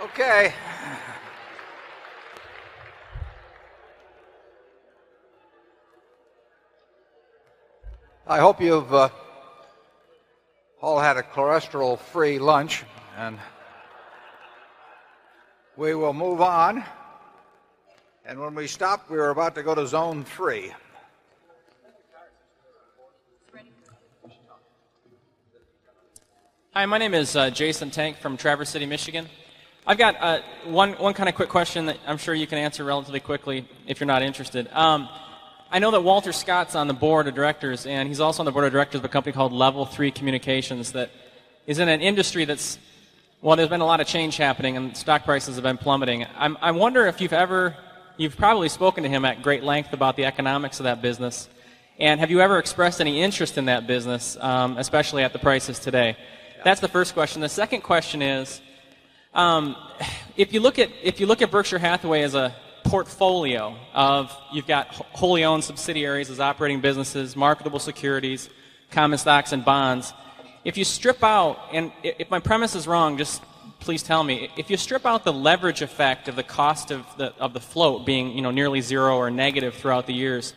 Okay. I hope you've all had a cholesterol free lunch and we will move on and when we stop we are about to go to zone 3. Hi. My name is, Jason Tank from Traverse City, Michigan. I've got one kind of quick question that I'm sure you can answer relatively quickly if you're not interested. I know that Walter Scott's on the board of directors and he's also on the board of directors of a company called Level 3 Communications that is in an industry that's well, there's been a lot of change happening and stock prices have been plummeting. I wonder if you've ever you've probably spoken to him at great length about the economics of that business and have you ever expressed any interest in that business, especially at the prices today? That's the first question. The second question is, if you look at Berkshire Hathaway as a portfolio of you've got wholly owned subsidiaries as operating businesses, marketable securities, common stocks and bonds, if you strip out and if my premise is wrong, just please tell me, if you strip out the leverage effect of the cost of the float being nearly 0 or negative throughout the years,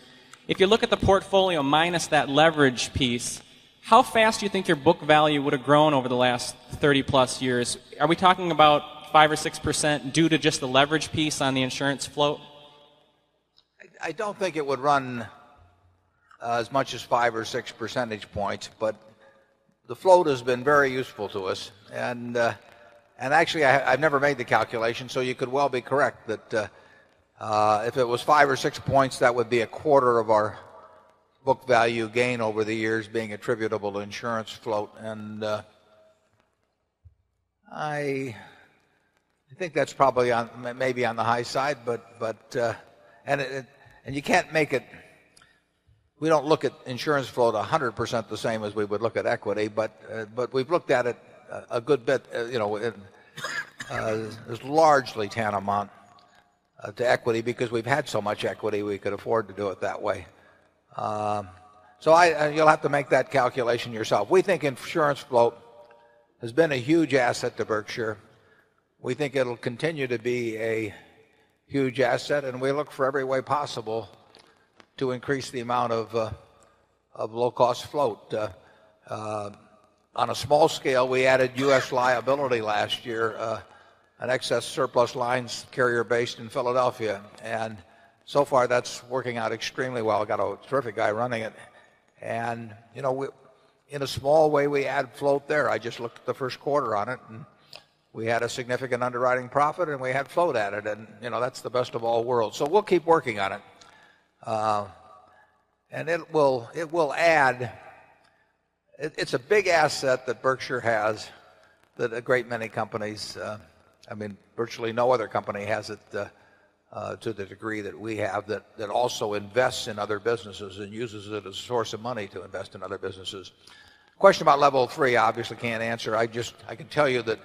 If you look at the portfolio minus that leverage piece, how fast do you think your book value would have grown over the last 30 plus years? Are we talking about 5% or 6% due to just the leverage piece on the insurance float? I don't think it would run as much as 5 or 6 percentage points, but the float has been very useful to us and actually I've never made the calculation so you could well be correct that if it was 5 or 6 points that would be a quarter of our book value gain over the years being attributable to insurance float and I think that's probably on maybe on the high side, but and you can't make it we don't look at insurance flow the 100% the same as we would look at equity, but we've looked at it a good bit, it's largely tantamount to equity because we've had so much equity we could afford to do it that way. So you'll have to make that calculation yourself. We think insurance flow has been a huge asset to Berkshire. We think it will continue to be a huge asset and we look for every way possible to increase the amount of low cost float. On a small scale, we added U. S. Liability last year, an excess surplus lines carrier based in Philadelphia. And so far that's working out extremely well. I got a terrific guy running it. And in a small way we add float there. I just looked at the Q1 on it and we had a significant underwriting profit and we had float added and that's the best of all worlds. So we'll keep working on it. And it will add, It's a big asset that Berkshire has that a great many companies, I mean virtually no other company has it to the degree that we have that also invests in other businesses and uses it as a source of money to invest in other businesses. Question about Level 3, obviously can't answer. I just I can tell you that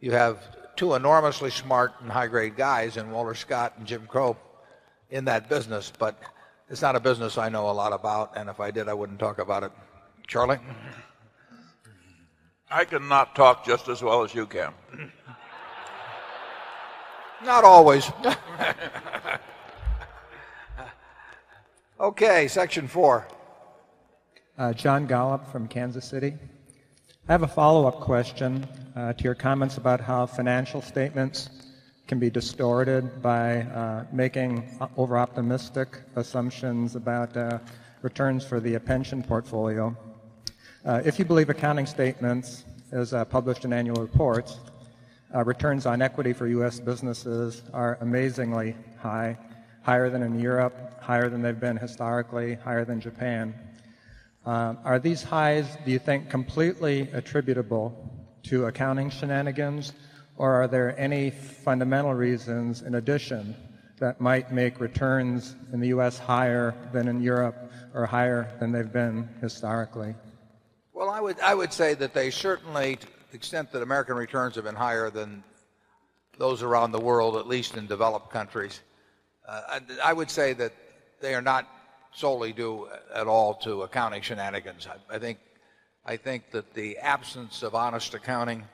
you have 2 enormously smart and high grade guys in Walter Scott and Jim Crow in that business, but it's not a business I know a lot about and if I did I wouldn't talk about it. Charlie? I cannot talk just as well as you can. Not always. Okay. Section 4. John Golub from Kansas City. I have a follow-up question to your comments about how financial statements can be distorted by making overoptimistic assumptions about returns for the pension portfolio. If you believe accounting statements as published in annual reports, Returns on equity for U. S. Businesses are amazingly high, higher than in Europe, higher than they've been historically, higher than Japan. Are these highs do you think completely attributable to accounting shenanigans or are there any fundamental reasons in addition that might make returns in the US higher than in Europe or higher than they've been historically? Well, I would I would say that they certainly extent that American returns have been higher than those around the world at least in developed countries. I would say that they are not solely due at all to accounting shenanigans. I think that the absence of honest accounting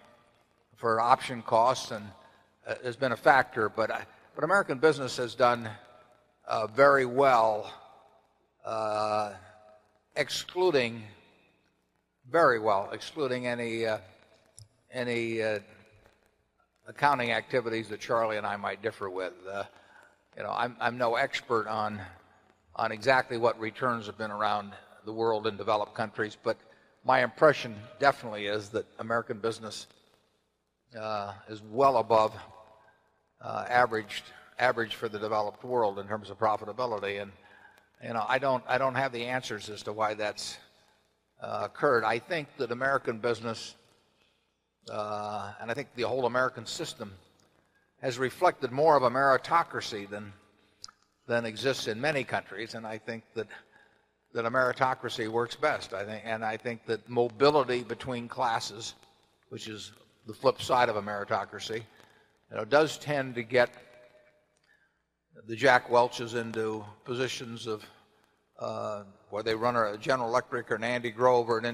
for option costs and has been a factor. But American business has done very well, excluding very well, excluding any any accounting activities that Charlie and I might differ with. You know I'm no expert on on exactly what returns have been around the world in developed countries, but my impression definitely is that American business is well above average for the developed world in terms of profitability and I don't have the answers as to why that's occurred. I think that American business, and I think the whole American system has reflected more of a meritocracy than than exists in many countries and I think that that a meritocracy works best. I think and I think that mobility between classes, which is the flip side of a meritocracy, does tend to get the Jack Welch's into positions of whether they run a General Electric or an Andy Grove or an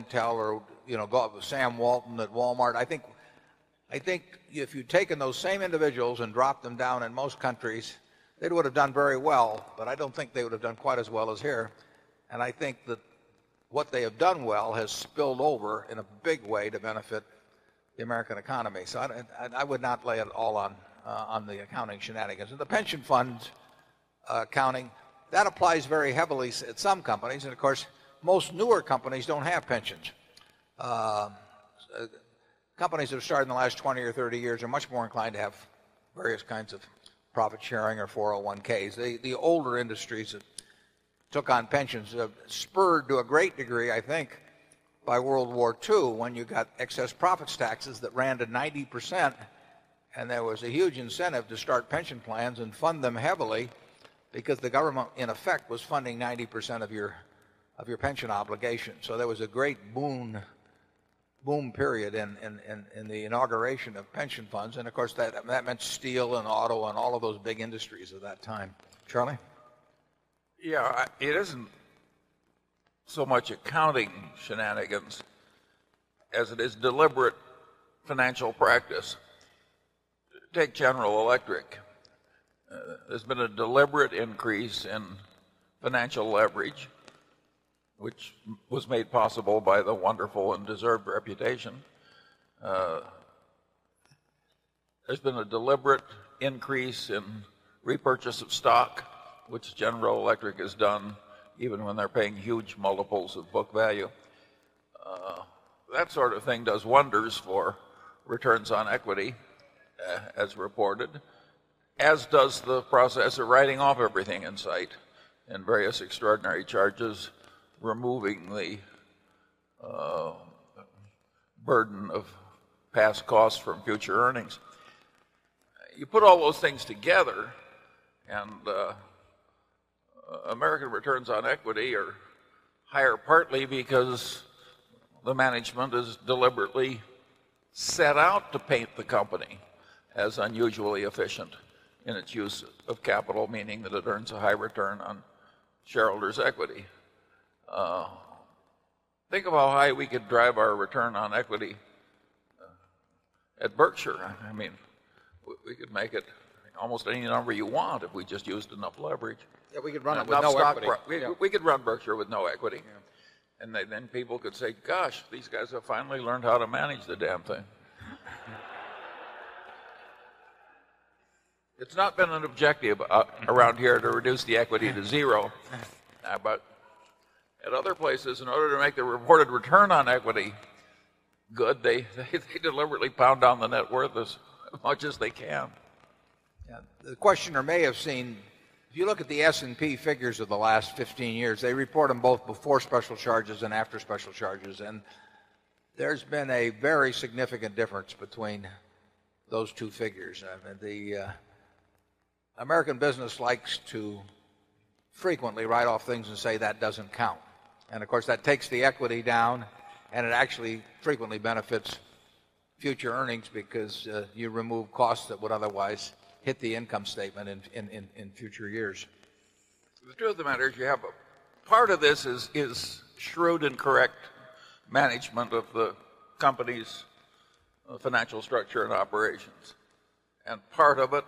Intel or Sam Walton at Walmart. I think if you've taken those same individuals and dropped them down in most countries, they would have done very well, but I don't think they would have done quite as well as here. And I think that what they have done well has spilled over in a big way to benefit the American economy. So I would not lay it all on the accounting shenanigans. And the pension fund accounting, that applies very heavily at some companies. And of course, most newer companies don't have pensions. Companies that have started in the last 20 or 30 years are much more inclined to have various kinds of profit sharing or 401ks. The the older industries that took on pensions have spurred to a great degree, I think, by World War 2 when you got excess profits taxes that ran to 90% and there was a huge incentive to start pension plans and fund them heavily because the government in effect was funding 90% of your pension obligations. So there was a great boom period in the inauguration of pension funds and of course that meant steel and auto and all of those big industries at that time. Charlie? Yeah, it isn't so much accounting shenanigans as it is deliberate financial practice. Take General Electric, there's been a deliberate increase in financial leverage, which was made possible by the wonderful and deserved reputation. There's been a deliberate increase in repurchase of stock, which General Electric has done even when they're paying huge multiples of book value. That sort of thing does wonders for returns on equity as reported as does the process of writing off everything in sight and various extraordinary charges removing the burden of past costs from future earnings. You put all those things together and American returns on equity are higher partly because the management is deliberately set out to paint the company as unusually efficient in its use of capital, meaning that it earns a high return on shareholders' equity. Think of how high we could drive our return on equity at Berkshire. I mean, we could make it almost any number you want if we just used enough leverage. Yeah, we could run it with no equity. We could run Berkshire with no equity. And then people could say, gosh, these guys have finally learned how to manage the damn thing. It's not been an objective around here to reduce the equity to 0, but at other places in order to make the reported return on equity good, they deliberately pound down the net worth as much as they can. The questioner may have seen, if you look at the S and P figures of the last 15 years, they report them both before special charges and after special charges. And there's been a very significant difference between those two figures. The American business likes to frequently write off things and say that doesn't count. And of course, that takes the equity down and it actually frequently benefits future earnings because you remove costs that would otherwise hit the income statement in future years. The truth of the matter is you have a part of this is, is shrewd and correct management of the company's financial structure and operations. And part of it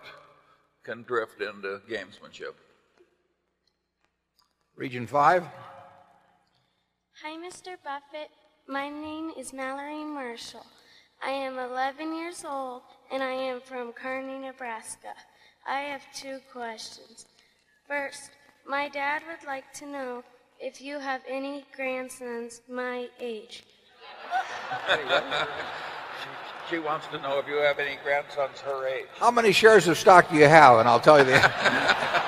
can drift into gamesmanship. Region 5. Hi, mister Buffet. My name is Mallory Marshall. I am 11 years old, and I am from Kearny, Nebraska. I have two questions. First, my dad would like to know if you have any grandsons my age. She wants to know if you have any grandsons her age. How many shares of stock do you have? And I'll tell you that.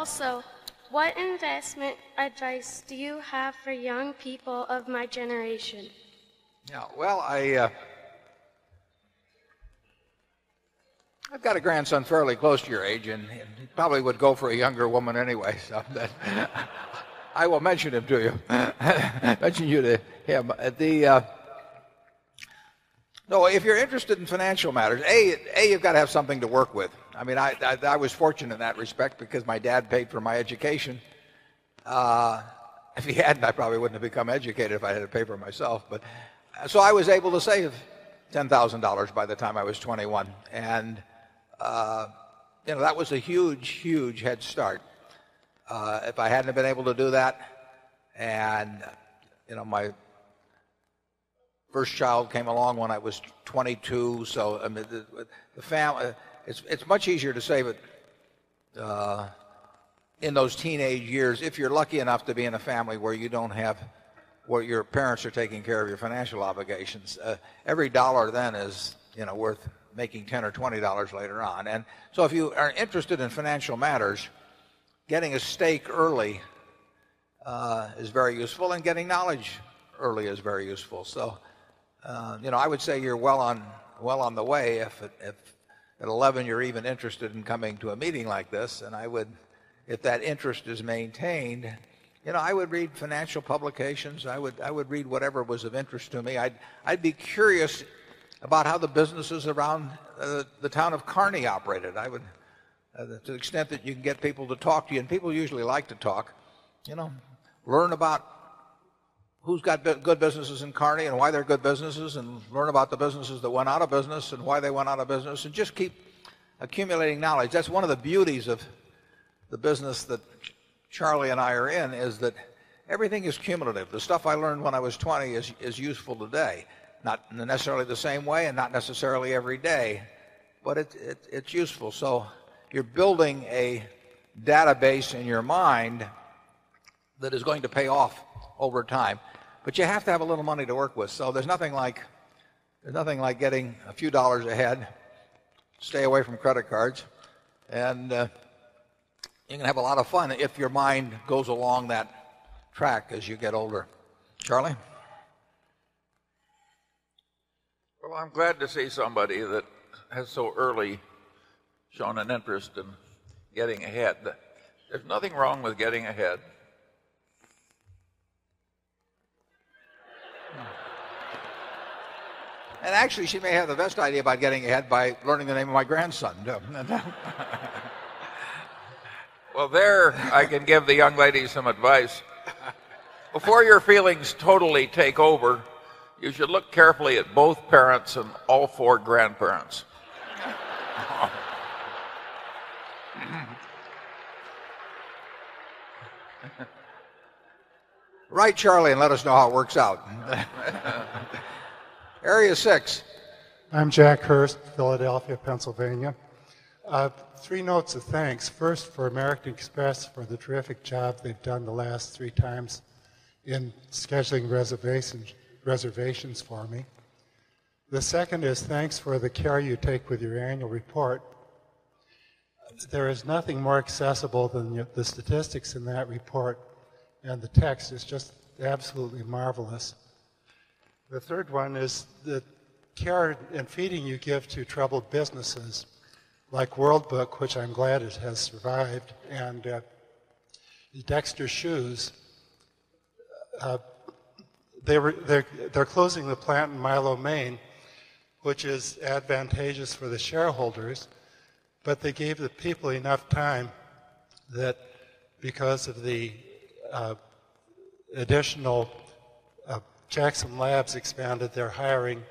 Also, what investment advice do you have for young people of my generation? Yeah. Well, I I've got a grandson fairly close to your age and probably would go for a younger woman anyway. So I will mention him to you. No, if you're interested in financial matters, A, you've got to have something to work with. I mean I was fortunate in that respect because my dad paid for my education. If he hadn't, I probably wouldn't have become educated if I had to pay for myself. So I was able to save $10,000 by the time I was 21 and you know that was a huge huge head start. If I hadn't been able to do that and you know my first child came along when I was 22. So, I mean, the fam it's much easier to say, but in those teenage years if you're lucky enough to be in a family where you don't have where your parents are taking care of your financial obligations, Every dollar then is you know worth making $10 or $20 later on. And so if you are interested in financial matters getting a stake early is very useful and getting knowledge early is very useful. So, you know, I would say you're well on well on the way if at 11 you're even interested in coming to a meeting like this and I would if that interest is maintained you know I would read financial publications. I would read whatever was of interest to me. I'd be curious about how the businesses around the town of Kearney operated. I would to the extent that you can get people to talk to you and people usually like to talk. Learn about who's got good businesses in Kearney and why they're good businesses and learn about the businesses that went out of business and why they went out of business and just keep accumulating knowledge. That's one of the beauties of the business that Charlie and I are in is that everything is cumulative. The stuff I learned when I was 20 is useful today, not necessarily the same way and not necessarily every day, but it's useful. So you're building a database in your mind that is going to pay off over time you have to have a little money to work with, so there's nothing like getting a few dollars ahead, stay away from credit cards and you can have a lot of fun if your mind goes along that track as you get older. Charlie? Well, I'm glad to see somebody that has so early shown an interest in getting ahead. There's nothing wrong with getting ahead. And actually, she may have the best idea about getting ahead by learning the name of my grandson. Well there, I can give the young lady some advice. Before your feelings totally take over, you should look carefully at both parents and all 4 grandparents. Right, Charlie and let us know how it works out. Area 6. I'm Jack Hurst, Philadelphia, Pennsylvania. Three notes of thanks. 1st for American Express for the terrific job they've done the last three times in scheduling reservation reservations for me. The second is thanks for the care you take with your annual report. There is nothing more accessible than the statistics in that report and the text is just absolutely marvelous. The third one is the care and feeding you give to troubled businesses like World Book, which I'm glad it has survived and Dexter Shoes, they're closing the plant in Milo, Maine, which is advantageous for the shareholders but they gave the people enough time that because of the additional, Jackson Labs expanded their hiring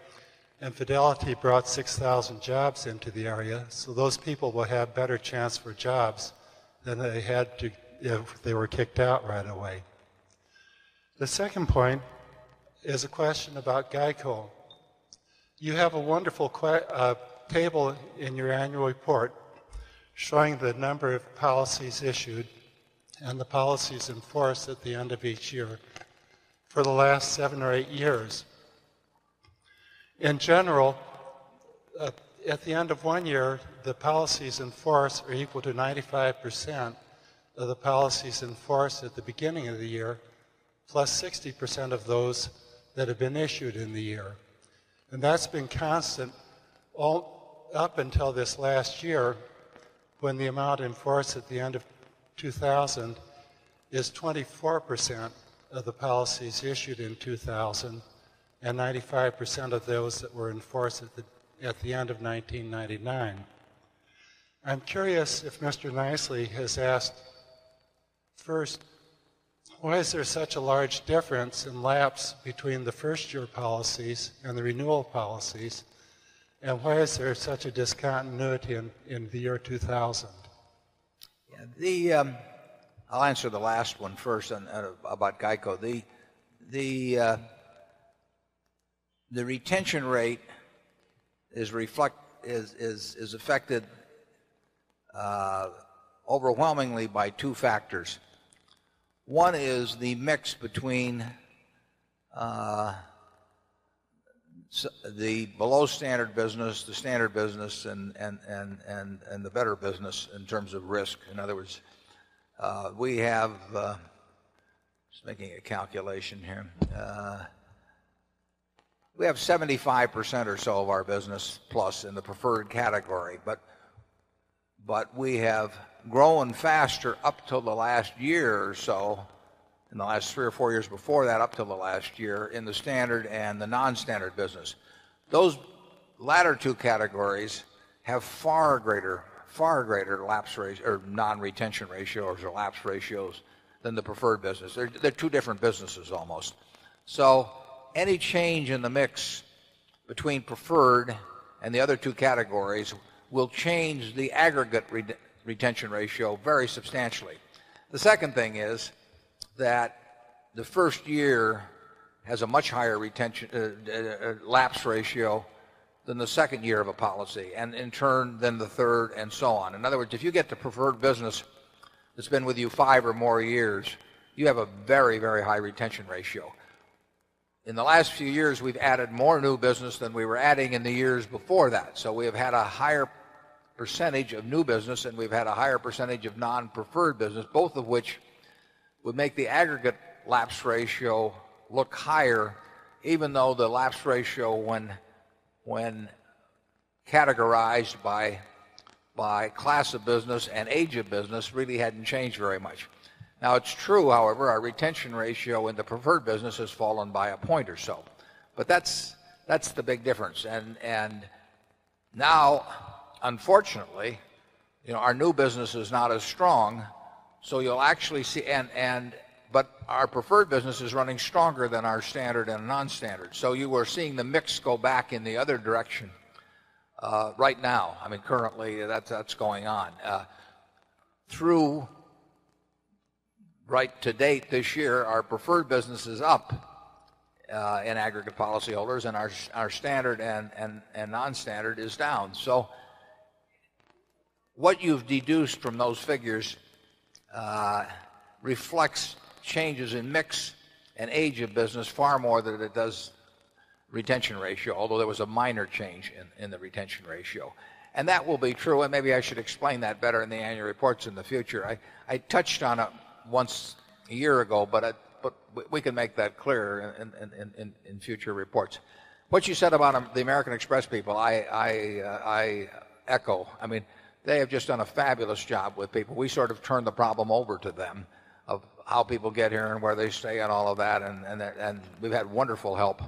and Fidelity brought 6,000 jobs into the area. So those people will have better chance for jobs than they had to if they were kicked out right away. The second point is a question about GEICO. You have a wonderful table in your annual report showing the number of policies issued and the policies in force at the end of each year for the last 7 or 8 years. In general, at the end of 1 year, the policies in force are equal to 95% of the policies in force at the beginning of the year plus 60% of those that have been issued in the year. And that's been constant all up until this last year when the amount in force at the end of 2,000 is 24% of the policies issued in 2,095 percent of those that were enforced at the end of 1999. I'm curious if Mr. Nisley has asked first, why is there such a large difference in lapse between the 1st year policies and the renewal policies and why is there such a discontinuity in the year 2000? The, I'll answer the last one first and about GEICO. The retention rate is reflected is affected overwhelmingly by 2 factors. 1 is the mix between the below standard business, the standard business and the better business in terms of risk. In other words, we have just making a calculation here. We have 75% or so of our business plus in the preferred category, but we have grown faster up till the last year or so, in the last 3 or 4 years before that up to the last year in the standard and the non standard business. Those latter two categories have far greater, far greater lapse rate or non retention ratio or lapse ratios than the preferred business. They're 2 different businesses almost. So any change in the mix between preferred and the other two categories will change the aggregate retention ratio very substantially. The second thing is that the 1st year has a much higher retention lapse ratio than the 2nd year of a policy and in turn than the 3rd and so on. In other words, if you get the preferred business that's been with you 5 or more years, you have a very, very high retention ratio. In the last few years, we've added more new business than we were adding in the years before that. So we've had a higher percentage of new business and we've had a higher percentage of non preferred business, both of which would make the aggregate lapse ratio look higher even though the lapse ratio when categorized by class of business and age of business really hadn't changed very much. Now it's true however, our retention ratio in the preferred business has fallen by a point or so. But that's the big difference. And now unfortunately, our new business is not as strong. So you'll actually see and but our preferred business is running stronger than our standard and non standard. So you were seeing the mix go back in the other direction right now. I mean, currently that's going on. Through right to date this year, our preferred business is up, in aggregate policyholders and our standard and non standard is down. So what you've deduced from those figures, reflects changes in mix and age of business far more than it does retention ratio, although there was a minor change in the retention ratio. And that will be true and maybe I should explain that better in the annual reports in the future. I touched on it once a year ago, but we can make that clear in future reports. What you said about the American Express people, I echo. I mean, they have just done a fabulous job with people. We sort of turned the problem over to them of how people get here and where they stay and all of that and we've had wonderful help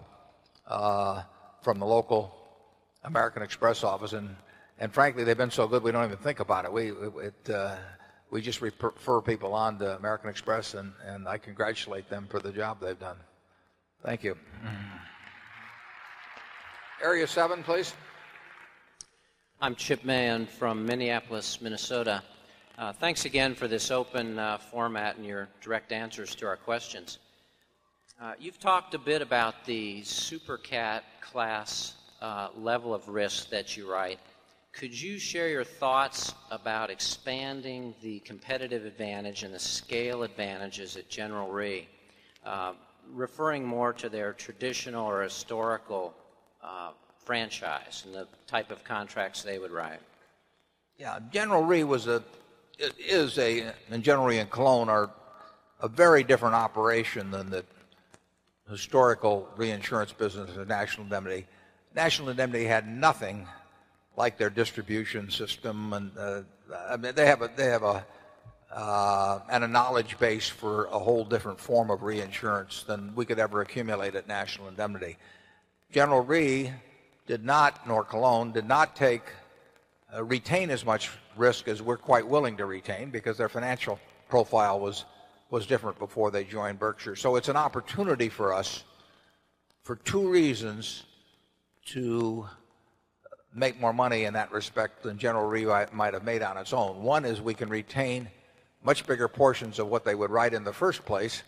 from the local American Express office and frankly they've been so good we don't even think about it. We it we just refer people on to American Express and and I congratulate them for the job they've done. Thank you. Area 7, please. I'm Chip Mahon from Minneapolis, Minnesota. Thanks again for this open format and your direct answers to our questions. You've talked a bit about the super cat class level of risk that you write. Could you share your thoughts about expanding the competitive advantage and the scale advantages at General Re, referring more to their traditional or historical franchise and the type of contracts they would write? Yeah. General Re was a is a and General Re and Cologne are a very different operation than the historical reinsurance business and National Indemnity. National Indemnity had nothing like their distribution system and they have a they have a knowledge base for a whole different form of reinsurance than we could ever accumulate at National Indemnity. General Re did not nor Cologne did not take retain as much risk as we're quite willing to retain because their financial profile was different before they joined Berkshire. So it's an opportunity for us for two reasons to make more money in that respect than General Re write might have made on its own. One is we can retain much bigger portions of what they would write in the 1st place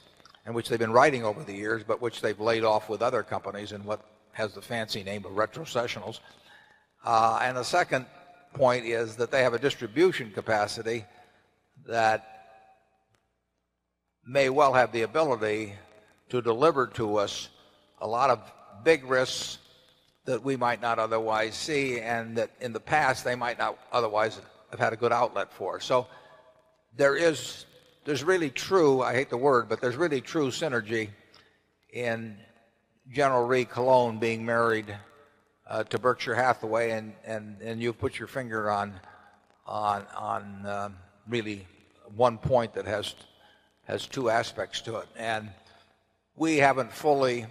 and which they've been writing over the years, but which they've laid off with other companies and what has the fancy name of retrocessional. And the second point is that they have a distribution capacity that may well have the ability to deliver to us a lot of big risks that we might not otherwise see and that in the past they might not otherwise have had a good outlet for. So there is really true, I hate the word, but there's really true synergy in General Reed Colon being married to Berkshire Hathaway and you put your finger on really one point that has two aspects to it. And we haven't fully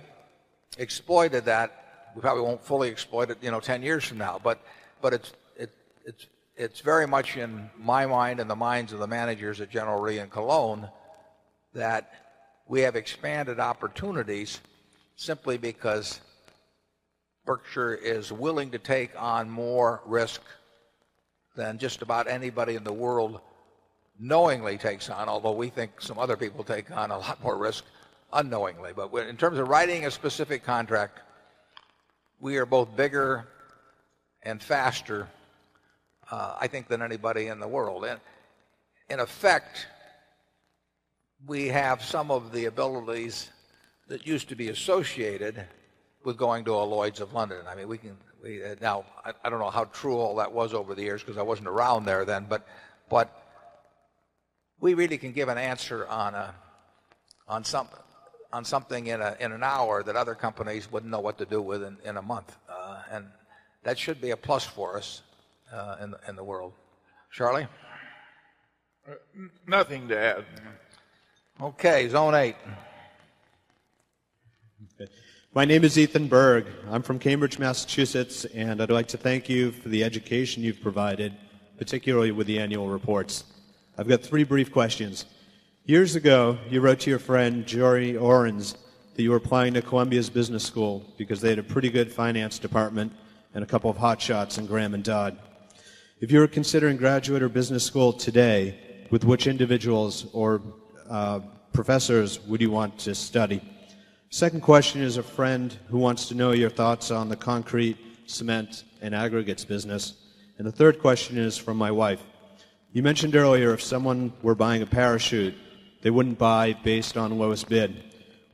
exploited that. We probably won't fully exploit it 10 years from now, but it's very much in my mind and the minds of the managers at General Re and Cologne that we have expanded opportunities simply because Berkshire is willing to take on more risk than just about anybody in the world knowingly takes on, although we think some other people take on a lot more risk unknowingly. But in terms of writing a specific contract, we are both bigger and faster, I think than anybody in the world. And in effect, we have some of the abilities that used to be associated with going to all Lloyd's of London. I mean, we can we now I don't know how true all that was over the years because I wasn't around there then, but we really can give an answer a on some on something in an hour that other companies wouldn't know what to do within in a month. And that should be a plus for us, in the world. Charlie? Nothing to add. Okay. Zone 8. My name is Ethan Berg. I'm from Cambridge, Massachusetts and I'd like to thank you for the education you've provided particularly with the annual reports. I've got 3 brief questions. Years ago you wrote to your friend Jory Orons that you were applying to Columbia's Business School because they had a pretty good finance department and a couple of hotshots in Graham and Dodd. If you're considering graduate or business school today with which individuals or professors would you want to study? 2nd question is a friend who wants to know your thoughts on the concrete, cement and aggregates business. And the third question is from my wife. You mentioned earlier if someone were buying a parachute, they wouldn't buy based on lowest bid.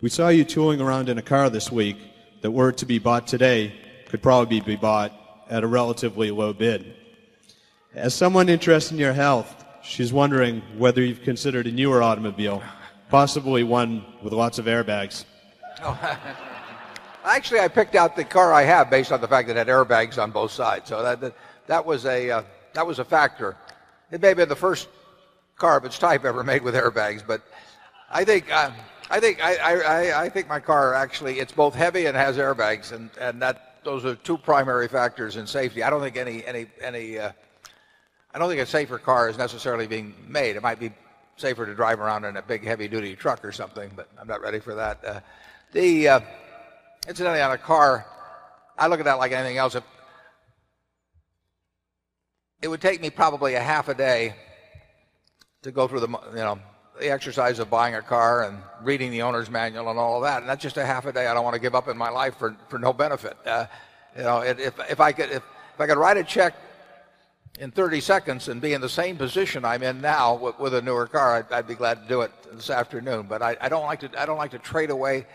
We saw you tooling around in a car this week that were to be bought today could probably be bought at a relatively low bid. As someone interested in your health, she's wondering whether you've considered a newer automobile, possibly one with lots of airbags. Actually I picked out the car I have based on the fact that had airbags on both sides. So that was a factor. It may be the first car of its type ever made with airbags, but I think my car actually it's both heavy and has airbags and that those are 2 primary factors in safety. I don't think any, I don't think a safer car is necessarily being made. It might be safer to drive around in a big heavy duty truck or something, but I'm not ready for that. The incident on a car, I look at that like anything else. It would take me probably a half a day to go through the, you know, the exercise of buying a car and reading the owner's manual and all that. And that's just a half a day. I don't want to give up in my life for no benefit. If I could write a check in 30 seconds and be in the same position I'm in now with a newer car, I'd be glad to do it this afternoon. But I don't like to trade away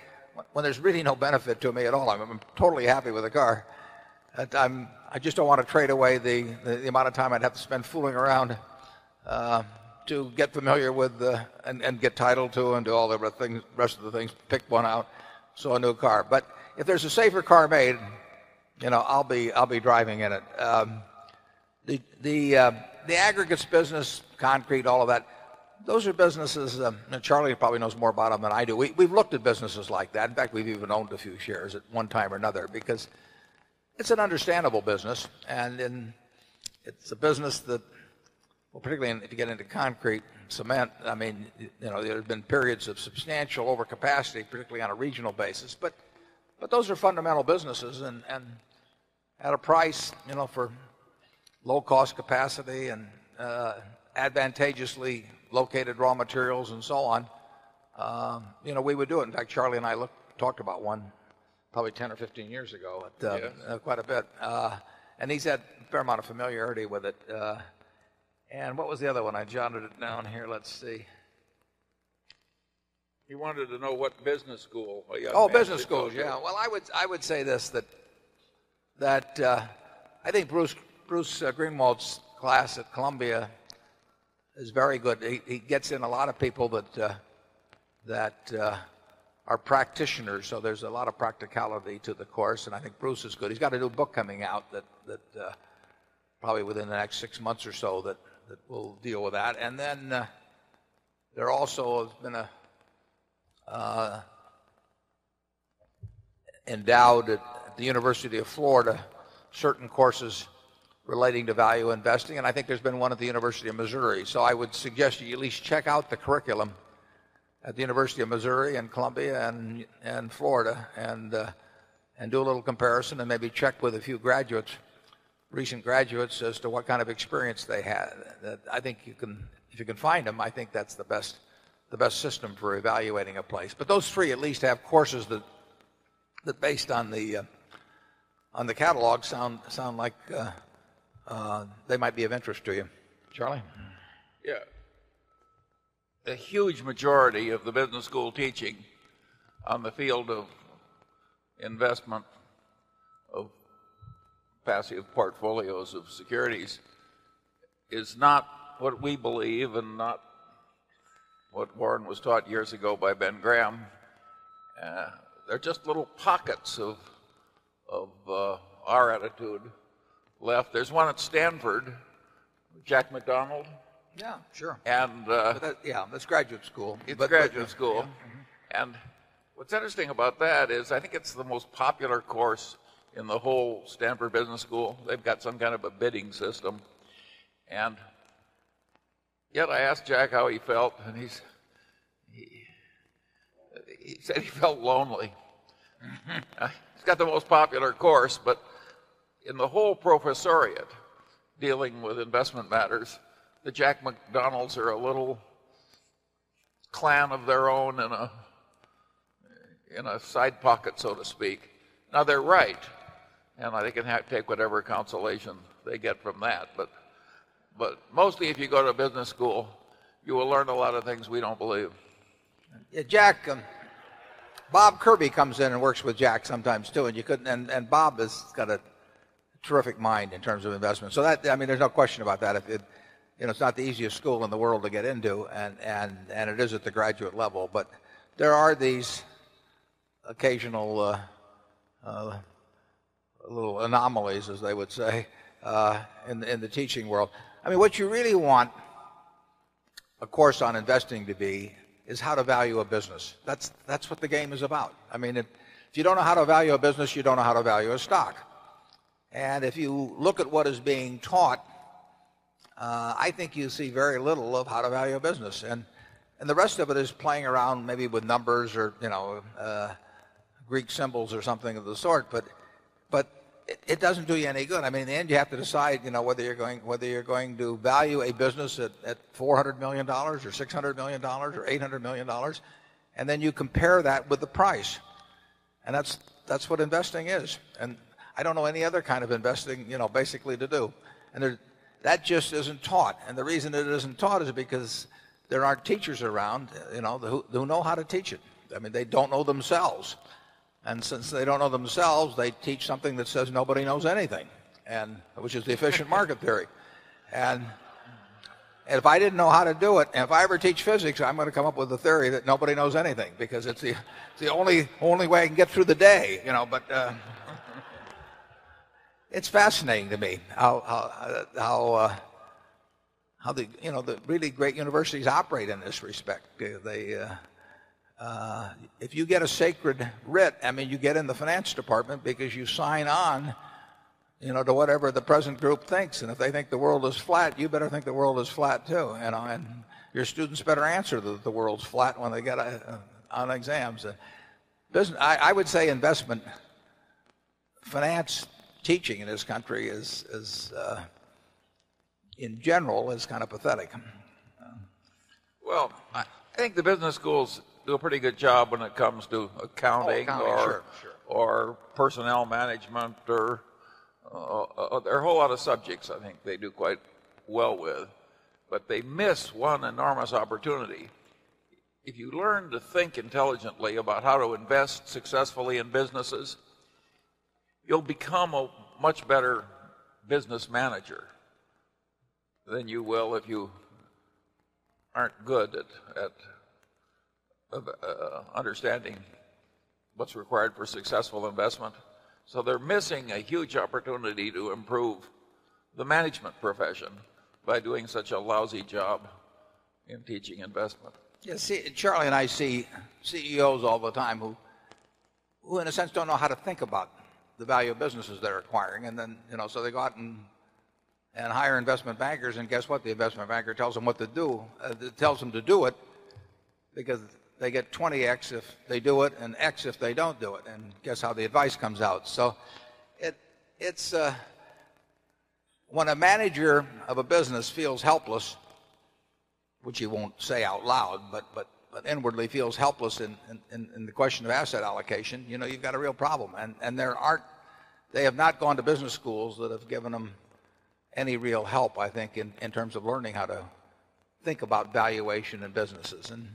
when there's really no benefit to me at all. I'm totally happy with the car. I just don't want to trade away the amount of time I'd have to spend fooling around to get familiar with and get title to and do all the rest of the things, pick 1 out, so a new car. But if there's a safer car made, you know, I'll be driving in it. The aggregates business, concrete, all of that, those are businesses and Charlie probably knows more about them than I do. We've looked at businesses like that. In fact, we've even owned a few shares at one time or another, because it's an understandable business and it's a business that, particularly if you get into concrete cement, I mean, there have been periods of substantial overcapacity particularly on a regional basis. But those are fundamental businesses and at a price you know for low cost capacity and advantageously located raw materials and so on. You know, we would do it. In fact, Charlie and I looked talked about 1 probably 10 or 15 years ago quite a bit. And he's had a fair amount of familiarity with it. And what was the other one? I jotted it down here. Let's see. He wanted to know what business school. Oh, business school. Yeah. Well, I would I would say this that that, I think Bruce Bruce Greenwald's class at Columbia is very good. He he gets in a lot of people that that are practitioners. So there's a lot of practicality to the course. And I think Bruce is good. He's got a new book coming out that probably within the next 6 months or so that will deal with that. And then there also has been endowed at the University of Florida, certain courses relating to value investing. And I think there's been one at the University of Missouri. So I would suggest you at least check out the curriculum at the University of Missouri and Columbia and Florida and do a little comparison and maybe check with a few graduates, recent graduates as to what kind of experience they had. I think you can if you can find them, I think that's the best the best system for evaluating a place. But those 3 at least have courses that that based on the on the catalog sound sound like they might be of interest to you. Charlie? Yeah. The huge majority of the business school teaching on the field of investment of passive portfolios of securities is not what we believe and not what Warren was taught years ago by Ben Graham. They're just little pockets of of our attitude left. There's one at Stanford, Jack McDonald. Yeah. Sure. And, that yeah. That's graduate school. The graduate school. And what's interesting about that is I think it's the most popular course in the whole Stanford Business School. They've got some kind of a bidding system. And yet I asked Jack how he felt and he's he said he felt lonely. He's got the most popular course, but in the whole professoriate dealing with investment matters, the Jack McDonald's are a little clan of their own in a in a side pocket, so to speak. Now they're right, and I think it have to take whatever consolation they get from that. But but mostly, if you go to a business school, you will learn a lot of things we don't believe. Jack, Bob Kirby comes in and works with Jack sometimes too and you couldn't and Bob has got a terrific mind in terms of investment. So that I mean there's no question about that. It's not the easiest school in the world to get into and it is at the graduate level, but there are these occasional little anomalies as they would say in the teaching world. I mean, what you really want a course on investing to be is how to value a business. That's what the game is about. I mean, if you don't know how to value a business, you don't know how to value a stock. And if you look at what is being taught, I think you see very little of how to value a business. And the rest of it is playing around maybe with numbers or you know, Greek symbols or something of the sort. But it doesn't do you any good. I mean, in the end you have to decide whether you're going to value a business at $400,000,000 or $600,000,000 or $800,000,000 And then you compare that with the price. And that's what investing is. And I don't know any other kind of investing, you know, basically to do. And that just isn't taught. And the reason that it isn't taught is because there aren't teachers around, you know, who know how to teach it. I mean, they don't know themselves. And since they don't know themselves, they teach something that says nobody knows anything and which is the efficient market theory. And if I didn't know how to do it, if I ever teach physics I'm going to come up with a theory that nobody knows anything because it's the only way I can get through the day. But it is fascinating to me how the really great universities operate in this respect. If you get a sacred writ, I mean you get in the finance department because you sign on to whatever the present group thinks. And if they think the world is flat, you better think the world is flat too. And your students better answer that the world's flat when they get on exams. I would say investment finance teaching in this country is, in general, is kind of pathetic. Well, I think the business schools do a pretty good job when it comes to accounting or personnel management or there are a whole lot of subjects I think they do quite well with, but they miss one enormous opportunity. If you learn to think intelligently about how to invest successfully in businesses, you'll become a much better business manager than you will if you aren't good at understanding what's required for successful investment. So they're missing a huge opportunity to improve the management profession by doing such a lousy job in teaching investment. Yes, see, Charlie and I see CEOs all the time who in a sense don't know how to think about the value of businesses they're acquiring and then you know so they go out and and hire investment bankers and guess what the investment banker tells them what to do that tells them to do it because they get 20 x if they do it and x if they don't do it. And guess how the advice comes out. So it it's when a manager of a business feels helpless, which he won't say out loud, but but but inwardly feels helpless in in the question of asset allocation, you know, you've got a real problem. And there aren't they have not gone to business schools that have given them any real help I think in terms of learning how to think about valuation in businesses. And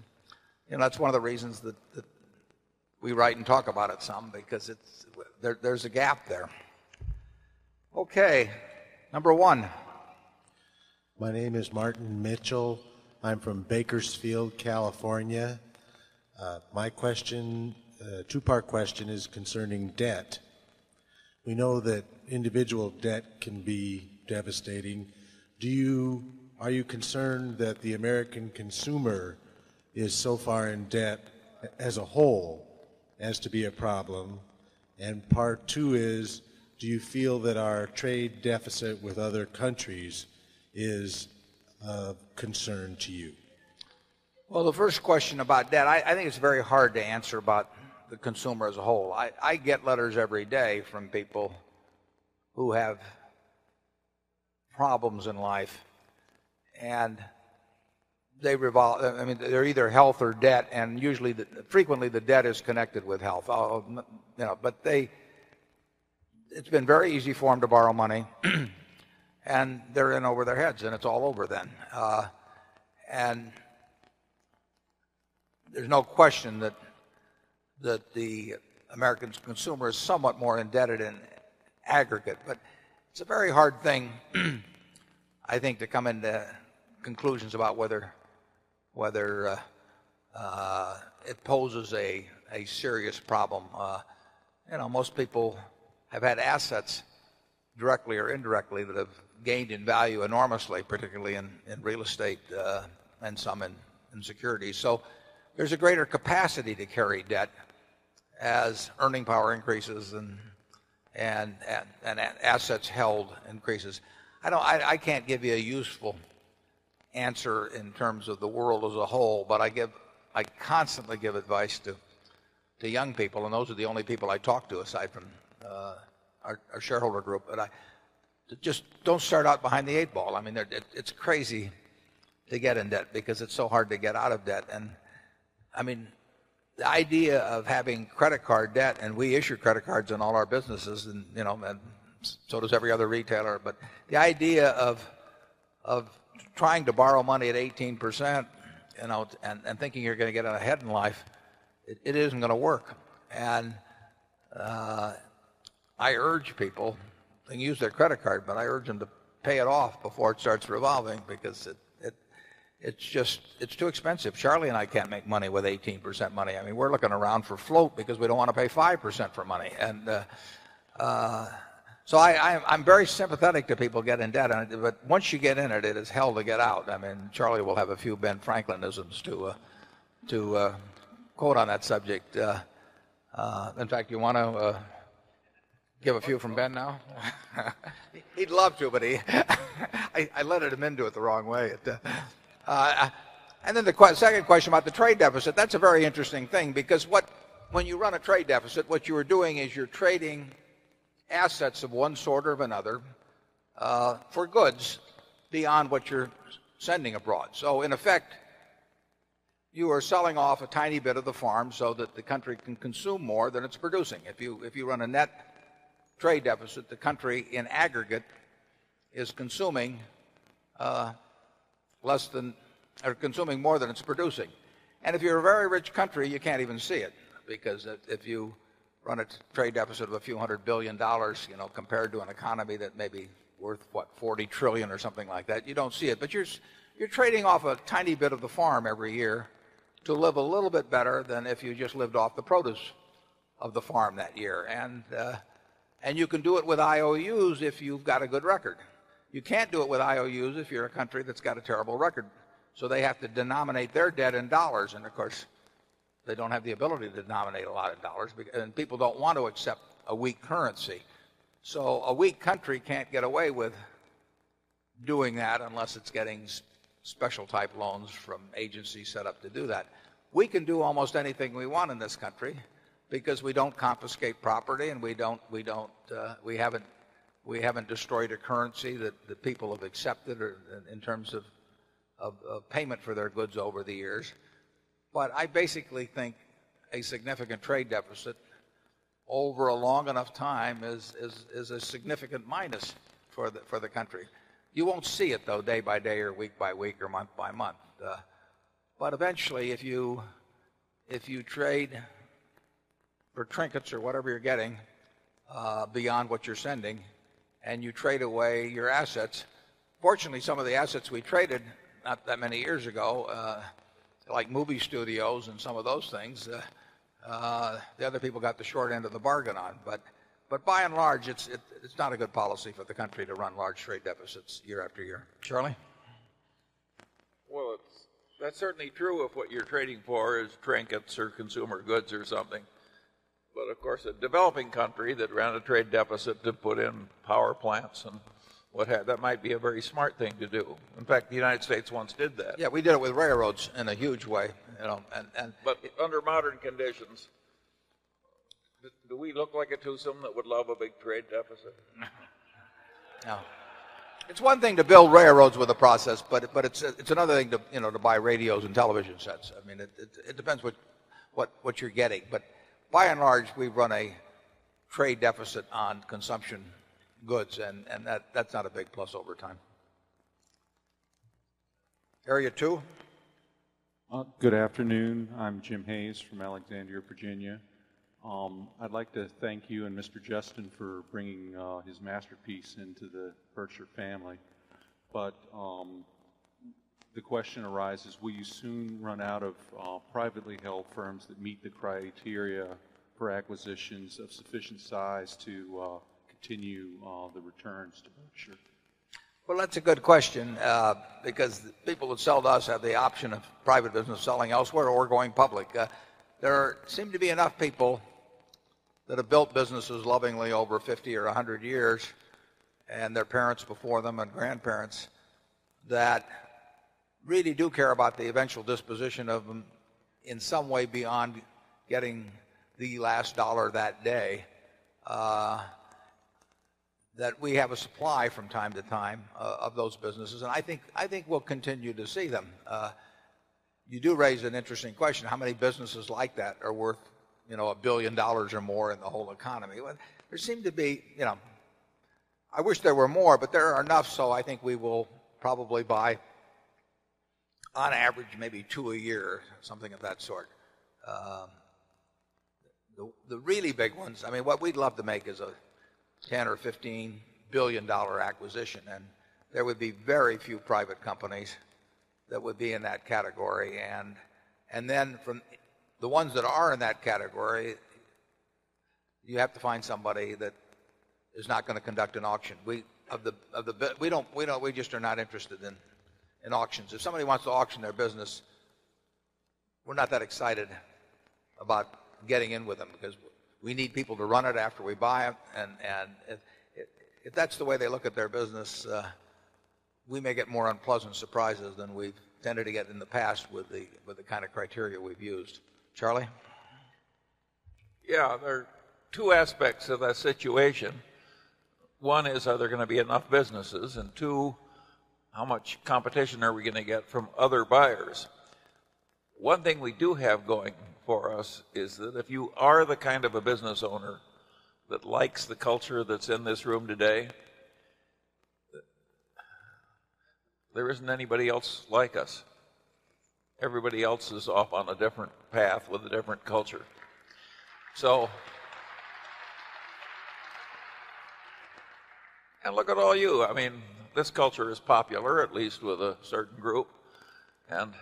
that's one of the reasons that we write and talk about it some because it's there's a gap there. Okay. Number 1. My name is Martin Mitchell. I'm from Bakersfield, California. My question, 2 part question is concerning debt. We know that individual debt can be devastating. Do you are you concerned that the American consumer is so far in debt as a whole as to be a problem? And part 2 is, do you feel that our trade deficit with other countries is a concern to you? Well, the first question about debt, I think it's very hard to answer about the consumer as a whole. I get letters every day from people who have problems in life and they revolve, I mean they're either health or debt and usually frequently the debt is connected with health. But they, it's been very easy for them to borrow money and they're in over their heads and it's all over then. And there's no question that that the Americans consumer is somewhat more indebted in aggregate, but it's a very hard thing I think to come into conclusions about whether it poses a serious problem. You know most people have had assets directly or indirectly that have gained in value enormously, particularly in real estate and some in securities. So there's a greater capacity to carry debt as earning power increases and assets held increases. I know I can't give you a useful answer in terms of the world as a whole, but I give I constantly give advice to the young people and those are the only people I talk to aside from our shareholder group. But I just don't start out behind the 8 ball. I mean, it's crazy to get in debt because it's so hard to get out of debt. And I mean, the idea of having credit card debt and we issue credit cards in all our businesses and so does every other retailer. But the idea of trying to borrow money at 18% and thinking you're going to get ahead in life, it isn't going to work. And I urge people and use their credit card, but I urge them to pay it off before it starts revolving because it's just it's too expensive. Charlie and I can't make money with 18% money. I mean we're looking around float because we don't want to pay 5% for money. And so I'm very sympathetic to people getting debt. But once you get in it, it is hell to get out. Charlie will have a few Ben Franklin isms to quote on that subject. In fact, you want to give a few from Ben now? He'd love to, but I let him into it the wrong way. And then the second question about the trade deficit, that's a very interesting thing because what when you run a trade deficit, what you are doing is you're trading assets of one sort or another, for goods beyond what you're sending abroad. So in effect, you are selling off a tiny bit of the farm so that the country can consume more than it's producing. If you if you run a net trade deficit, the country in aggregate is consuming less than are consuming more than it's producing. And if you're a very rich country, you can't even see it because if you run a trade deficit of a few $100,000,000,000 you know, compared to an economy that maybe worth what, dollars 40,000,000,000,000 or something like that, you don't see it. But you're you're trading off a tiny bit of the farm every year to live a little bit better than if you just lived off the produce of the farm that year. And you can do it with IOUs if you've got a good record. You can't do it with IOUs if you're a country that's got a terrible record. So they have to denominate their debt in dollars and of course they don't have the ability to nominate a lot of dollars and people don't want to accept a weak currency. So a weak country can't get away with doing that unless it's getting special type loans from agencies set up to do that. We can do almost anything we want in this country because we don't confiscate property and we don't, we haven't destroyed a currency that the people have accepted in terms payment for their goods over the years. But I basically think a significant trade deficit over a long enough time is a significant minus for the country. You won't see it though day by day or week by week or month by month. But eventually if you trade for trinkets or whatever you're getting beyond what you're sending and you trade away your assets. Fortunately, some of the assets we traded not that many years ago, like movie studios and some of those things, the other people got the short end of the bargain on. But by and large, it's not a good policy for the country to run large trade deficits year after year. Charlie? Well, that's certainly true of what you're trading for is trinkets or consumer goods or something. But of course, a developing country that ran a trade deficit to put in power plants and what have that might be a very smart thing to do. In fact, the United States once did that. Yes, we did it with railroads in a huge way. You know and and But under modern conditions, do we look like a twosome that would love a big trade deficit? No. It's one thing to build railroads with a process, but it's another thing to buy radios and television sets. I mean, it depends what you're getting. But by and large, we run a trade deficit on consumption goods and that's not a big plus over time. Area 2? Good afternoon. I'm Jim Hayes from Alexandria, Virginia. I'd like to thank you and Mr. Justin privately held firms that meet the criteria for privately held firms that meet the criteria for acquisitions of sufficient size to continue the returns to Berkshire? Well, that's a good question because people who sell to us have the option of private business selling elsewhere or going public. There seem to be enough people that have built businesses lovingly over 50 or 100 years and their parents before them and grandparents that really do care about the eventual disposition of them in some way beyond getting the last dollar that day that we have a supply from time to time of those businesses. And I think we'll continue to see them. You do raise an interesting question. How many businesses like that are worth $1,000,000,000 or more in the whole economy? Well, there seem to be, you know, I wish there were more, but there are enough. So I think we will probably buy on average maybe 2 a year, something of that sort. The really big ones, I mean what we would love to make is a $10,000,000,000 or $15,000,000,000 acquisition and there would be very few private companies that would be in that category. And then from the ones that are in that category, you have to find somebody that is not going to conduct an auction. We of the of the we don't we don't we just are not interested in auctions. If somebody wants to auction their business, we're not that excited about getting in with them because we need people to run it after we buy them. And if that's the way they look at their business, we may get more unpleasant surprises than we've tended to get in the past with the kind of criteria we've used. Charlie? Yeah, there are 2 aspects of that situation. 1 is, are there going to be enough businesses and 2, how much competition are we going to get from other buyers? One thing we do have going for us is that if you are the kind of a business owner that likes the culture that's in this room today, there isn't anybody else like us. Everybody else is off on a different path with a different culture. So And look at all you, I mean this culture is popular at least with a certain group, and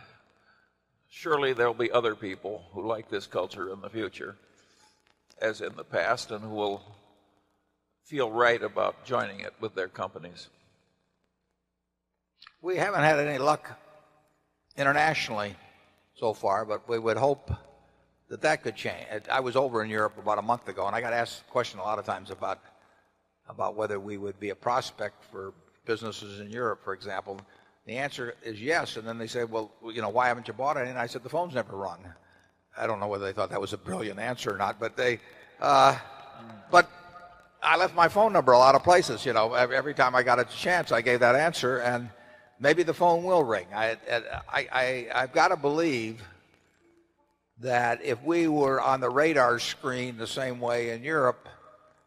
surely there'll be other people who like this culture in the future, as in the past and who will feel right about joining it with their companies. We haven't had any luck internationally so far, but we would hope that that could change. I was over in Europe about a month ago and I got asked question a lot of times about whether we would be a prospect for businesses in Europe for example. The answer is yes and then they say, well why haven't you bought any? And I said the phone has never rung. I don't know whether they thought that was a brilliant answer or not, but they, but I left my phone number a lot of places, you know, every time I got a chance I gave that answer and maybe the phone will ring. I've got to believe that if we were on the radar screen the same way in Europe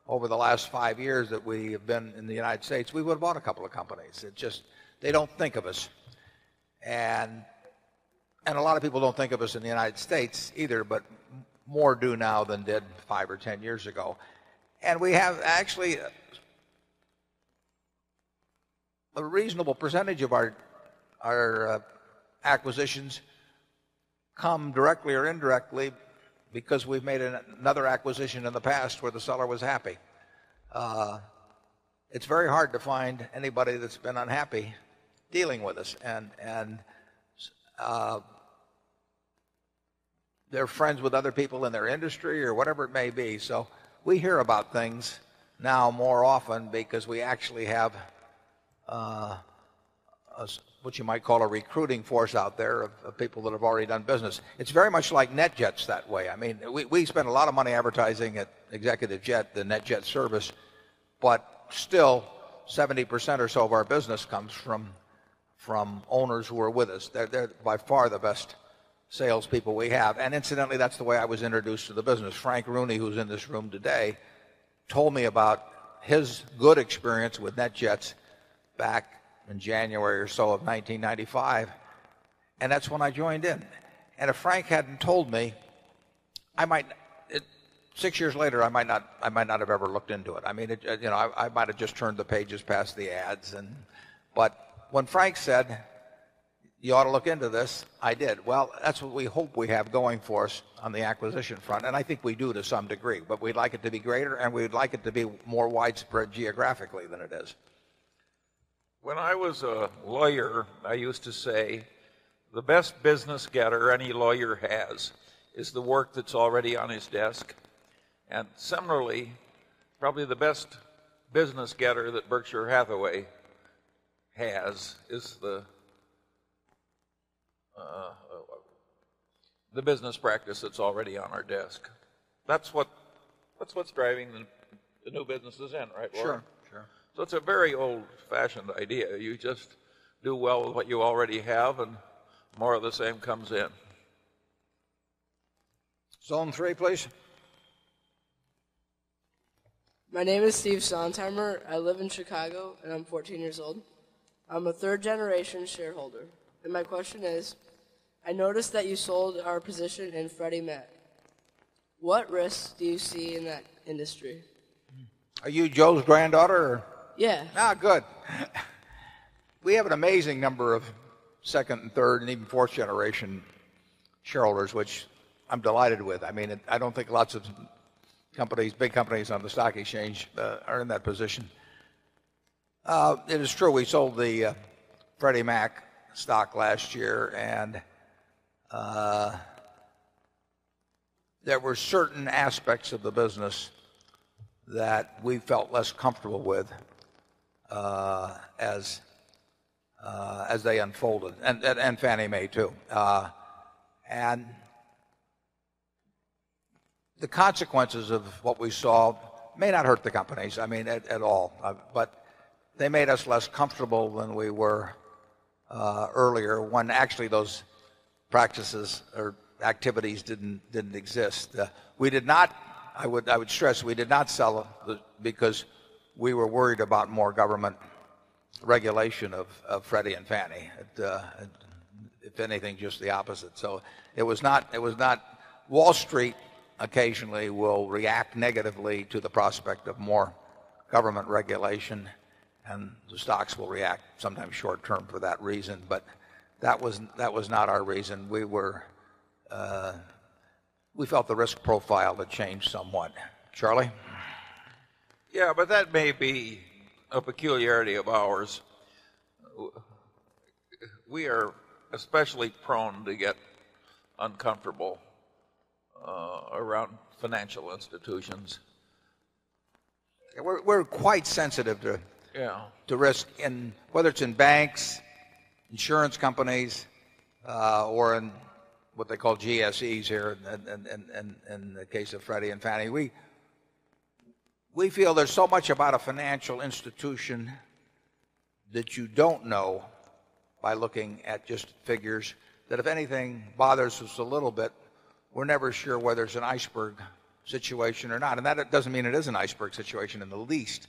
over the last 5 years that we have been in the United States, we would have bought a couple of companies. It just they don't think of us. And a lot of people don't think of us in the United States either, but more do now than did 5 or 10 years ago. And we have actually a reasonable percentage of our acquisitions come directly or indirectly because we've made another acquisition in the past where the seller was happy. It's very hard to find anybody that's been unhappy dealing with us and they're friends with other people in their industry or whatever it may be. So we hear about things now more often because we actually have what you might call a recruiting force out there of people that have already done business. It's very much like NetJets that way. I mean we spend a lot of money advertising at ExecutiveJet, the NetJet service, but still 70% or so of our business comes from owners who are with us. They're by far the best sales people we have. And incidentally, that's the way I was introduced to the business. Frank Rooney, who's in this room today, told me about his good experience with NetJets back in January or so of 1995 and that's when I joined in. And if Frank hadn't told me, I might 6 years later, I might not I might not have ever looked into it. I mean, you know, I might have just turned the pages past the ads and but when Frank said you ought to look into this, I did. Well, that's what we hope we have going for us on the acquisition front. And I think we do to some degree, but we'd like it to be greater and we'd like it to be more widespread geographically than it is. When I was a lawyer, I used to say the best business getter any lawyer has is the work that's already on his desk. And similarly, probably the best business getter that Berkshire Hathaway has is the business practice that's already on our desk. That's what's driving the new businesses in, right? Sure. So it's a very old fashioned idea. You just do well with what you already have and more of the same comes in. Psalm 3, please. My name is Steve Sontheimer. I live in Chicago, and I'm 14 years old. I'm a 3rd generation shareholder. And my question is, I noticed that you sold our position in Freddie Mac. What risks do you see in that industry? Are you Joe's granddaughter? Or Yeah. Oh, good. We have an amazing number of second, 3rd and even 4th generation shareholders, which I'm delighted with. I mean, I don't think lots of big companies on the stock exchange are in that position. It is true, we sold the Freddie Mac stock last year and there were certain aspects of the business that we felt less comfortable with as they unfolded. And Fannie Mae too. And the consequences of what we saw may not hurt the companies, I mean at all, but they made us less comfortable when we were earlier when actually those practices or activities didn't exist. We did not, I would stress we did not sell because we were worried about more government regulation of Freddie and Fannie. Anything, just the opposite. So it was not Wall Street occasionally will react negatively to the prospect of more government regulation and the stocks will react sometimes short term for that reason. But that was not our reason. We were we felt the risk profile that changed somewhat. Charlie? Yeah. But that may be a peculiarity of ours. We are especially prone to get uncomfortable around financial institutions. We're quite sensitive to risk and whether it's in banks, insurance companies, or in what they call GSEs here in the case of Freddie and Fannie. We feel there's so much about a financial institution that you don't know by looking at just figures that if anything bothers us a little bit, we're never sure whether it's an iceberg situation or not. And that doesn't mean it is an iceberg situation in the least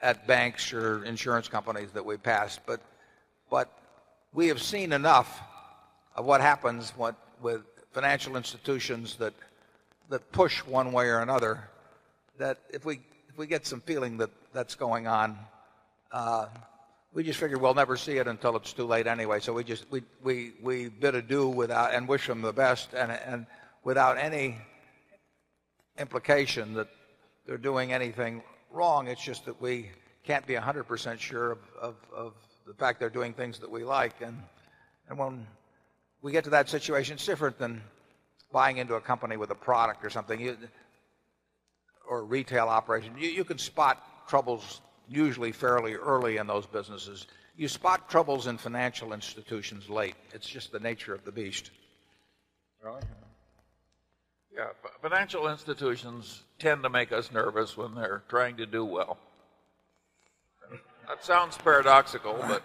at banks or insurance companies that we passed. But we have seen enough of what happens with financial institutions that push one way or another that if we get some feeling that that's going on, we just figure we'll never see it until it's too late anyway. So we just we did a do without and wish them the best and without any implication that they're doing anything wrong. It's just that we can't be a 100% sure of the fact they're doing things that we like. And when we get to that situation, it's different than buying into a company with a product or something or retail operation. You could spot troubles usually fairly early in those businesses. You spot troubles in financial institutions late. It's just the nature of the beast. Yeah. Financial institutions tend to make us nervous when they're trying to do well. That sounds paradoxical, but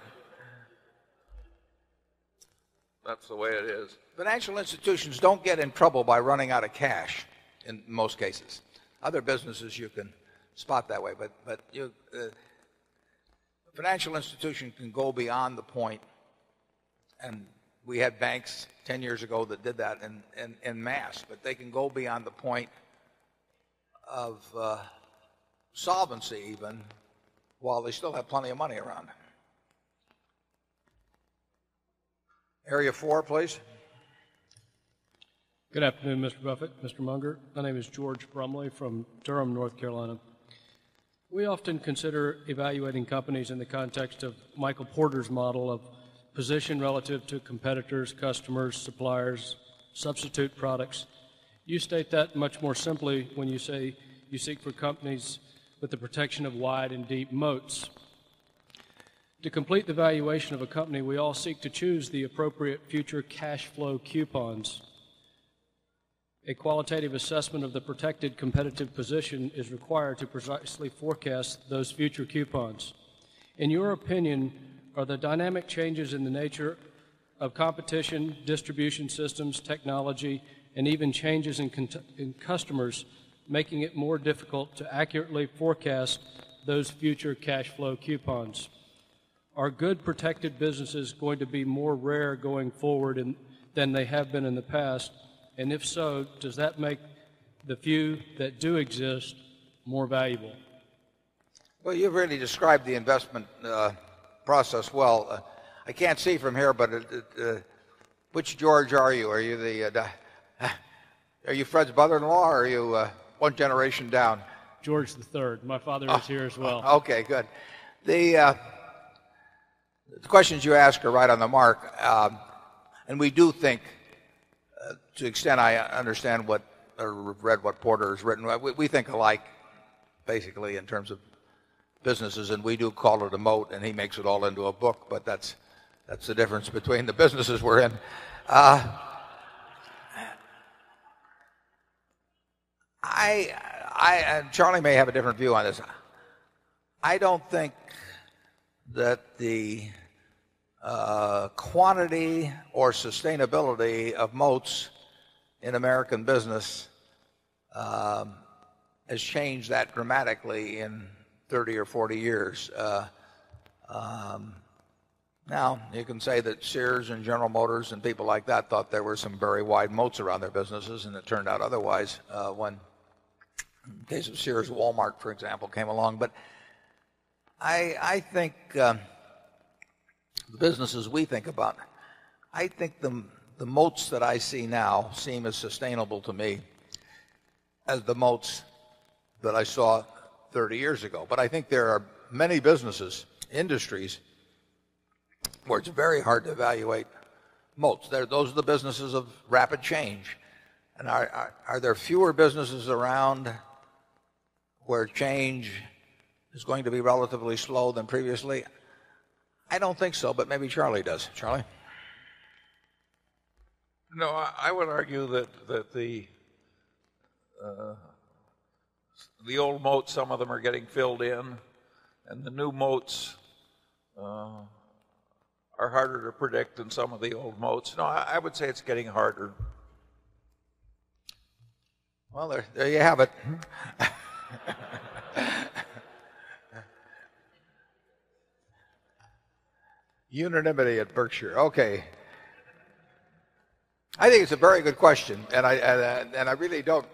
that's the way it is. Financial institutions don't get in trouble by running out of cash in most cases. Other businesses, you can spot that way. But a financial institution can go beyond the point. And we had banks 10 years ago that did that in mass, but they can go beyond the point of solvency even while they still have plenty of money around it. Area 4, please. Good afternoon, Mr. Buffet, Mr. Munger. My name is George Brumley from Durham, North Carolina. We often consider evaluating companies in the context of Michael Porter's model of position relative to competitors, customers, suppliers, substitute products. You state that much more simply when you say you seek for companies with the protection of wide and deep moats. To complete the valuation of a company, we all seek to choose the appropriate future cash flow coupons. A qualitative assessment of the protected competitive position is required to precisely forecast those future coupons. In your opinion, are the dynamic changes in the nature of competition, distribution systems, technology and even changes in customers making it more difficult to accurately forecast those future cash flow coupons. Are good protected businesses going to be more rare going forward than they have been in the past? And if so, does that make the few that do exist more valuable? Well, you've really described the investment process well. I can't see from here, but which George are you? Are you the are you Fred's brother-in-law or are you 1 generation down? George III. My father is here as well. Okay, good. The questions you ask are right on the mark. And we do think to the extent I understand what or read what Porter has written, we think alike basically in terms of businesses and we do call it a moat and he makes it all into a book, but that's the difference between the businesses we're in. I, Charlie may have a different view on this. I don't think that the quantity or sustainability of moats in American business has changed that dramatically in 30 or 40 years. Now you can say that Sears and General Motors and people like that thought there were some very wide moats around their businesses and it turned out otherwise, when in case of Sears Walmart for example came along. But I think the businesses we think about, I think the moats that I see now seem as sustainable to me as the moats that I saw 30 years ago. But I think there are many businesses, industries where it's very hard to evaluate moats. Those are the businesses of rapid change and are there fewer businesses around where change is going to be relatively slow than previously? I don't think so, but maybe Charlie does. Charlie? No, I would argue that the old moats, some of them are getting filled in and the new moats are harder to predict than some of the old moats. No, I would say it's getting harder. Well, there you have it. Unanimity at Berkshire. Okay. I think it's a very good question and I and I really don't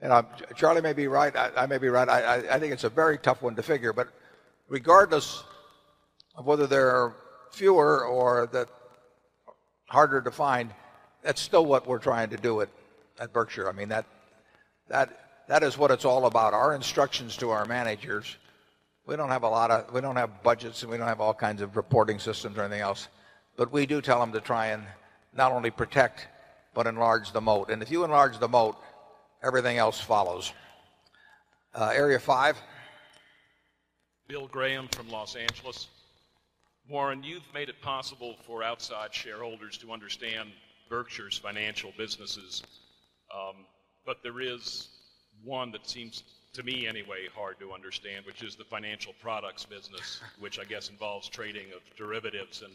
And I'm Charlie may be right, I may be right. I think it's a very tough one to figure but regardless of whether there are fewer or that harder to find, that's still what we're trying to do at Berkshire. I mean that is what it's all about, our instructions to our managers, We don't have a lot of, we don't have budgets and we don't have all kinds of reporting systems or anything else, but we do tell them to try and not only protect but enlarge the moat. And if you enlarge the moat, everything else follows. Area 5. Bill Graham from Los Angeles. Warren, you've made it possible for outside shareholders to understand Berkshire's financial businesses. But there is one that seems to me anyway, hard to understand, which is the financial products business, which I guess involves trading of derivatives. And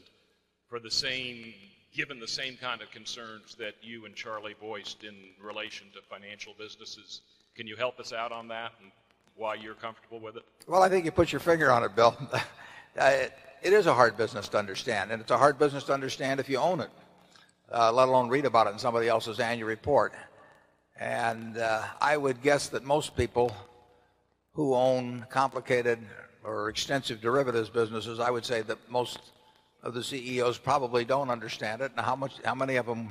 for the same given the same kind of concerns that you and Charlie voiced in relation to financial businesses, can you help us out on that and why you're comfortable with it? Well, I think you put your finger on it, Bill. It is a hard business to understand and it's a hard business to understand if you own it, Let alone read about it in somebody else's annual report. And I would guess that most people who own complicated or extensive derivatives businesses, I would say that most of the CEOs probably don't understand it. And how much how many of them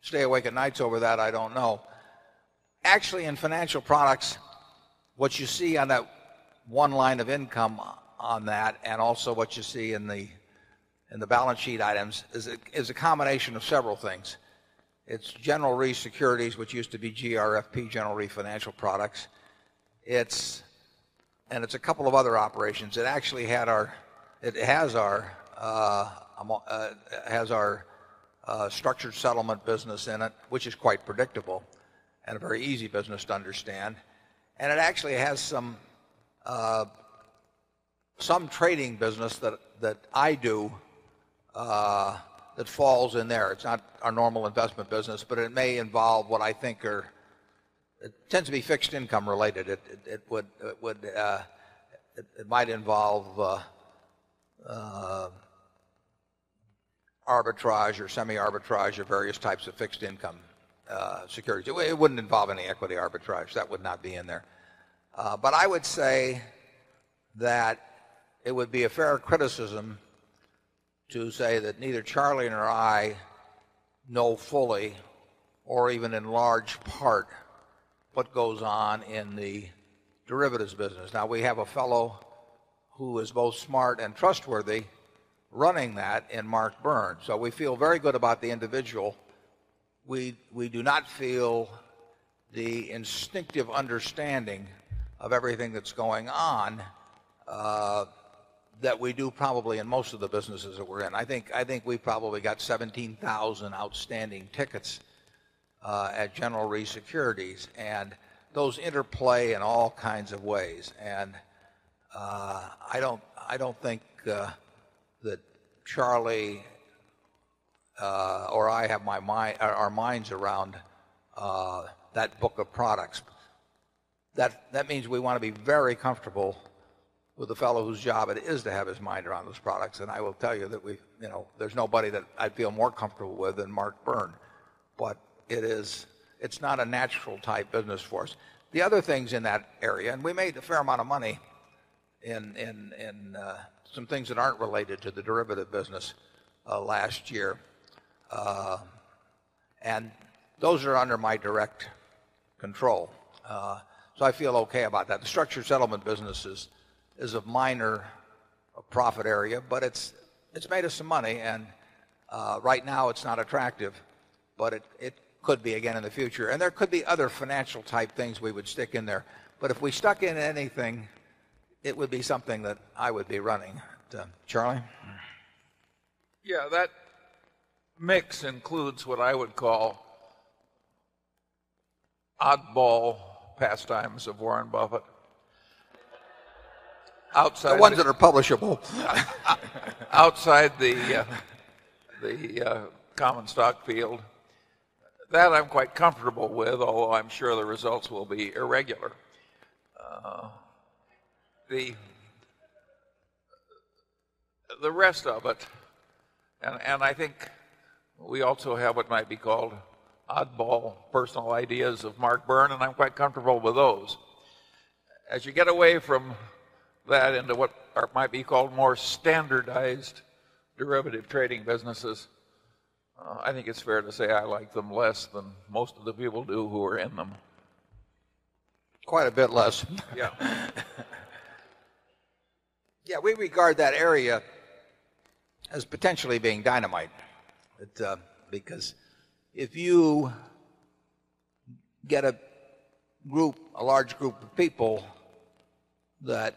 stay awake at nights over that, I don't know. Actually, in Financial Products, what you see on that one line of income on that and also what you see in the balance sheet items is a combination of several things. It's General Re Securities, which used to be GRFP, General Re Financial Products. It's and it's a couple of other operations. It actually had our it has our, has our structured settlement business in it, which is quite predictable and a very easy business to understand. And it actually has some trading business that I do that falls in there. It's not our normal investment business, but it may involve what I think are it tends to be fixed income related. It would, it might involve, arbitrage or semi arbitrage or various types of fixed income securities. It wouldn't involve any equity arbitrage that would not be in there. But I would say that it would be a fair criticism to say that neither Charlie nor I know fully or even in large part what goes on in the derivatives business. Now we have a fellow who is both smart and trustworthy running that in Mark Burns. So we feel very good about the individual. We do not feel the instinctive understanding of everything that's going on that we do probably in most of the businesses that we're in. I think we've probably got 17,000 outstanding tickets at General Re Securities and those interplay in all kinds of ways. And I don't think that Charlie or I have my mind our minds around that book of products. That means we want to be very comfortable with the fellow whose job it is to have his mind around those products and I will tell you that we you know, there's nobody that I feel more comfortable with and Mark Byrne. But it is it's not a natural type business for us. The other things in that area and we made a fair amount of money in some things that aren't related to the derivative business last year. And those are under my direct control. So I feel okay about that. The structured settlement businesses is a minor profit area, but it's made us some money and right now it's not attractive, but it could be again in the future and there could be other financial type things we would stick in there. But if we stuck in anything, it would be something that I would be running. Charlie? Yeah, that mix includes what I would call oddball pastimes of Warren Buffett. Outside the The ones that are publishable. Outside the common stock field That I'm quite comfortable with, although I'm sure the results will be irregular. The rest of it and I think we also have what might be called oddball personal ideas of Mark Byrne and I'm quite comfortable with those. As you get away from that into what might be called more standardized derivative trading businesses. I think it's fair to say I like them less than most of the people do who are in them. Quite a bit less. Yeah. Yeah. We regard that area as potentially being dynamite. It's because if you get a group, a large group of people that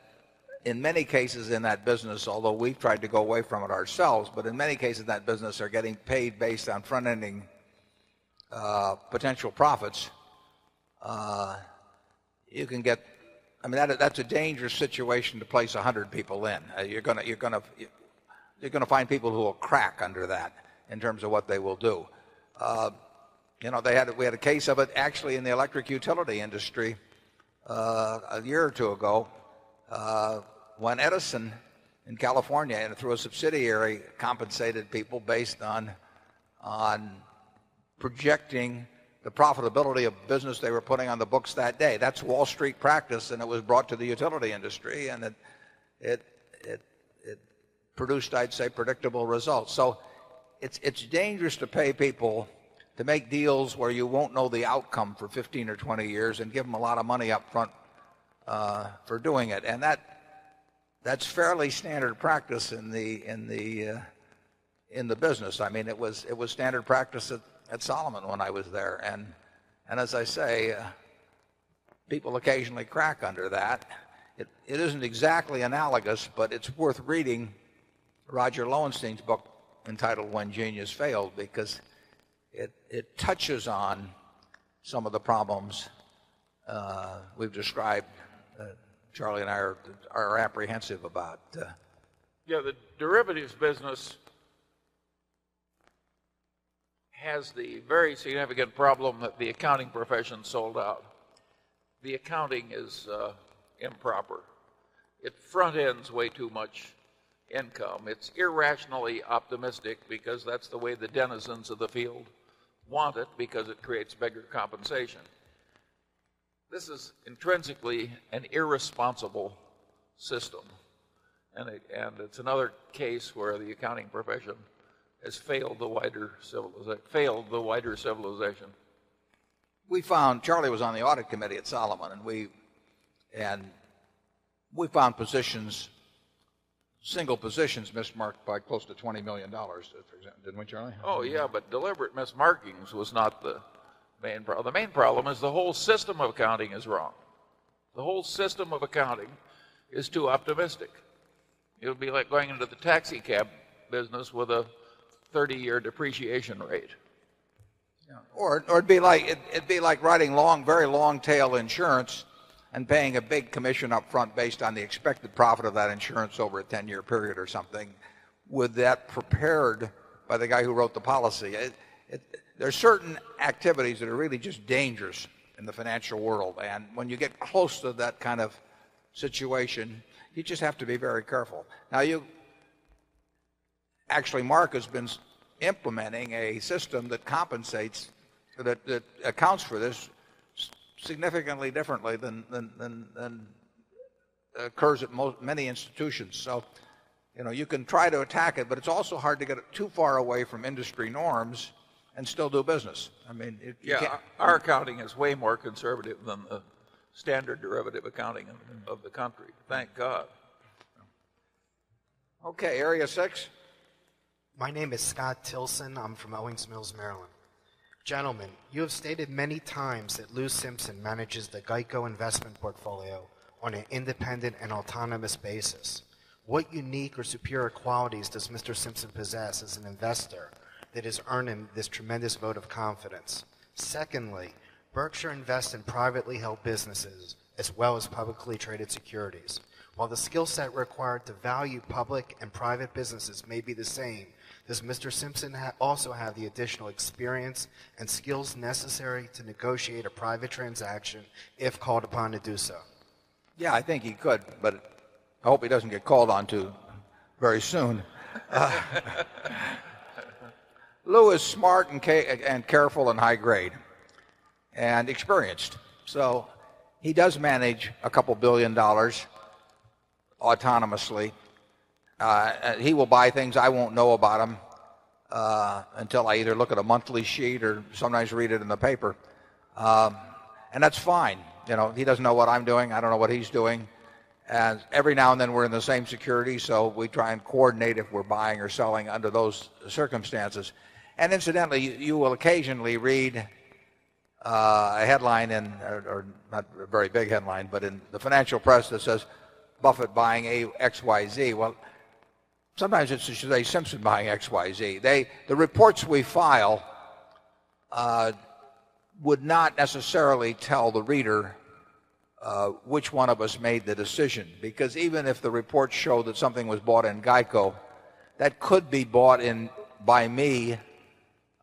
in many cases in that business, although we've tried to go away from it ourselves, but in many cases that business are getting paid based on front ending potential profits. You can get, I mean that's a dangerous situation to place a 100 people in. You're going to find people who will crack under that in terms of what they will do. You know, they had we had a case of it actually in the electric utility industry a year or 2 ago when Edison in California and through a subsidiary compensated people based on projecting the profitability of business they were putting on the books that day. That's Wall Street practice and it was brought to the utility industry and it produced I'd say predictable results. So it's dangerous to pay people to make deals where you won't know the outcome for 15 or 20 years and give them a lot of money upfront for doing it. And that that's fairly standard practice in the in the in the business. I mean it was it was standard practice at Salomon when I was there and and as I say people occasionally crack under that. It isn't exactly analogous but it's worth reading Roger Lowenstein's book entitled, When Genius Failed, because it touches on some of the problems we've described, Charlie and I are apprehensive about. Yeah, the derivatives business has the very significant problem that the accounting profession sold out. The accounting is improper. It front ends way too much income. It's irrationally optimistic because that's the way the denizens of the field want it because it creates bigger compensation. This is intrinsically an irresponsible system and it's another case where the accounting profession has failed the wider civil failed the wider civilization. We found Charlie was on the audit committee at Solomon and we and we found positions, single positions, mismarked by close to $20,000,000 for example, didn't we Charlie? Oh yeah, but deliberate mismarkings was not the main problem. The main problem is the whole system of accounting is wrong. The whole system of accounting is too optimistic. It would be like going into the taxi cab business with a 30 year depreciation rate. Or or it'd be like it be like writing long very long tail insurance and paying a big commission upfront based on the expected profit of that insurance over a 10 year period or something. With that prepared by the guy who wrote the policy. There are certain activities that are really just dangerous in the financial world. And when you get close to that kind of situation, you just have to be very careful. Now you actually, Mark has been implementing a system that compensates that that accounts for this significantly differently than than than occurs at many institutions. So you can try to attack it, but it's also hard to get too far away from industry norms and still do business. I mean, it can't. Yeah, our accounting is way more conservative than the standard derivative accounting of the country. Thank God. Okay, Area 6. My name is Scott Tillson. I'm from Owens Mills, Maryland. Gentlemen, you have stated many times that Lou Simpson manages the GEICO investment portfolio on an independent and autonomous basis. What unique or superior qualities does Mr. Simpson possess as an investor that is earning this tremendous vote of confidence? Secondly, Berkshire invest in privately held businesses as well as publicly traded securities. While the skill set required to value public and private businesses may be the same, Does Mr. Simpson also have the additional experience and skills necessary to negotiate a private transaction if called upon to do so? Yeah, I think he could but I hope he doesn't get called on to very soon. Lou is smart and careful and high grade and experienced. So he does manage a couple $1,000,000,000 autonomously. He will buy things I won't know about him, until I either look at a monthly sheet or sometimes read it in the paper. And that's fine. He doesn't know what I'm doing, I don't know what he's doing and every now and then we're in the same security. So we try and coordinate if buying or selling under those circumstances and incidentally you will occasionally read a headline and or not very big headline, but in the financial press that says Buffett buying a XYZ. Well, sometimes it's just a Simpson buying XYZ. The reports we file, would not necessarily tell the reader, which one of us made the decision because even if the report show that something was bought in GEICO, that could be bought in by me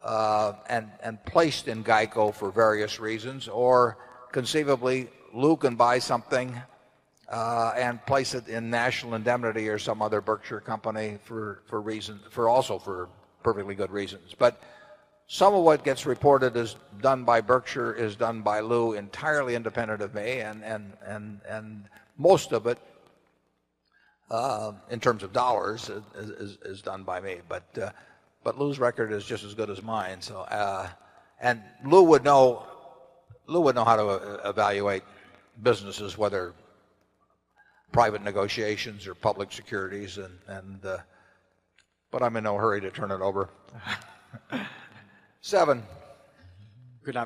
and placed in GEICO for various reasons or conceivably Luke and buy something and place it in National Indemnity or some other Berkshire company for reasons, for also for perfectly good reasons. But some of what gets reported is done by Berkshire is done by Lou entirely independent of me and most of it in terms of dollars is done by me. But Lou's record is just as good as mine. And Lou would know how to evaluate businesses, whether private negotiations or public securities and but I'm in no hurry to turn it over. 7. Good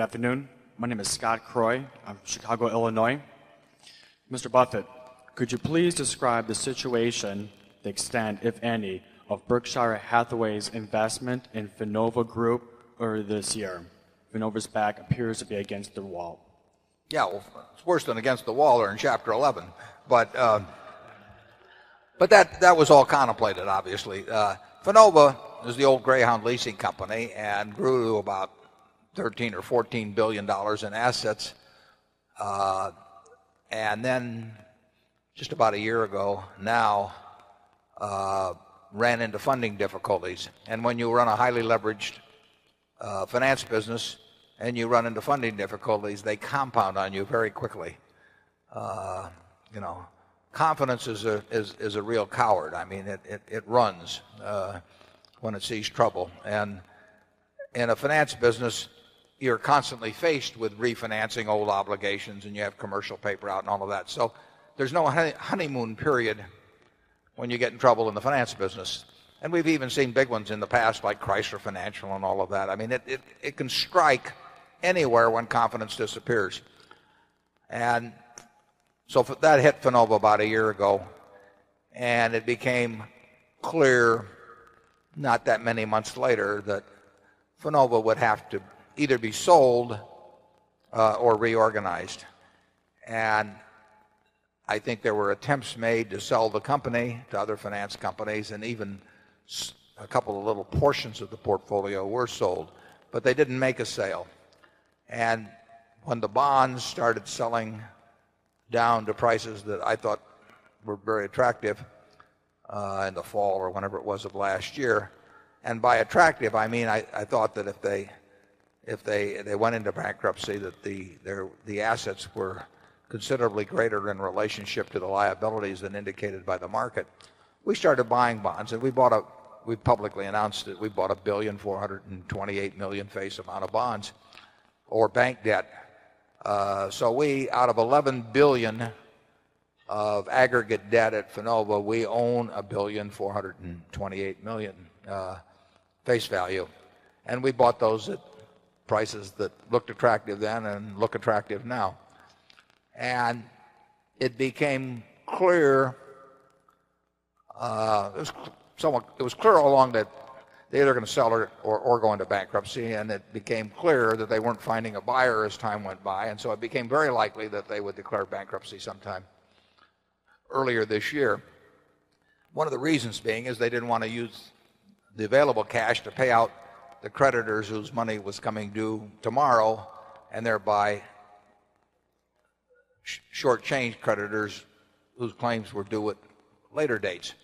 afternoon. My name is Scott Croy, I'm Chicago, Illinois. Mr. Buffet, could you please describe the situation to extend, if any, of Berkshire Hathaway's investment in Finova Group earlier this year? FENOVA's back appears to be against the wall. Yeah. Well, it's worse than against the wall or in Chapter 11, but that that was all contemplated obviously. FENOVA is the old Greyhound leasing company and grew to about $13,000,000,000 or $14,000,000,000 in assets and then just about a year ago now ran into funding difficulties and when you run a highly leveraged finance business and you run into funding difficulties, they compound on you very You know, confidence is a real coward. I mean, it runs when it sees trouble. And in a finance business, you're constantly faced with refinancing old obligations and you have commercial paper out and all of that. So there's no honeymoon period when you get in trouble in the finance business and we've even seen big ones in the past like Chrysler Financial and all of that. I mean it can strike anywhere when confidence disappears. And so that hit Fanova about a year ago and it became clear not that many months later that Fonovo would have to either be sold or reorganized. And I think there were attempts made to sell the company to other finance companies and even a couple of little portions of the portfolio were sold, but they didn't make a sale. And when the bonds started selling down to prices that I thought were very attractive in the fall or whenever it was of last year and by attractive I mean I thought that if they went into bankruptcy that the assets were considerably greater in relationship to the liabilities than indicated by the market. We started buying bonds and we bought a, we publicly announced it, we bought a $1,428,000,000 face amount of bonds or bank debt. So we, out of 11,000,000,000 of aggregate debt at FENOVA, we own a 1,428,000,000 dollars face value and we bought those at prices that looked attractive then and look attractive now. And it became clear, it was clear all along that they're either going to sell or go into bankruptcy and it became clear that they weren't finding a buyer as time went by and so it became very likely that they would declare bankruptcy sometime earlier this year. One of the reasons being is they didn't want to use the available cash to pay out the creditors whose money was coming due tomorrow and thereby shortchange creditors whose claims were due at later dates.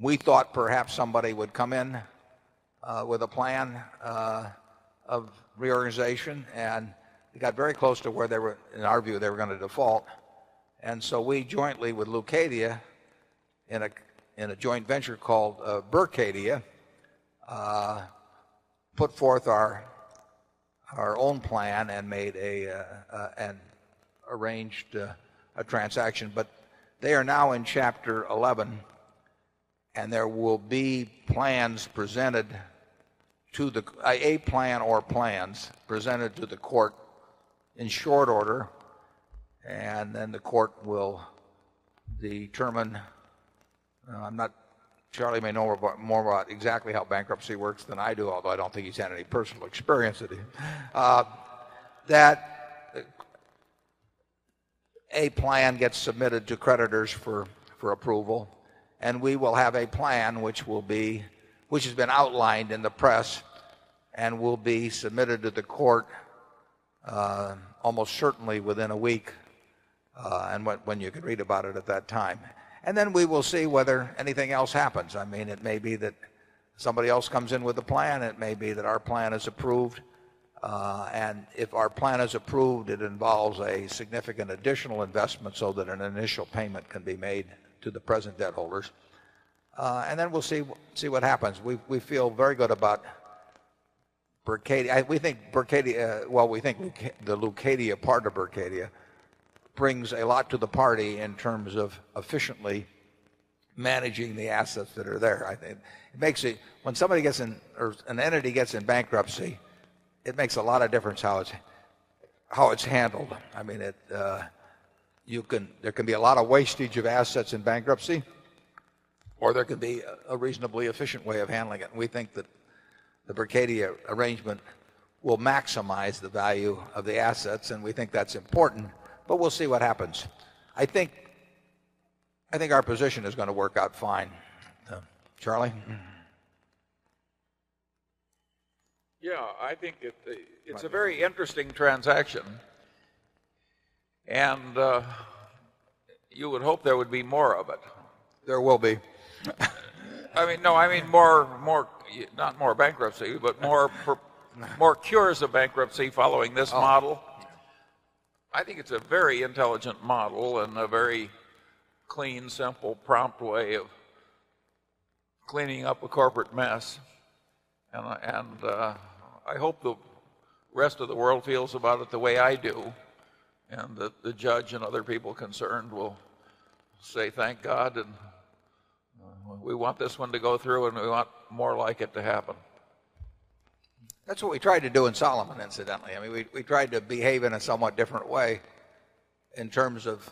We thought perhaps somebody would come in with a plan of reorganization and got very close to where they were, in our view, they were going to default. And so we jointly with Leucadia in a joint venture called Bercadia put forth our own plan and made an arranged a transaction. But they are now in Chapter 11 and there will be plans presented to the a plan or plans presented to the court in short order and then the court will determine I'm not Charlie may know more about exactly how bankruptcy works than I do although I don't think he's had any personal experience with you. That a plan gets submitted to creditors for approval and we will have a plan which will be which has been outlined in the press and will be submitted to the court almost certainly within a week and when you can read about it at that time. And then we will see whether anything else happens. I mean it may be that somebody else comes in with a plan, it may be that our plan is approved and if our plan is approved it involves a significant additional investment so that an initial payment can be made to the present debt holders. And then we'll see what happens. We feel very good about we think the part of Arcadia brings a lot to the party in terms of efficiently managing the assets that are there. I think makes it, when somebody gets in or an entity gets in bankruptcy, it makes a lot of difference how it's handled. I mean, there can be a lot of wastage of assets in bankruptcy or there can be a reasonably efficient way of handling it. We think that the Brigadier arrangement will maximize the value of the assets and we think that's important, but we'll see what happens. I think our position is going to work out fine. Charlie? Yeah, I think that it's a very interesting transaction and you would hope there would be more of it. There will be. I mean, no, I mean more more not more bankruptcy, but more more cures of bankruptcy following this model. I think it's a very intelligent model and a very clean, simple, prompt way of cleaning up a corporate mess, and I hope the rest of the world feels about it the way I do, and that the judge and other people concerned will say thank God and we want this one to go through and we want more like it to happen. That's what we tried to do in Solomon incidentally. I mean we tried to behave in a somewhat different way in terms of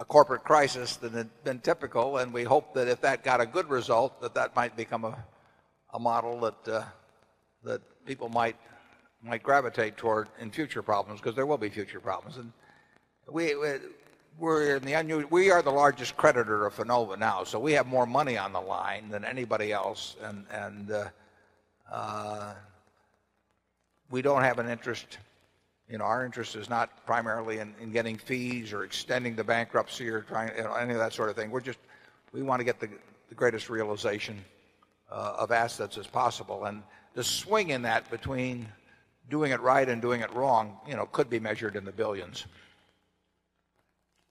a corporate crisis than typical and we hope that if that got a good result that that might become a model that that people might gravitate toward in future problems because there will be future problems. And we're in the annual we are the largest creditor of Finova now. So we have more money on the line than anybody else and we don't have an interest. And our interest is not primarily in getting fees or extending the bankruptcy or trying any of that sort of thing. We're just we want to get the greatest realization of assets as possible and the swing in that between doing it right and doing it wrong, you know, could be measured in the billions.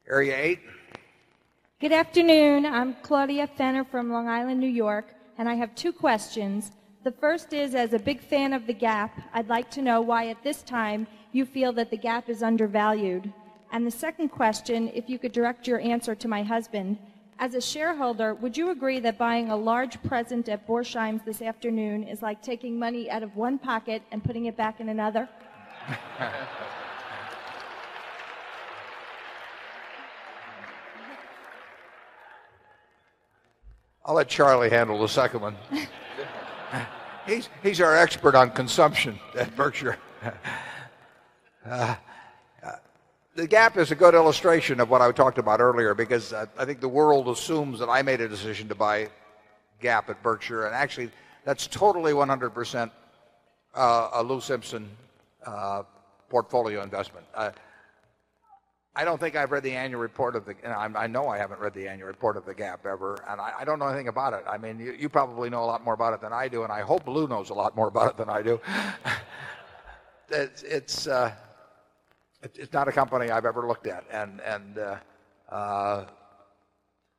Area 8? Good afternoon. I'm Claudia Fenner from Long Island, New York and I have two questions. The first is as a big fan of the Gap, I'd like to know why at this time you feel that the Gap is undervalued. And the second question, if you could direct your answer to my I'll let Charlie handle the second one. He's our expert on consumption at Berkshire. The gap is a good illustration of what I talked about earlier because I think the world assumes that I made a decision to buy GAAP at Berkshire and actually that's totally 100% a Lou Simpson portfolio investment. I don't think I've read the annual report of the and I know I haven't read the annual report of the GAAP ever and I don't know anything about it. I mean, you probably know a lot more about it than I do and I hope Blue knows a lot more about it than I do. Know a lot more about it than I do and I hope Lou knows a lot more about it than I do. It's, it's not a company I've ever looked at and and,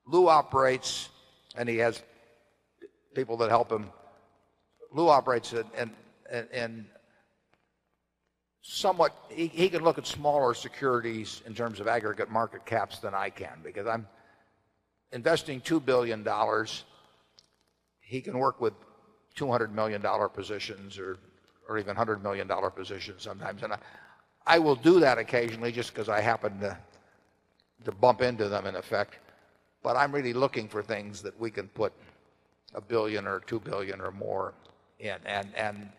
Lou operates and he has people that help him. Lou operates it and somewhat he can look at smaller securities in terms of aggregate market caps than I can because I'm investing $2,000,000,000 He can work with $200,000,000 positions or even $100,000,000 positions sometimes and I will do that occasionally just because I happen to bump into them in effect, but I'm really looking for things that we can put a $1,000,000,000 or $2,000,000,000 or more in and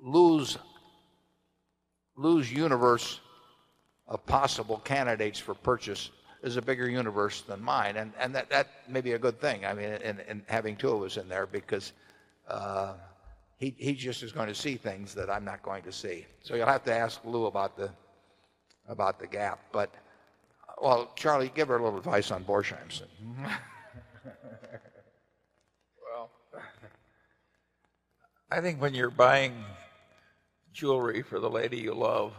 lose universe of possible candidates for purchase is a bigger universe than mine and that may be a good thing. I mean, and having 2 of us in there because he he just is going to see things that I'm not going to see. So you'll have to ask Lou about the about the gap, but well, Charlie, give her a little advice on Borsheim's. Well, I think when you're buying jewelry for the lady you love,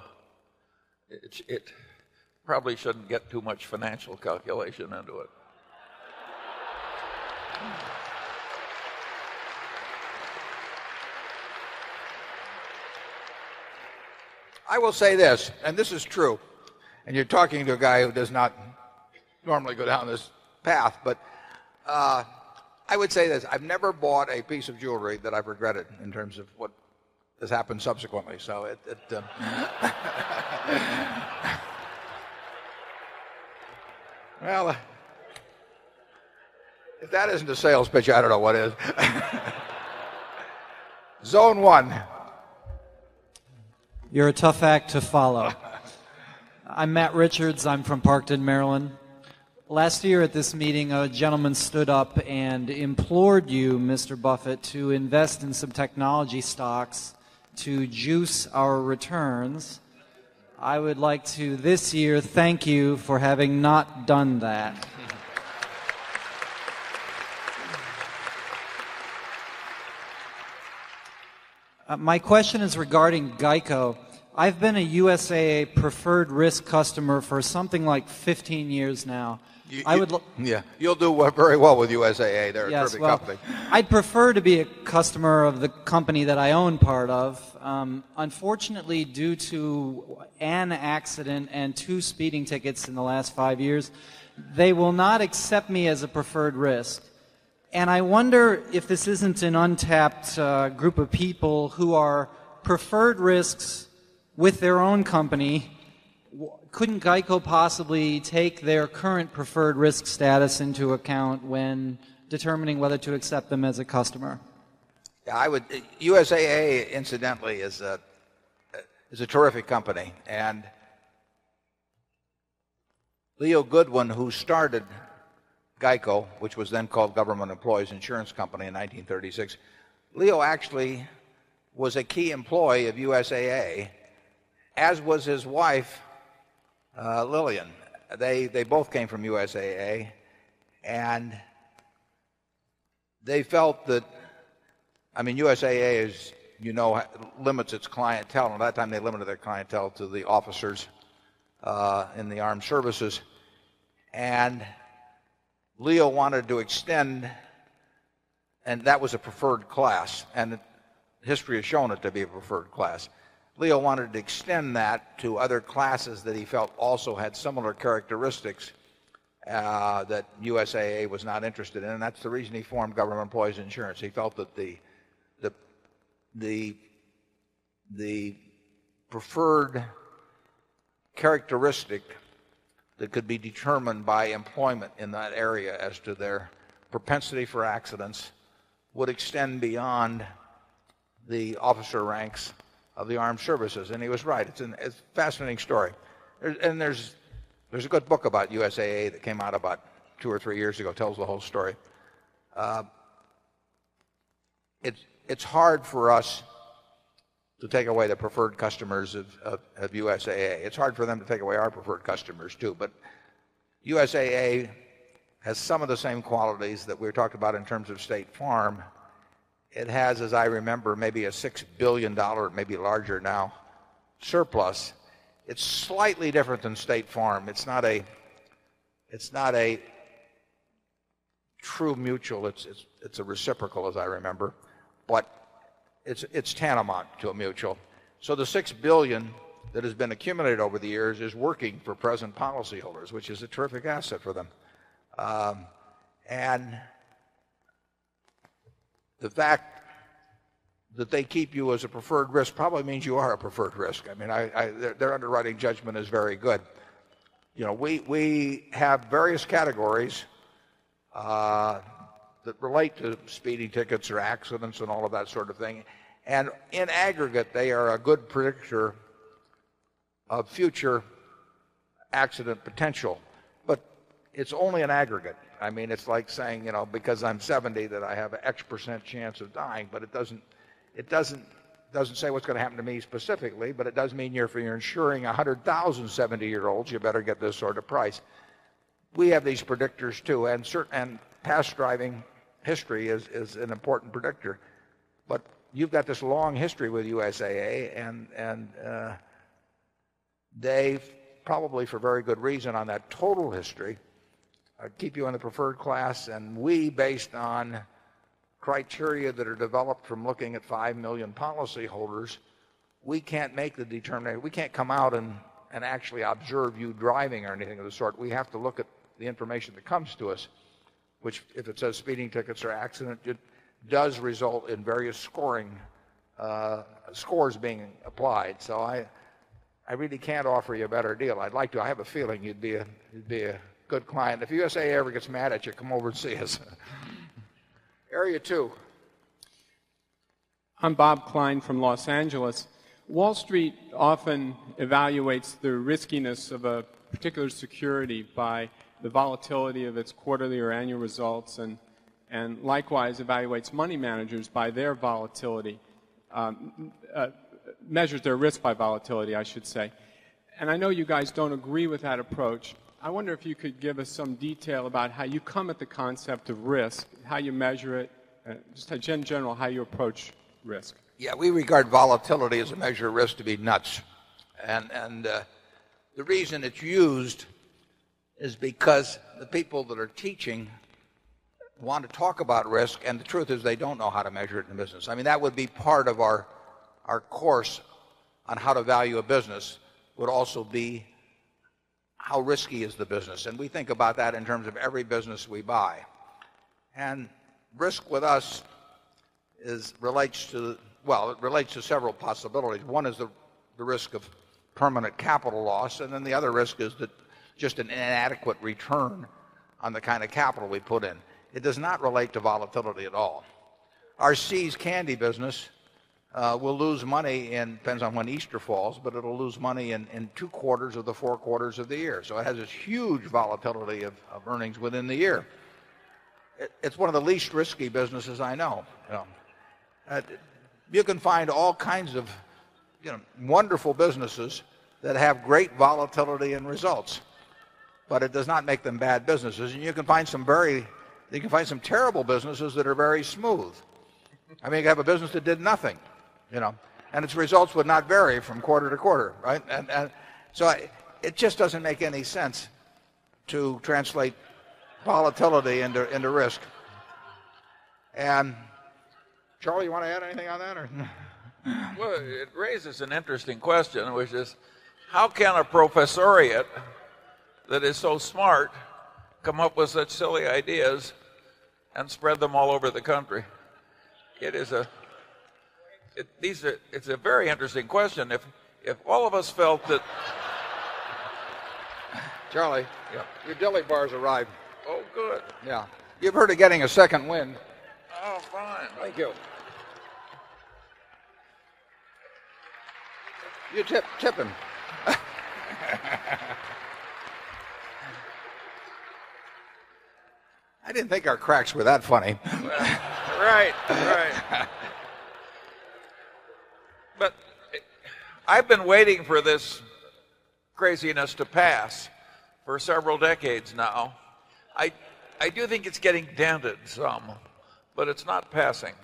it probably shouldn't get too much financial calculation into it. I will say this and this is true and you're talking to a guy who does not normally go down this path, but I would say this, I've never bought a piece of jewelry that I've regretted in terms of what has happened subsequently. So it well if that isn't a sales pitch I don't know what is. Zone 1. You're a tough act to follow. I'm Matt Richards. I'm from Parkton, Maryland. Last year at this meeting, a gentleman stood up and implored you, Mr. Buffett, to invest in some technology stocks to juice our returns, I would like to this year thank you for having not done that. My question is regarding GEICO. I've been a USAA preferred risk customer for something like 15 years now. I would Yes. You'll do very well with USAA. They're a perfect company. I'd prefer to be a customer of the company that I own part of. Unfortunately, due to an accident and 2 speeding tickets in the last 5 years, they will not accept me as a preferred risk. And I wonder if this isn't an untapped group of people who are preferred risks with their own company, couldn't GEICO possibly take their current preferred risk status into account when determining whether to accept them as a customer? Yeah. I would USAA incidentally is a is a terrific company and Leo Goodwin who started GEICO which was then called Government Employees Insurance Company in 1936. Leo actually was a key employee of USAA as was his wife, Lillian. They both came from USAA and they felt that, I mean USAA is you know, limits its clientele and by that time they limited clientele to the officers, in the armed services. And Leo wanted to extend and that was a preferred class and history has shown it to be a preferred class. Leo wanted to extend that to other classes that he felt also had similar characteristics, that USAA was not interested in and that's the reason he formed government employees insurance. He felt that the preferred characteristic that could be determined by employment in that area as to their propensity for accidents would extend beyond the officer ranks of the armed services and he was right. It's a fascinating story and there is a good book about USAA that came out about 2 or 3 years ago, tells the whole story. It's hard for us to take away the preferred customers of USAA. It's hard for them to take away our preferred customers too but USAA has some of the same qualities that we're talking about in terms of State Farm. It has as I remember maybe a $6,000,000,000 maybe larger now surplus. It's slightly different than State Farm. It's not a true mutual, it's a reciprocal as I remember, but it's tantamount to a mutual. So the 6,000,000,000 that has been accumulated over the years is working for present policyholders, which is a terrific asset for them. And the fact that they keep you as a preferred risk probably means you are a preferred risk. I mean, their underwriting judgment is very good. We have various categories that relate to speeding tickets or accidents and all of that sort of thing And in aggregate, they are a good predictor of future accident potential. But it's only an aggregate. I mean, it's like saying, you know, because I'm 70 that I have an x percent chance of dying but it doesn't it doesn't say what's going to happen to me specifically but it does mean you're for you're insuring a 100,070 year olds you better get this sort of price. We have these predictors too and certain and past driving history is an important predictor but you've got this long history with USAA and they probably for very good reason on that total history keep you in the preferred class and we based on criteria that are developed from looking at 5,000,000 policyholders, we can't make the determination. We can't come out and actually observe you driving or anything of the sort. We have to look at the information that comes to us which if it says speeding tickets or accident, it does result in various scoring, scores being applied. So I really can't offer you a better deal. I'd like to. I have a feeling you'd be a good client. If USA ever gets mad at you come over and see us. Area 2. I'm Bob Klein from Los Angeles. Wall Street often evaluates the riskiness of a particular security by the volatility of its quarterly or annual results and likewise evaluates money managers by their volatility measures their risk by volatility I should say. And I know you guys don't agree with that approach. I wonder if you could give us some detail about how you come at the concept of risk. How you measure it. Just in general how you approach risk. Yeah. We regard volatility as a measure of risk to be nuts. And the reason it's used is because the people that are teaching want to talk about risk and the truth is they don't know how to measure it in the business. I mean that would be part of our course on how to value a business would also be how risky is the business and we think about that in terms of every business we buy. And risk with us is relates to well, it relates to several possibilities. 1 is the risk of permanent capital loss and then the other risk is that just an inadequate return on the kind of capital we put in. It does not relate to volatility at all. Our See's candy business will lose money and depends on when Easter falls, but it will lose money in 2 quarters of the 4 quarters of the year. So it has a huge volatility of earnings within the year. It's one of the least risky businesses I know. You can find all kinds of wonderful businesses that have great volatility and results but it does not make them bad businesses and you can find some very you can find some terrible businesses that are very smooth. I mean you have a business that did nothing, you know, and its results would not vary from quarter to quarter, right? And so it just doesn't make any sense to translate volatility into risk. And Charlie, you want to add anything on that or? Well it raises an interesting question which is how can a professoriate that is so smart come up with such silly ideas and spread them all over the country? It is a it these are it's a very interesting question. If if all of us felt that Charlie. Yeah. Your deli bars arrived. Oh, good. Yeah. You've heard of getting a second wind. Oh fine. Thank you. You tip him. I didn't think our cracks were that funny. Right. Right. But I've been waiting for this craziness to pass for several decades now. I I do think it's getting dented some, but it's not passing.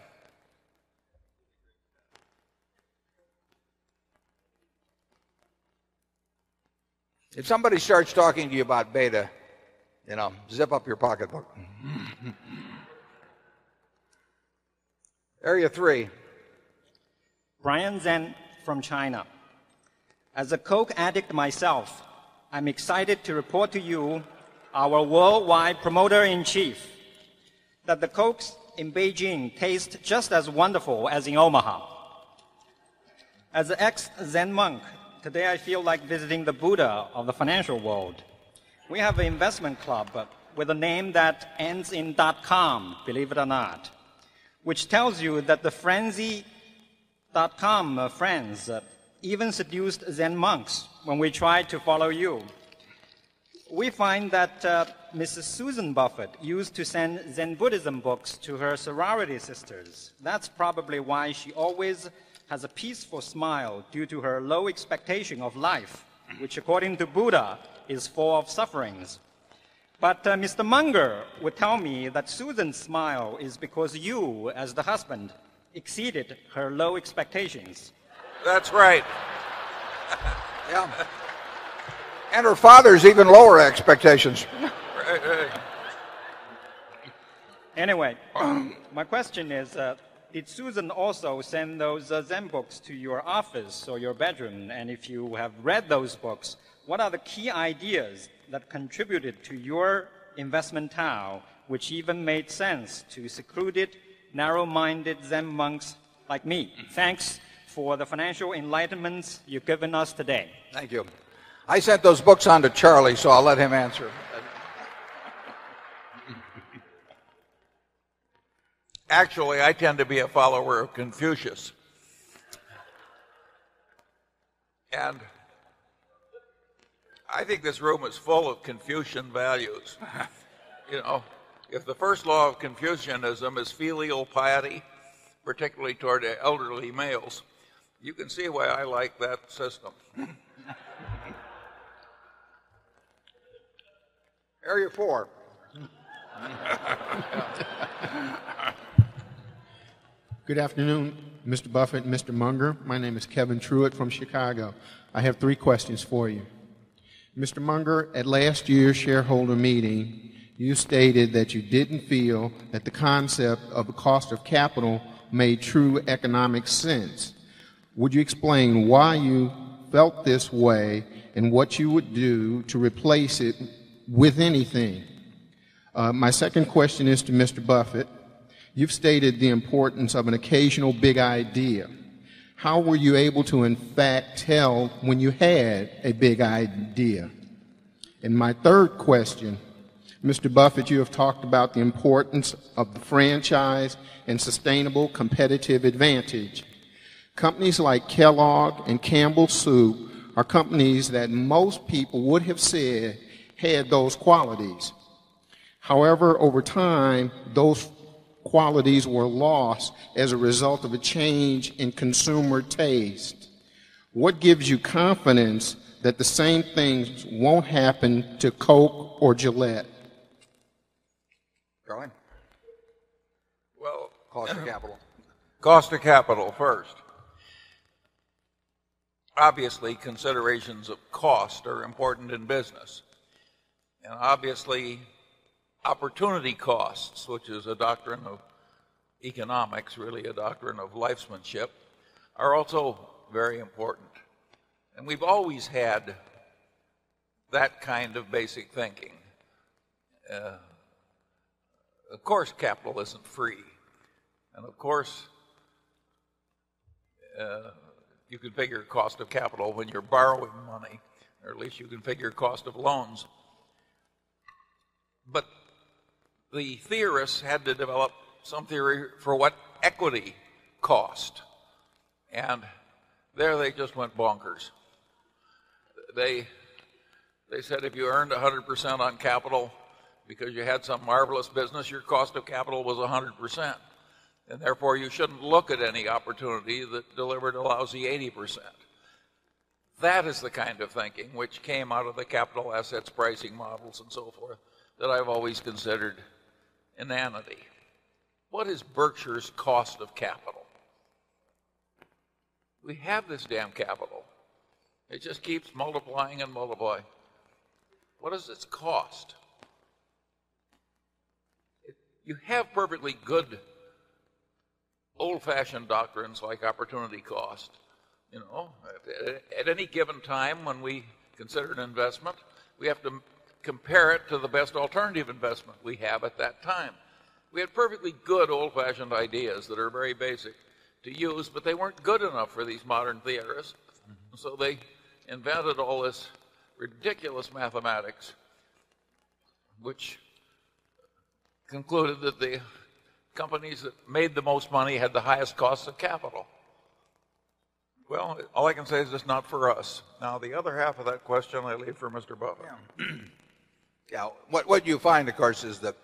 If somebody starts talking to you about beta, you know, zip up your pocketbook. Area 3. Brian Zen from China. As a coke addict myself, I'm excited to report to you, our worldwide promoter in chief, that the Cokes in Beijing taste just as wonderful as in Omaha. As an ex Zen monk, today I feel like visiting the Buddha of the financial world. We have an investment club with a name that ends in dot com, believe it or not, which tells you that the frenzy.com friends even seduced Zen monks when we tried to follow you. We find that, missus Susan Buffet used to send Zen Buddhism books to her sorority sisters. That's probably why she always has a peaceful smile due to her low expectation of life which according to Buddha is full of sufferings. But, mister Munger would tell me that Susan's smile is because you, as the husband, exceeded her low expectations. That's right. Yeah. And her father's even lower expectations. Anyway, my question is, did Susan also send those Zen books to your office or your bedroom? And if you have read those books, what are the key ideas that contributed to your investment tile, which even made sense to secluded, narrow minded Zen monks like me. Thanks for the financial enlightenments you've given us today. Thank you. I sent those books on to Charlie, so I'll let him answer. Actually, I tend to be a follower of Confucius. And I think this room is full of Confucian values. You know, if the first law of Confucianism is filial piety, particularly toward the elderly males, you can see why I like that system. Chicago. I have three questions for you. Mr. Munger, at last year's shareholder meeting, you stated that you didn't feel that the concept of the cost of capital made true economic sense. Would you explain why you felt this way and what you would do to replace it with anything? My second question is to Mr. Buffett. You've stated the importance of an occasional big idea. How were you able to in fact tell when you had a big idea? And my third question, Mr. Buffett, you have talked about the importance of the franchise and sustainable competitive advantage. Companies like Kellogg and Campbell Soup are companies that most people would have said had those qualities. However, over time, those qualities were lost as a result of the change in consumer taste. What gives you confidence that the same things won't happen to coke or Gillette? Go ahead. Well, cost of capital. Cost of capital first. Obviously, considerations of cost are important in business. And obviously, opportunity costs, which is a doctrine of economics, really a doctrine of life'smanship are also very important. And we've always had that kind of basic thinking. Of course, capital isn't free and of course, you can figure cost of capital when you're borrowing money, or at least you can figure cost of loans. But the theorists had to develop some theory for what equity cost And there, they just went bonkers. They said, if you earned 100% on capital, because you had some marvelous business, your cost of capital was 100%. And therefore you shouldn't look at any opportunity that delivered a lousy 80%. That is the kind of thinking which came out of the capital assets pricing models and so forth that I've always considered inanity. What is Berkshire's cost of capital? We have this damn capital. It just keeps multiplying and multiply. What does its cost? You have perfectly good old fashioned doctrines like opportunity cost. You know, at any given time, when we consider an investment, we have to compare it to the best alternative investment we have at that time. We had perfectly good old fashioned ideas that are very basic to use, but they weren't good enough for these modern theaters. So they invented all this ridiculous mathematics, which concluded that the companies that made the most money had the highest cost of capital. Well, all I can say is it's not for us. Now the other half of that question I leave for Mr. Buffet. Yeah. What you find of course is that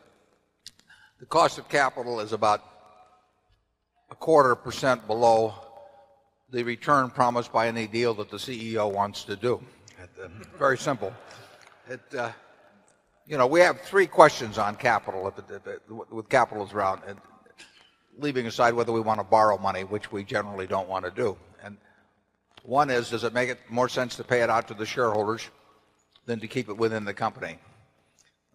the cost of capital is about a quarter percent below the return promised by any deal that the CEO wants to do. Very simple. We have 3 questions on capital with capital's route and leaving aside whether we want to borrow money which we generally don't want to do. And one is, does it make it more sense to pay it out to the shareholders than to keep it within the company.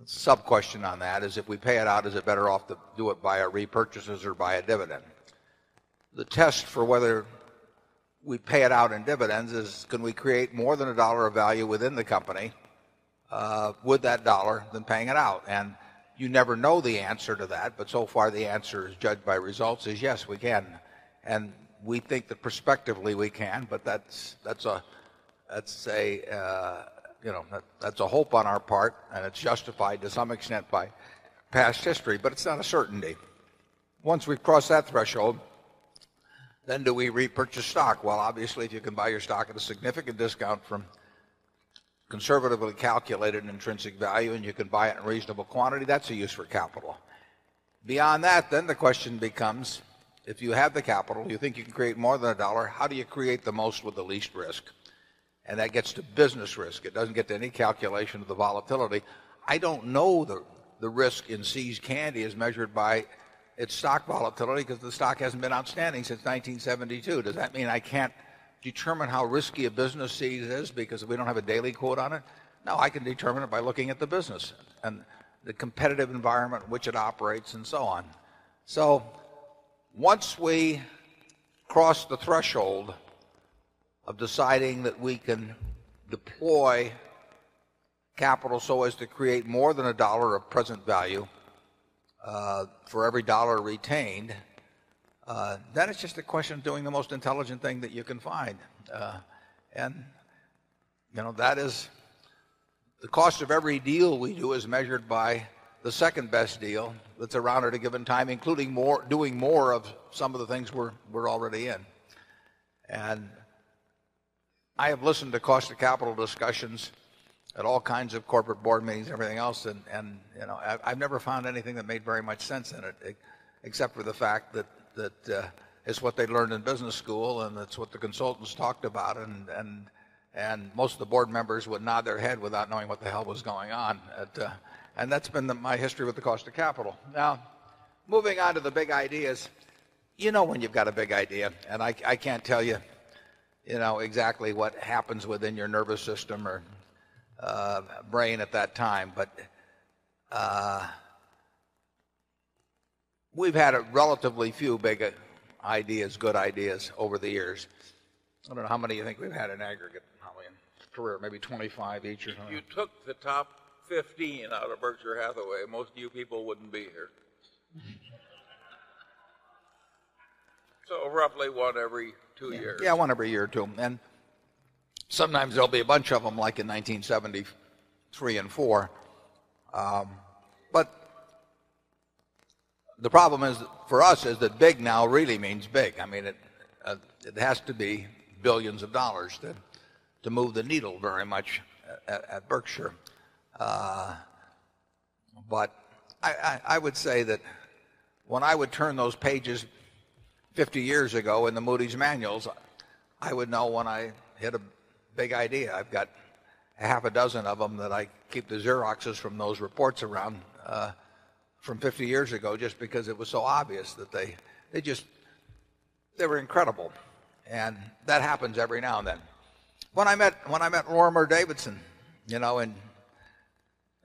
Sub question on that is if we pay it out, is it better off do it by a repurchases or by a dividend? The test for whether we pay it out in dividends is can we create more than a dollar of value within the company with that dollar than paying it out and you never know the answer to that. But so far the answer is judged by results is yes, we can. And we think that prospectively we can, but that's a hope on our part and it's justified to some extent by past history, but it's not a certainty. Once we've crossed that threshold, then do we repurchase stock? Well, obviously, if you can buy your stock at a significant discount from conservatively calculated and intrinsic value and you can buy it in a reasonable quantity, that's a use for capital. Beyond that, then the question becomes, if you have the capital, do you think you can create more than a dollar? How do you create the most with the least risk? And that gets to business risk. It doesn't get to any calculation of the volatility. I don't know the risk in See's Candy as measured by its stock volatility because the stock hasn't been outstanding since 1972. Does that mean I can't determine how risky a business is because we don't have a daily quote on it? No, I can determine it by looking at the business and the competitive environment which it operates and so on. So once we cross the threshold of deciding that we can deploy capital so as to create more than a dollar of present value, for every dollar retained, that is just a question of doing the most intelligent thing that you can find. And that is the cost of every deal we do is measured by the 2nd best deal that's around at a given time, including more doing more of some of the things we're already in. And I have listened to cost of capital discussions at all kinds of corporate board meetings, everything else. And I've never found anything that made very much sense in it, except for the fact that it's what they learned in business school and that's what the consultants talked about. And most of the board members would nod their head without knowing what the hell was going on. And that's been my history with the cost of capital. Now moving on to the big ideas. You know when you've got a big idea and I can't tell you, you know, exactly what happens within your nervous system or brain at that time, but we've had a relatively few big ideas, good ideas over the years. I don't know how many you think we've had in aggregate, probably in career, maybe 25 each or so. If you took the top 15 out of Berkshire Hathaway, most of you people wouldn't be here. So roughly one every 2 years. Yeah, one every year too. And sometimes there'll be a bunch of them like in 1973 and 4. But the problem is for us is that big now really means big. I mean, it has to be 1,000,000,000 of dollars to move the needle very much at Berkshire. But I would say that when I would turn those pages 50 years ago in the Moody's manuals, I would know when I hit a big idea. I've got half a dozen of them that I keep the Xeroxes from those reports around from 50 years ago just because it was so obvious that they just they were incredible. And that happens every now and then. When I met when I met Lorimer Davidson, you know, in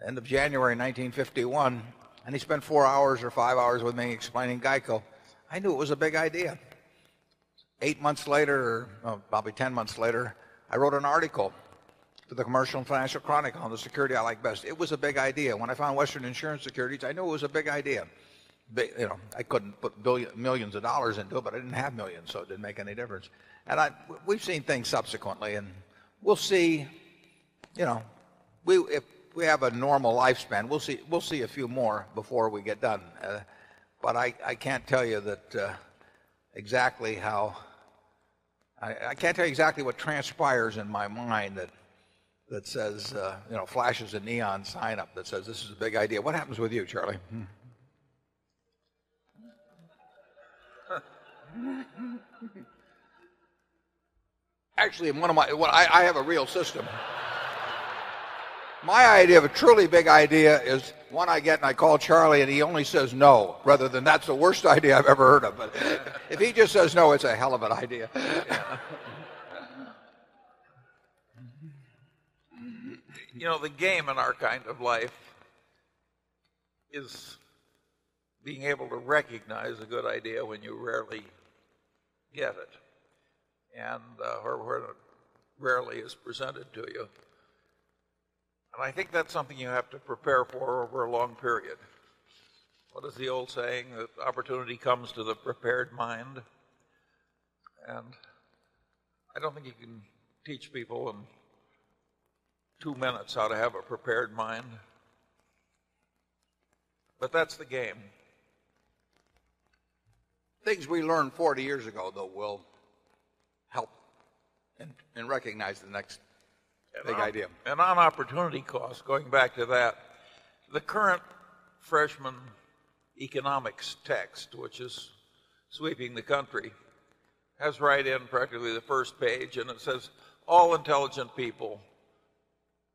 end of January 1951 and he spent 4 hours or 5 hours with me explaining GEICO, I knew it was a big idea. 8 months later or probably 10 months later, I wrote an article to the Commercial and Financial Chronic on the security I like best. It was a big idea. When I found Western Insurance Securities, I knew it was a big idea. I couldn't put 1,000,000,000 of dollars into it, but I didn't have 1,000,000, so it didn't make any difference. And we've seen things subsequently. And we'll see if we have a normal lifespan, we'll see a few more before we get done. But I can't tell you that exactly how I can't tell you exactly what transpires in my mind that says, you know, flashes a neon sign up that says this is a big idea. What happens with you, Charlie? Actually, in one of my well, I have a real system. My idea of a truly big idea is when I get and I call Charlie and he only says no rather than that's the worst idea I've ever heard of. If he just says no, it's a hell of an idea. You know, the game in our kind of life is being able to recognize a good idea when you rarely get it and or where it rarely is presented to you. And I think that's something you have to prepare for over a long period. What is the old saying that opportunity comes to the prepared mind? And I don't think you can teach people in 2 minutes how to have a prepared mind, but that's the game. Things we learned 40 years ago though will help and recognize the next big idea. And on opportunity cost, going back to that, the current freshman economics text, which is sweeping the country, has write in practically the first page, and it says all intelligent people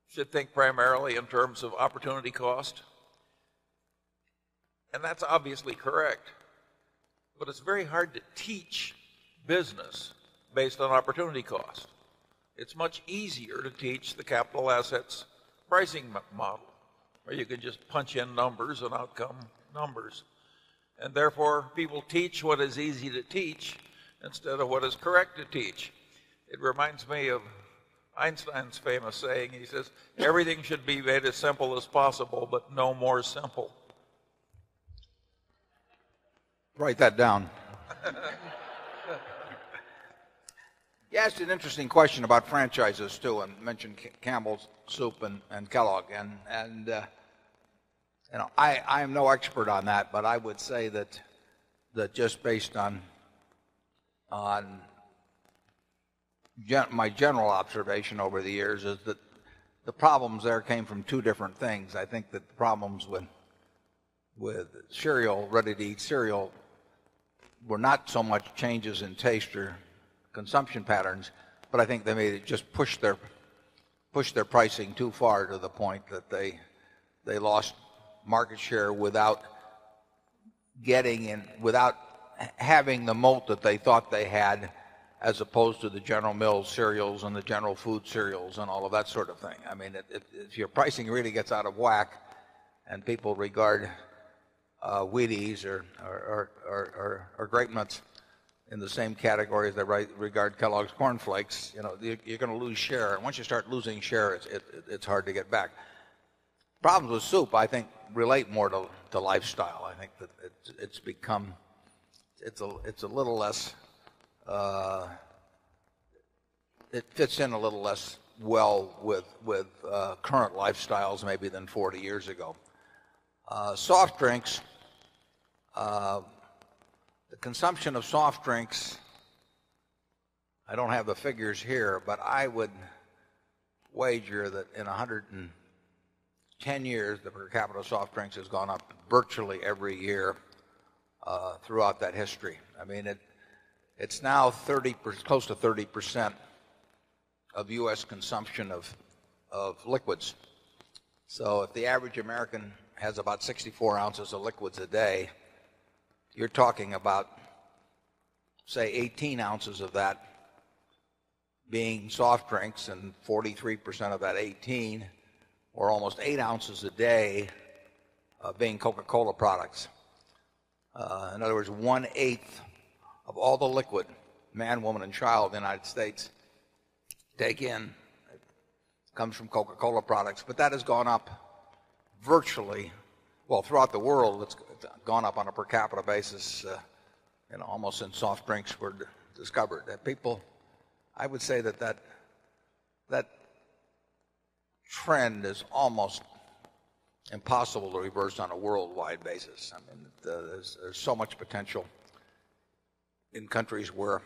should think primarily in terms of opportunity cost. And that's obviously correct, But it's very hard to teach business based on opportunity cost. It's much easier to teach the capital assets pricing model, or you could just punch in numbers and outcome numbers. And therefore people teach what is easy to teach instead of what is correct to teach. It reminds me of Einstein's famous saying, he says, everything should be made as simple as possible but no more simple. Write that down. You asked an interesting question about franchises too and mentioned Campbell's Soup and and Kellogg. And and, you know, I I am no expert on that. But I would say that that just based on on my general observation over the years is that the problems there came from 2 different things. I think that the problems with cereal, ready to eat cereal were not so much changes in taste or consumption patterns, but I think they made it just pushed their pricing too far to the point that they lost market share without getting in without having the malt that they thought they had as opposed to the general Mills cereals and the general food cereals and all of that sort of thing. I mean, if your pricing really gets out of whack and people regard Wheaties or Great Mutts in the same category as they regard Kellogg's Corn Flakes, you're going to lose share. And once you start losing share, it's hard to get back. Problems with soup, I think relate more to lifestyle. I think that it's become it's a little less it fits in a little less well with current lifestyles maybe than 40 years ago. Soft drinks, the consumption of soft drinks, I don't have the figures here, but I would wager that in a 100 and 10 years, the per capita soft drinks has gone up virtually every year, throughout that history. I mean, it's now 30% close to 30% of US consumption of liquids. So if the average American has about 64 ounces of liquids a day, you're talking about say 18 ounces of that being soft drinks and 43% of that 18 or almost 8 ounces a day of being Coca Cola products. In other words, 1 eighth of all the liquid man, woman and child in the United States take in comes from Coca Cola products. But that has gone up virtually. Well throughout the world, it's gone up on a per capita basis. And almost in soft drinks were discovered that people I would say that, that that trend is almost impossible to reverse on a worldwide basis. I mean, there is so much potential in countries where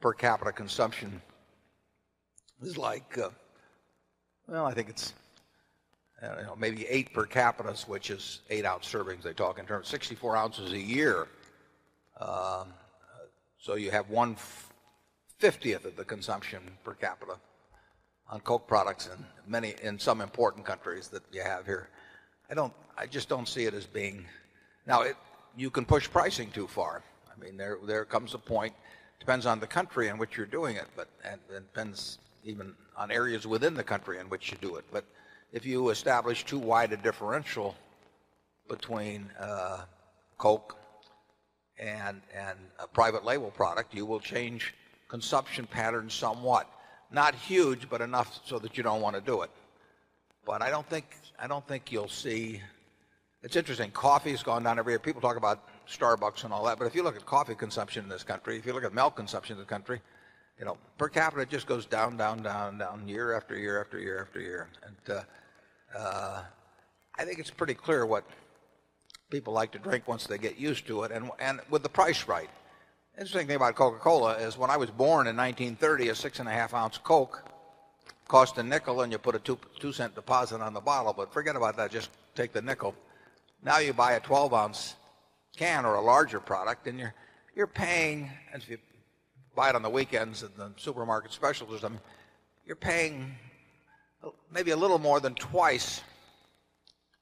per capita consumption is like, well, I think it's maybe 8 per capita, which is 8 ounce servings they talk in terms of 64 ounces a year. So you have one 50th of the consumption per capita on coke products and many in some important countries that you have here. I don't I just don't see it as being now it you can push pricing too far. I mean, there there comes a point depends on the country in which you're doing it, but and depends even on areas within the country in which you do it. But if you establish too wide a differential between, coke and a private label product, you will change consumption patterns somewhat. Not huge, but enough so that you don't want to do it. But I don't think you'll see it's interesting. Coffee has gone down every year. People talk about Starbucks and all that, but if you look at coffee consumption in this country, if you look at milk consumption in the country, per capita it just goes down, down, down, down year after year after year after year. And I think it's pretty clear what people like to drink once they get used to it and and with the price right. Interesting thing about Coca Cola is when I was born in 1930, a 6 and a half ounce coke cost a nickel and you put a 2¢ deposit on the bottle but forget about that just take the nickel. Now you buy a 12 ounce can or a larger product and you're paying as you buy it on the weekends and then supermarket specialties, you're paying maybe a little more than twice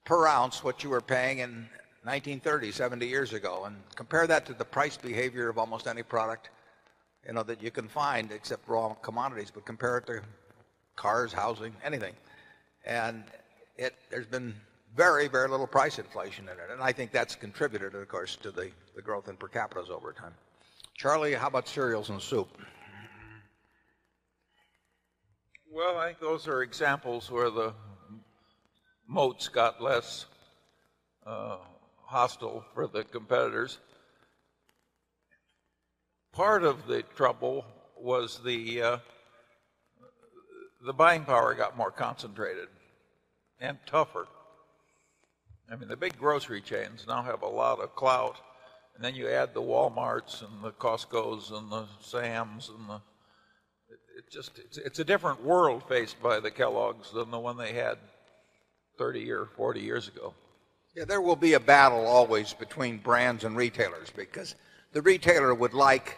per ounce what you were paying in 1930, 70 years ago. And compare that to the price behavior of almost any product you know that you can find except raw commodities but compare it to cars, housing, anything and it there's been very, very little price inflation in it. And I think that's contributed, of course, to the growth in per capita over time. Charlie, how about cereals and soup? Well, I think those are examples where the moats got less, hostile for the competitors. Part of the trouble was the buying power got more concentrated and tougher. I mean, the big grocery chains now have a lot of clout, and then you add the Walmarts and the Costcos and the Sam's and it just it's a different world faced by the Kellogg's than the one they had 30 or 40 years ago. There will be a battle always between brands and retailers because the retailer would like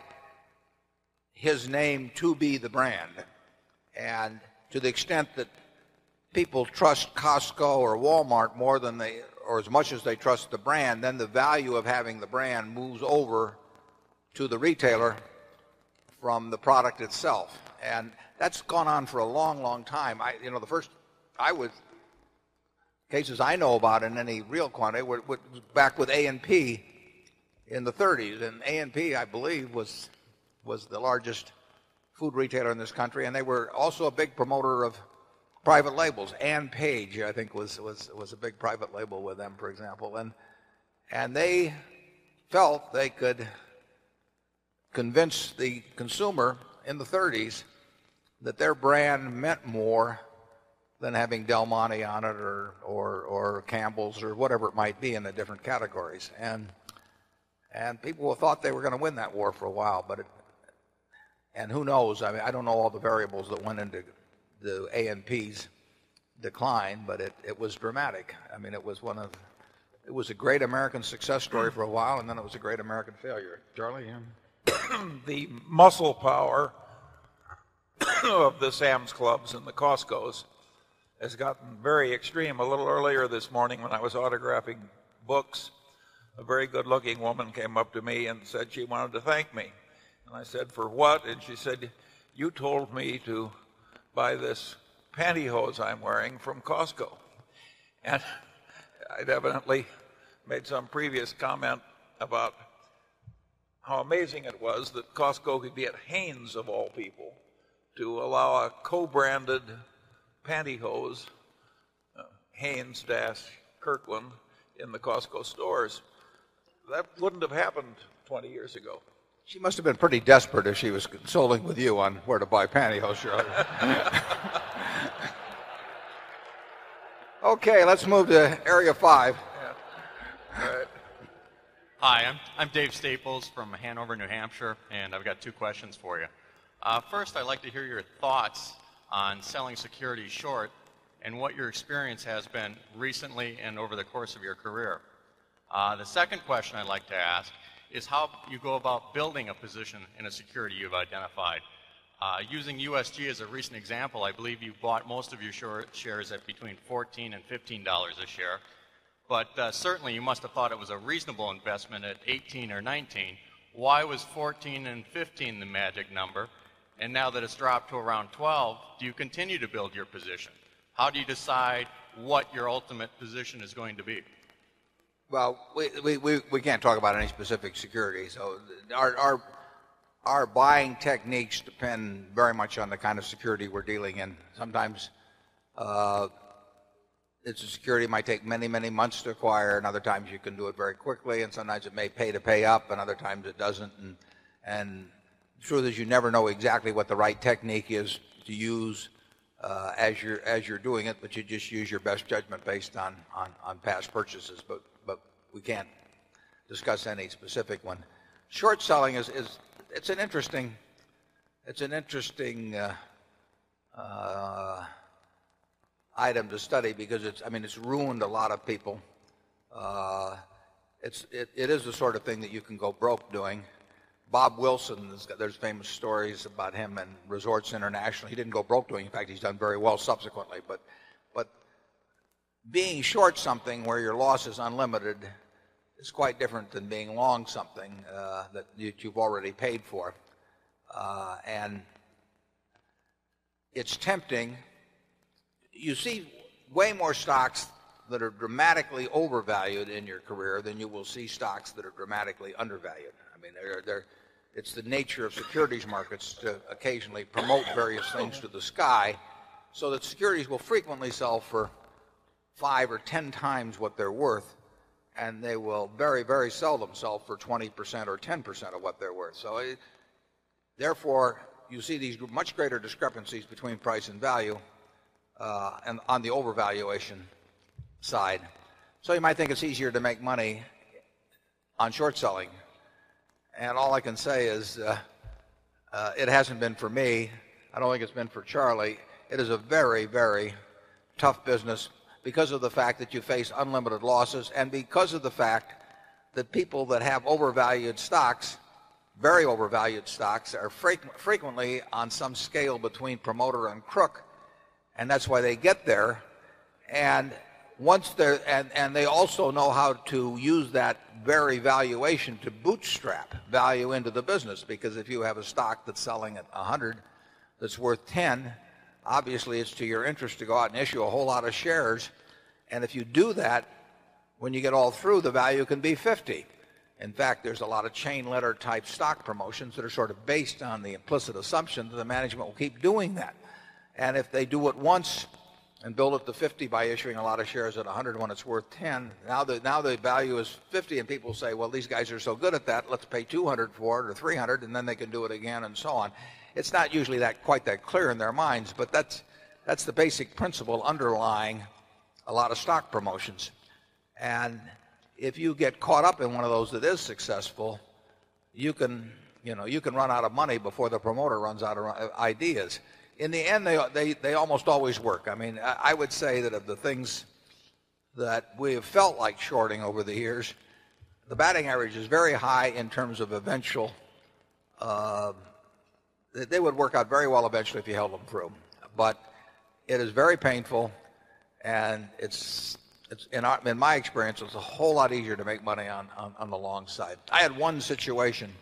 his name to be the brand. And to the extent that people trust Costco or Walmart more than they or as much as they trust the brand, then the value of having the brand moves over to the retailer from the product itself. And that's gone on for a long long time. I you know the first I was cases I know about in any real quantity were was back with A&P in the thirties and A&P I believe was was the largest food retailer in this country and they were also a big promoter of private labels. Ann Page I think was was was a big private label with them for example and And they felt they could convince the consumer in the thirties that their brand meant more than having Del Monte on it or or or Campbell's or whatever it might be in the different categories. And and people thought they were going to win that war for a while but and who knows, I mean, I don't know all the variables that went into the A and Ps decline but it was dramatic. I mean, it was one of it was a great American success story for a while and then it was a great American failure. Charlie, you? The muscle power of the Sam's Clubs and the Costco's has gotten very extreme. A little earlier this morning when I was autographing books, a very good looking woman came up to me and said she wanted to thank me. And I said, for what? And she said, you told me to buy this pantyhose I'm wearing from Costco. And I'd evidently made some previous comment about how amazing it was that Costco could be at Hanes of all people to allow a co branded pantyhose Hanes -Kirkland in the Costco stores. That wouldn't have happened 20 years ago. She must have been pretty desperate as she was consoling with you on where to buy pantyhose. You. First, I'd like to hear your thoughts on selling security short and what your experience has been recently and over the course of your career. The second question I'd like to ask is how you go about building a position in a security you've identified. Using USG as a recent example, I believe you bought most of your shares at between $14 $15 a share. But, certainly, you must have thought it was a reasonable investment at 18 or 19. Why was 1415 the magic number? And now that it's dropped to around 12, do you continue to build your position? How do you decide what your ultimate position is going to be? Well, we we we can't talk about any specific securities. So our our our buying techniques depend very much on the kind of security we're dealing in. Sometimes, it's a security that might take many, many months to acquire. And other times, you can do it very quickly. And sometimes, it may pay to pay up. And other times, it doesn't. And sure that you never know exactly what the right technique is to use as you're doing it, but you just use your best judgment based on past purchases, but we can't discuss any specific one. Short selling is, it's an interesting item to study because it's, I mean, it's ruined a lot of people. It is a sort of thing that you can go broke doing. Bob Wilson, there's famous stories about him and Resorts International. He didn't go broke doing. In fact, he's done very well subsequently. But being short something where your loss is unlimited is quite different than being long something, that you've already paid for. And it's tempting. You see way more stocks that are dramatically overvalued in your career than you will see stocks that are dramatically undervalued. I mean, they're they're it's the nature of securities markets to occasionally promote various things to the sky. So that securities will frequently sell for 5 or 10 times what they're worth. And they will very, very sell themselves for 20% or 10% of what they're worth. So therefore, you see these much greater discrepancies between price and value, and on the overvaluation side. So you might think it's easier to make money on short selling. And all I can say is, it hasn't been for me. I don't think it's been for Charlie. It is a very, very tough business because of the fact that you face unlimited losses and because of the fact that people that have overvalued stocks, very overvalued stocks are frequently on some scale between promoter and crook. And that's why they get there. And once they're and they also know how to use that very valuation to bootstrap value into the business because if you have a stock that's selling at 100, that's worth 10, obviously it's to your interest to go out and issue a whole lot of shares. And if you do that, when you get all through the value can be 50. In fact, there's a lot of chain letter type stock promotions that are sort of based on the implicit assumptions that the management will keep doing that. And if they do it once and build up the 50 by issuing a lot of shares at 101, it's worth 10. Now that now the value is 50 and people say, well, these guys are so good at that. Let's pay $200,000,000 for it or $300,000,000 and then they can do it again and so on. It's not usually that quite that clear in their minds, but that's the basic principle underlying a lot of stock promotions. And if you get caught up in one of those that is successful, you can run out of money before the promoter runs out of ideas. In the end, they almost always work. I mean, I would say that of the things that we have felt like shorting over the years, the batting average is very high in terms of eventual They would work out very well eventually if you held them through. But it is very painful and it's in my experience it's a whole lot easier to make money on on the long side. I had one situation,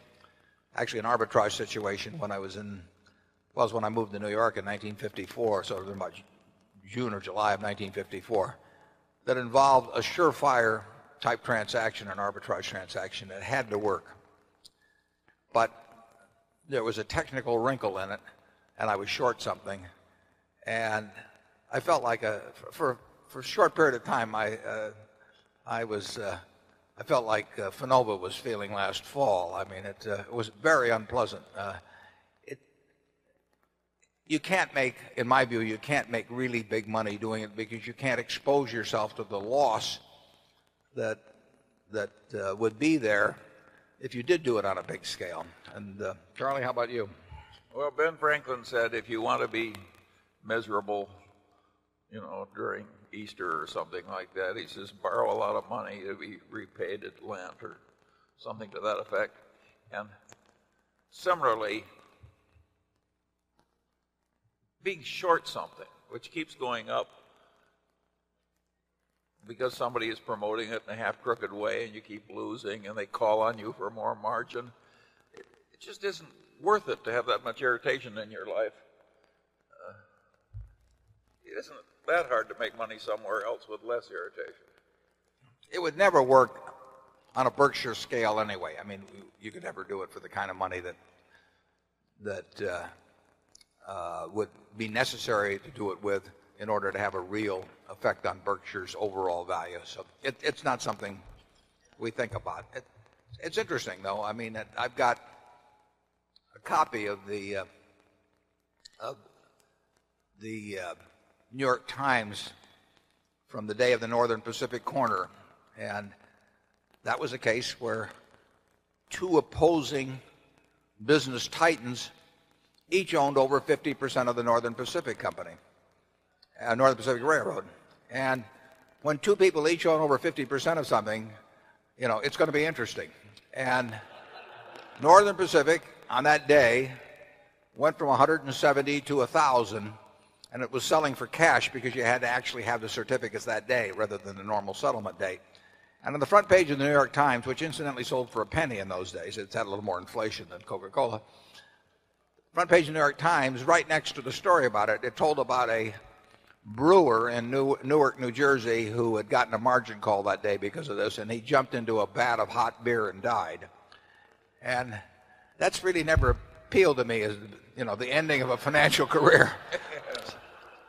actually an arbitrage situation when I was in was when I moved to New York in 1954, so it was about June or July of 1954 that involved a surefire type transaction, an arbitrage transaction that had to work. But there was a technical wrinkle in it and I was short something. And I felt like for a short period of time, I was I felt like Fionnuala was feeling last fall. I mean it was very unpleasant. You can't make, in my view, you can't make really big money doing it because you can't expose yourself to the loss that would be there if you did do it on a big scale. And Charlie, how about you? Well, Ben Franklin said, if you want to be miserable, you know, during Easter or something like that, he says borrow a lot of money, it'll be repaid at the land or something to that effect. And similarly, being short something, which keeps going up because somebody is promoting it in a half crooked way and you keep losing and they call on you for more margin, it just isn't worth it to have that much irritation in your life. It isn't that hard to make money somewhere else with less irritation. It would never work on a Berkshire scale anyway. I mean, you can never do it for the kind of money that would be necessary to do it with in order to have a real effect on Berkshire's overall value. So it's not something we think about. It's interesting, though. I mean, I've got a copy of the New York Times from the day of the Northern Pacific Corner and that was a case where 2 opposing business titans each owned over 50% of the Northern Pacific Company, Northern Pacific Railroad. And when 2 people each own over 50% of something, it's going to be interesting. And Northern Pacific on that day went from 170 to 1000 and it was selling for cash because you had to actually have the certificates that day rather than the normal settlement date. And on the front page of the New York Times which incidentally sold for a penny in those days, it had a little more inflation than Coca Cola. Front page of New York Times right next to the story about it, it told about a brewer in Newark, New Jersey who had gotten a margin call that day because of this and he jumped into a bat of hot beer and died. And that's really never appealed to me as, you know, the ending of a financial career.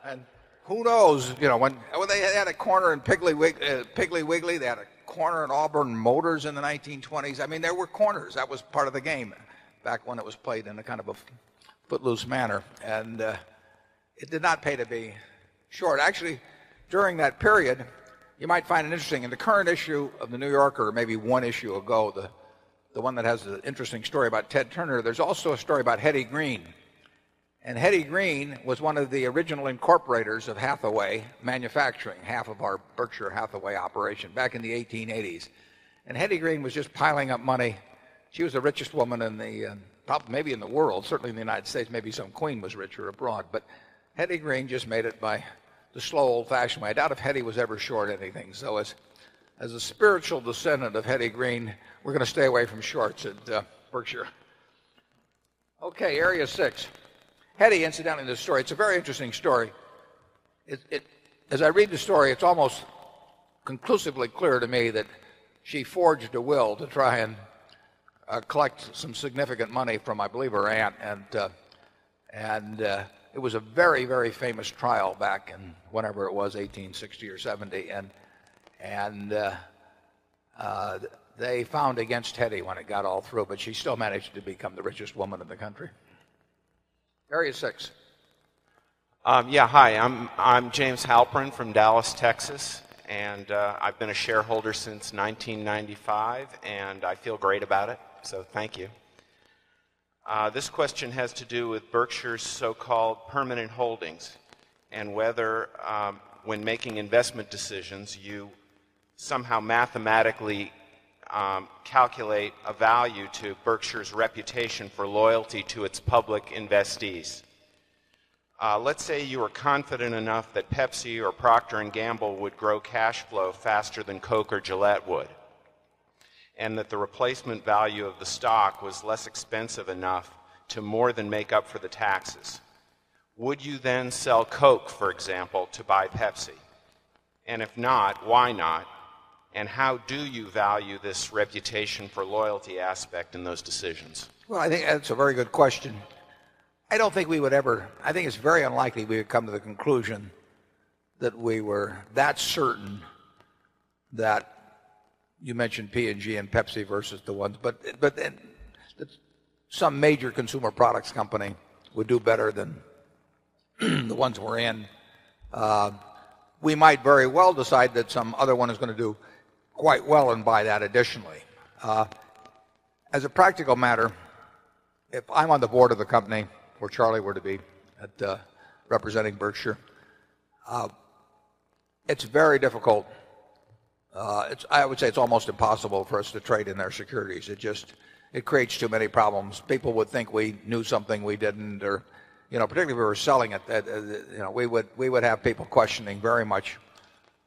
And who knows, you know, when when they had a corner in Piggly Wiggly, they had a corner in Auburn Motors in the 19 twenties. I mean there were corners that was part of the game back when it was played in a kind of a footloose manner. And it did not pay to be short. Actually, during that period, you might find it interesting in the current issue of the New Yorker or maybe one issue ago, the one that has an interesting story about Ted Turner, there's also a story about Hetty Green. And Hetty Green was one of the original incorporators of Hathaway Manufacturing, half of our Berkshire Hathaway operation back in the 18 eighties. And Hetty Green was just piling up money. She was the richest woman in the maybe in the world, certainly in the United States, maybe some queen was richer abroad, but Hettie Green just made it by the slow old fashioned way. I doubt if Hettie was ever short anything. So as a spiritual descendant of Hetty Green, we're going to stay away from shorts at Berkshire. Okay. Area 6. Hetty incidentally in the story. It's a very interesting story. As I read the story, it's almost conclusively clear to me that she forged a will to try and collect some significant money from, I believe, her aunt and, and it was a very, very famous trial back in, whenever it was, 18/60 or 70. And they found against Hetty when it got all through, but she still managed to become the richest woman in the country. Area 6. Yeah. Hi. I'm I'm James Halperin from Dallas, Texas. And, I've been a shareholder since 1995 and I feel great about it. So thank you. This question has to do with Berkshire's so called permanent holdings and whether when making investment decisions, you somehow mathematically, calculate a value to Berkshire's reputation for loyalty to its public investees. Let's say you were confident enough that Pepsi or Procter and Gamble would grow cash flow faster than Coke or Gillette would and that the replacement value of the stock was less expensive enough to more than make up for the taxes. Would you then sell Coke for example to buy Pepsi? And if not, why not? And how do you value this reputation for loyalty aspect in those decisions? Well, I think that's a very good question. I don't think we would ever I think it's very unlikely we have come to the conclusion that we were that certain that you mentioned P&G and Pepsi versus the ones, but some major consumer products company would do better than the ones we're in. We might very well decide that some other one is going to do quite well and buy that additionally. As a practical matter, if I'm on the Board of the company where Charlie were to be at representing Berkshire, it's very difficult. It's I would say it's almost impossible for us to trade in our securities. It just it creates too many problems. People would think we knew something we didn't or particularly we were selling it. We would have people questioning very much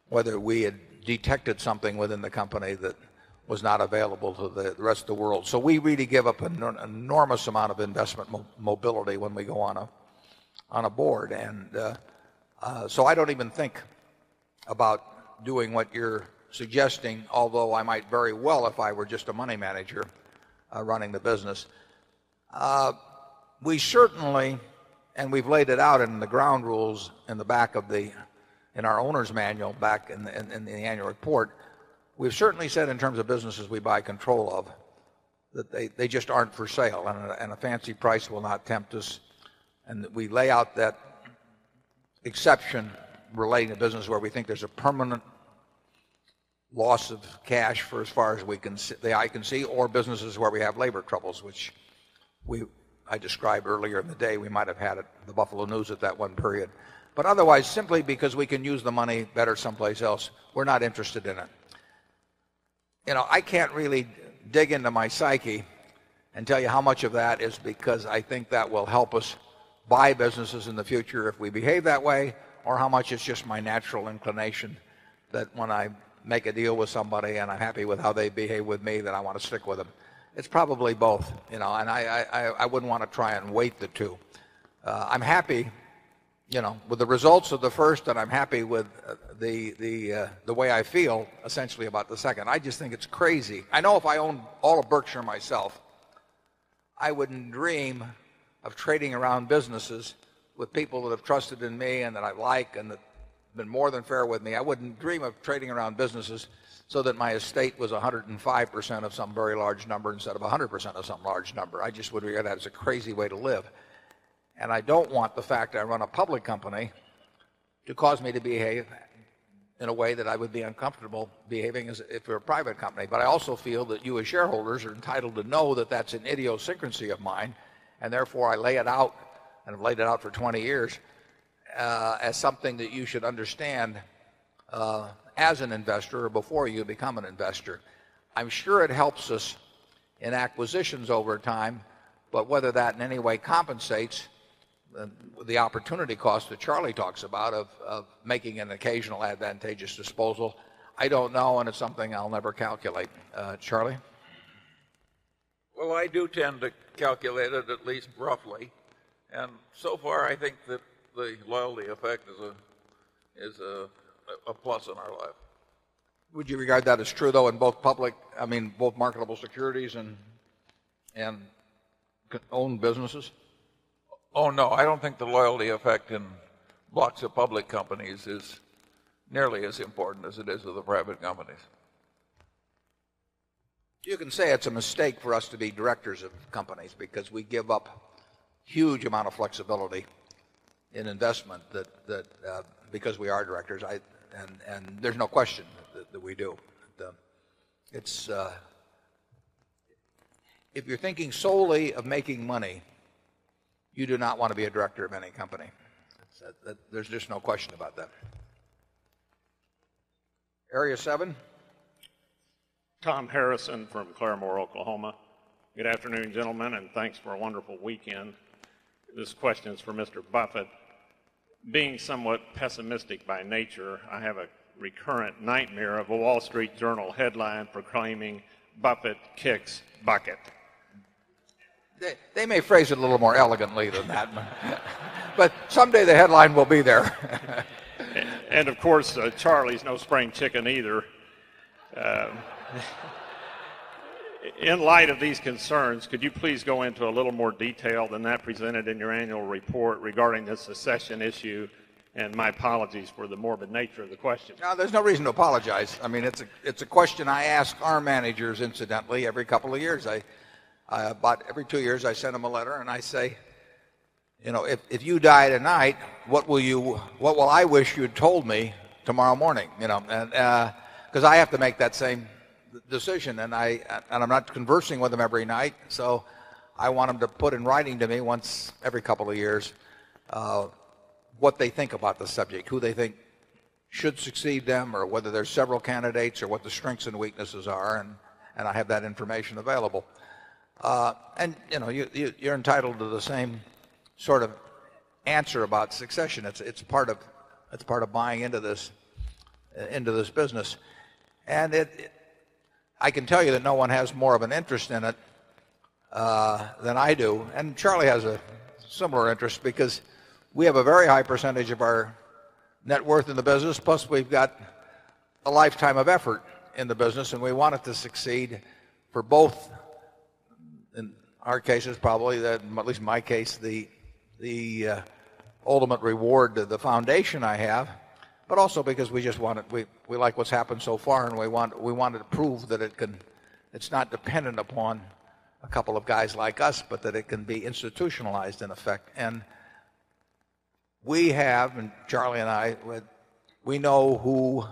whether we had detected something within the company that was not available to the rest of the world. So we really give up an enormous amount of investment mobility when we go on a board and so I don't even think about doing what you're suggesting although I might very well if I were just a money manager running the business. We certainly and we've laid it out in the ground rules in the back of the in our owners manual back in the annual report. We've certainly said in terms of businesses we buy control of, that they just aren't for sale and a fancy price will not tempt us and we lay out that exception relating to business where we think there's a permanent loss of cash for as far as we can see the eye can see or businesses where we have labor troubles which we I described earlier in the day we might have had it in the Buffalo News at that one period. But otherwise simply because we can use the money better someplace else, we're not interested in it. You know, I can't really dig into my psyche and tell you how much of that is because I think that will help us buy businesses in the future if we behave that way or how much is just my natural inclination that when I make a deal with somebody and I'm happy with how they behave with me that I want to stick with them. It's probably both, you know, and I wouldn't want to try and wait the 2. I'm happy, with the results of the first and I'm happy with the way I feel essentially about the second. I just think it's crazy. I know if I own all of Berkshire myself, I wouldn't dream of trading around businesses with people that have trusted in me and that I like and been more than fair with me. I wouldn't dream of trading around businesses so that my estate was a 105% of some very large number instead of a 100% some large number. I just would have had that as a crazy way to live. And I don't want the fact I run a public company to cause me to behave in a way that I would be uncomfortable behaving as if we're a private company. But I also feel that you as shareholders are entitled to know that that's an idiosyncrasy of mine and therefore I lay it out and laid it out for 20 years as something that you should understand as an investor or before you become an investor. I'm sure it helps us in acquisitions over time, but whether that in any way compensates the opportunity cost that Charlie talks about of making an occasional advantageous disposal, I don't know and it's something I'll never calculate. Charlie? Well, I do tend to calculate it at least roughly. And so far, I think that the loyalty effect is a plus in our life. Would you regard that as true though in both public, I mean, both marketable securities and owned businesses? Oh no, I don't think the loyalty effect in lots of public companies is nearly as important as it is of the private companies. You can say it's a mistake for us to be directors of companies because we give up huge amount of flexibility in investment that that, because we are directors. I and and there's no question that we do. It's, if you're thinking solely of making money, you do not want to be a director of any company. There's just no question about that. Area 7. Tom Harrison from Claremore, Oklahoma. Good afternoon, gentlemen, and thanks for a wonderful weekend. This question is for mister Buffett. Being somewhat pessimistic by nature, I have a recurrent nightmare of a Wall Street Journal headline proclaiming Buffett kicks bucket. They may phrase it a little more elegantly than that. But someday the headline will be there. And of course, Charlie's no spring chicken either. In light of these concerns, could you please go into a little more detail than that presented in your annual report regarding this succession issue? And my apologies for the morbid nature of the question. There's no reason to apologize. I mean, it's a question I ask our managers incidentally every couple of years. I bought every 2 years I send them a letter and I say, you know, if you die tonight what will you what will I wish you had told me tomorrow morning, you know. And because I have to make that same decision and I'm not conversing with them every night. So I want them to put in writing to me once every couple of years what they think about the subject, who they think should succeed them or whether there's several candidates or what the strengths and weaknesses are and I have that information available. And you're entitled to the same sort of answer about succession. It's part of buying into this business. And I can tell you that no one has more of an interest in it than I do and Charlie has a similar interest because we have a very high percentage of our net worth in the business, plus we've got a lifetime of effort in the business and we wanted to succeed for both, in our cases probably, at least my case, the ultimate reward, the foundation I have, but also because we just want it, we like what's happened so far and we wanted to prove that it can, it's not dependent upon a couple of guys like us but that it can be institutionalized in effect. And we have, and Charlie and I, we know who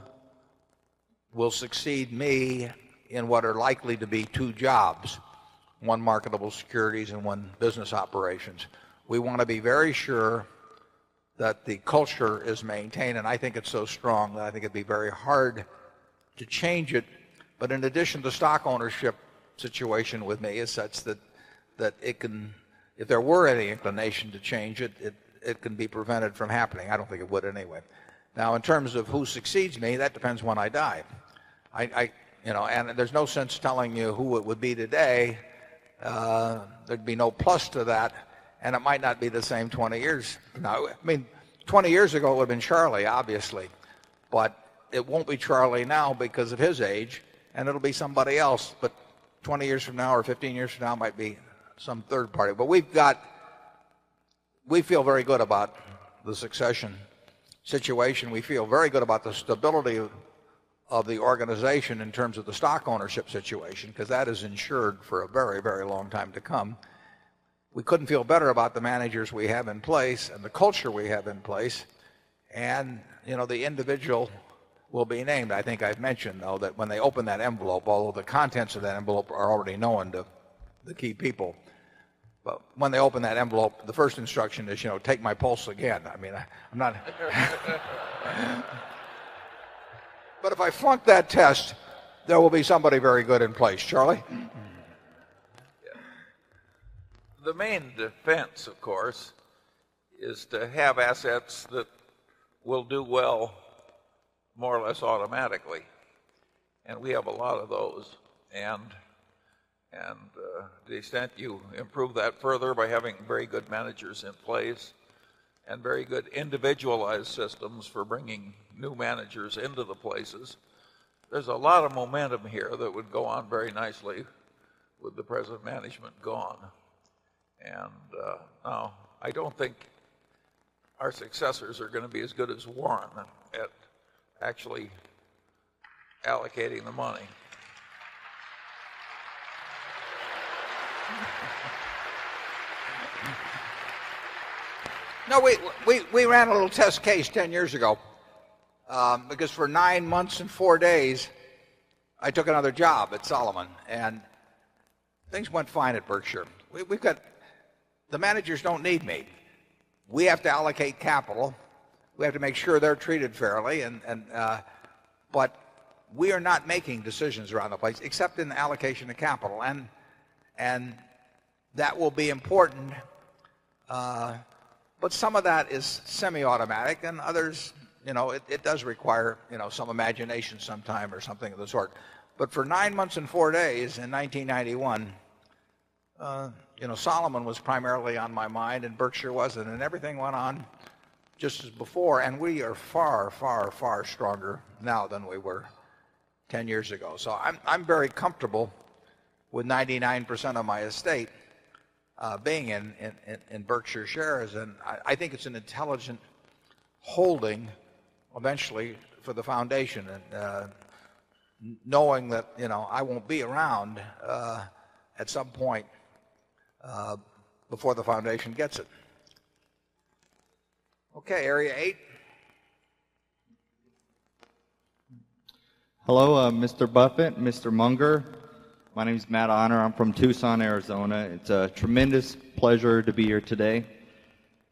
will succeed me in what are likely to be 2 jobs, 1 marketable securities and 1 business operations. We want to be very sure that the culture is maintained and I think it's so strong that I think it'd be hard to change it, but in addition to stock ownership situation with me is such that that it can if there were any inclination to change it, it can be prevented from happening. I don't think it would anyway. Now in terms of who succeeds me that depends when I die. I you know and there's no sense telling you who it would be today. There'd be no plus to that and it might not be the same 20 years. I mean 20 years ago would have been Charlie obviously, but it won't be Charlie now because of his age and it'll be somebody else but 20 years from now or 15 years from now might be some third party. But we've got, we feel very good about the succession situation, we feel very good about the stability of the organization in terms of the stock ownership situation, because that is insured for a very very long time to come. We couldn't feel better about the managers we have in place and the culture we have in place and you know the individual will be named. I think I've mentioned though that when they open that envelope, although the contents of that envelope are already known to the key people, But, when they open that envelope, the first instruction is you know, take my pulse again. I mean, I'm not But if I flunk that test there will be somebody very good in place, Charlie. The main defense of course is to have assets that will do well more or less automatically and we have a lot of those and And to the extent you improve that further by having very good managers in place and very good individualized systems for bringing new managers into the places. There's a lot of momentum here that would go on very nicely with the present management gone. And now I don't think our successors are going to be as good as Warren at actually allocating the money. No, we we we ran a little test case 10 years ago. Because for 9 months and 4 days, I took another job at Solomon. And things went fine at Berkshire. We we got the managers don't need me. We have to allocate capital. Have to make sure they're treated fairly and and, but we are not making decisions around the place except in allocation of capital. And and that will be important, but some of that is semi automatic and others, you know, it does require, you know, mind and Berkshire wasn't and everything went on just as before and we are far far far stronger now than we were 10 years ago. So I'm very comfortable with 99% of my estate, being in in Berkshire shares. And I think it's an intelligent holding eventually for the foundation and knowing that, you know, I won't be around at some point before the foundation gets it. Okay, area 8. Hello, mister Buffet, mister Munger. My name is Matt Honor. I'm from Tucson, Arizona. It's a tremendous pleasure to be here today.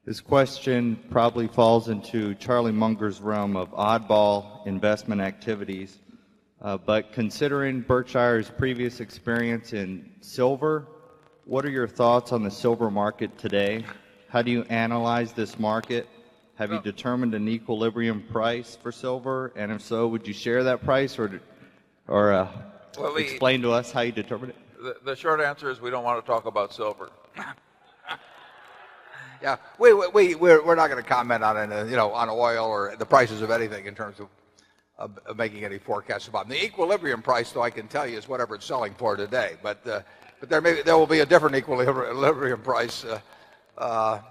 This question probably falls into Charlie Munger's realm of oddball investment activities. But considering Berkshire's previous experience in silver, what are your thoughts on the silver market today? How do you analyze this market? Have you determined an equilibrium price for silver? And if so, would you share that price or explain to us how you determine it? The short answer is we don't want to talk about silver. Yes, we're not going to comment on oil or the prices of anything in terms of making any forecast about. The equilibrium price though I can tell you is whatever it's selling for today. But there may be there will be a different equilibrium price a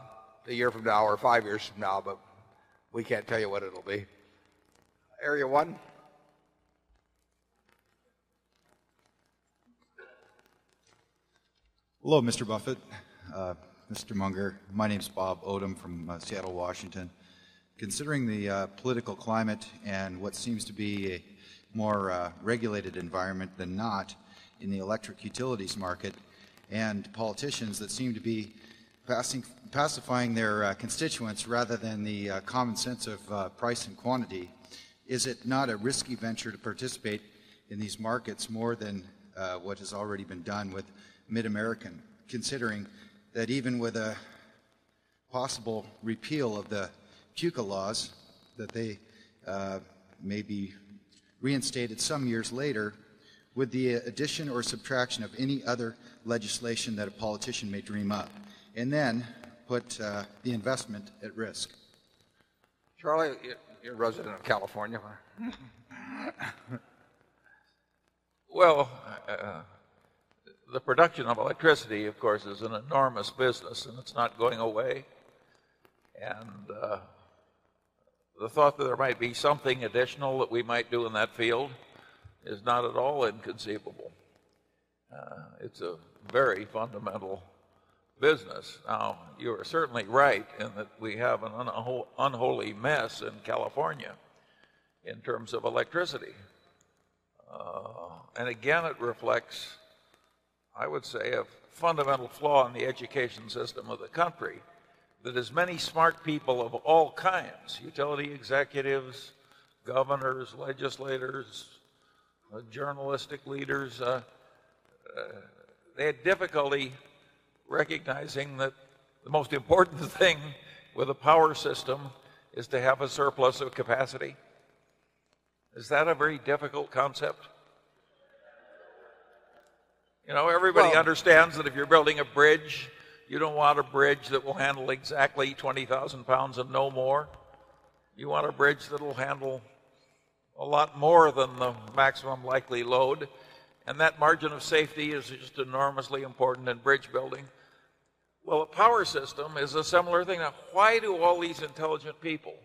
year from now or 5 years from now but we can't tell you what it'll be. Area 1. Hello, Mr. Buffet, Mr. Munger. My name is Bob Odom from Seattle, Washington. Considering the political climate and what seems to be a more regulated environment than not in the electric utilities market and politicians that seem to be passing pacifying their constituents rather than the common sense of price and quantity. Is it not a risky venture to participate in these markets more than what has already been done with Mid American, considering that even with a possible repeal of the CUCA laws that they, may be reinstated some years later, with the addition or subtraction of any other legislation that a politician may dream up and then put, the investment at risk. Charlie, you're a resident of California. Well, the production of electricity of course is an enormous business and it's not going away and the thought that there might be something additional that we might do in that field is not at all inconceivable. It's a very fundamental business. Now you're certainly right and that we have an unholy mess in California in terms of electricity. And again, it reflects, I would say, a fundamental flaw in the education system of the country that as many smart people of all kinds, utility executives, governors, legislators, journalistic leaders, they had difficulty recognizing that the most important thing with a power system is to have a surplus of capacity. Is that a very difficult concept? You know, everybody understands that if you're building a bridge, you don't want a bridge that will handle exactly £20,000 of no more, you want a bridge that will handle a lot more than the maximum likely load and that margin of safety is just enormously important in bridge building. Well a power system is a similar thing. Now why do all these intelligent people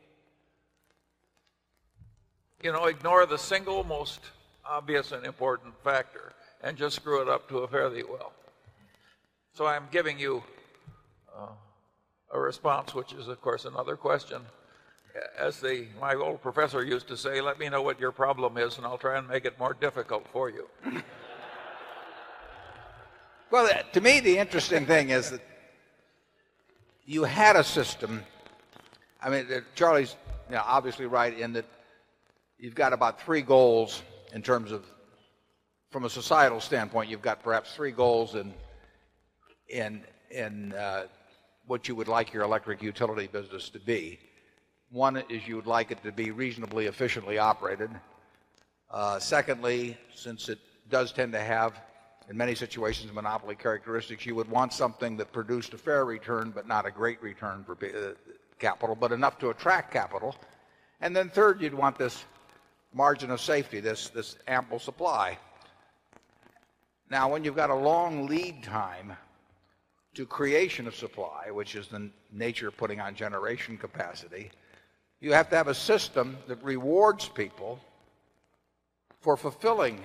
you know, ignore the single most obvious and important factor and just screw it up to a fairly well. So I'm giving you a response which is of course another question. As my old professor used to say, let me know what your problem is and I'll try and make it more difficult for you. Well, to me the interesting thing is that you had a system. I mean, Charlie's obviously right in that you've got about 3 goals in terms of from a societal standpoint, you've got perhaps 3 goals in in what you would like your electric utility business to be. 1 is you would like it to be reasonably efficiently operated. Secondly, since it does tend to have in many situations monopoly characteristics, you would want something that produced a fair return but not a great return for capital but enough to attract capital. And then 3rd, you'd want this margin of safety, this ample supply. Now when you've got a long lead time to creation of supply which is the nature of putting on generation capacity, you have to have a system that rewards people for fulfilling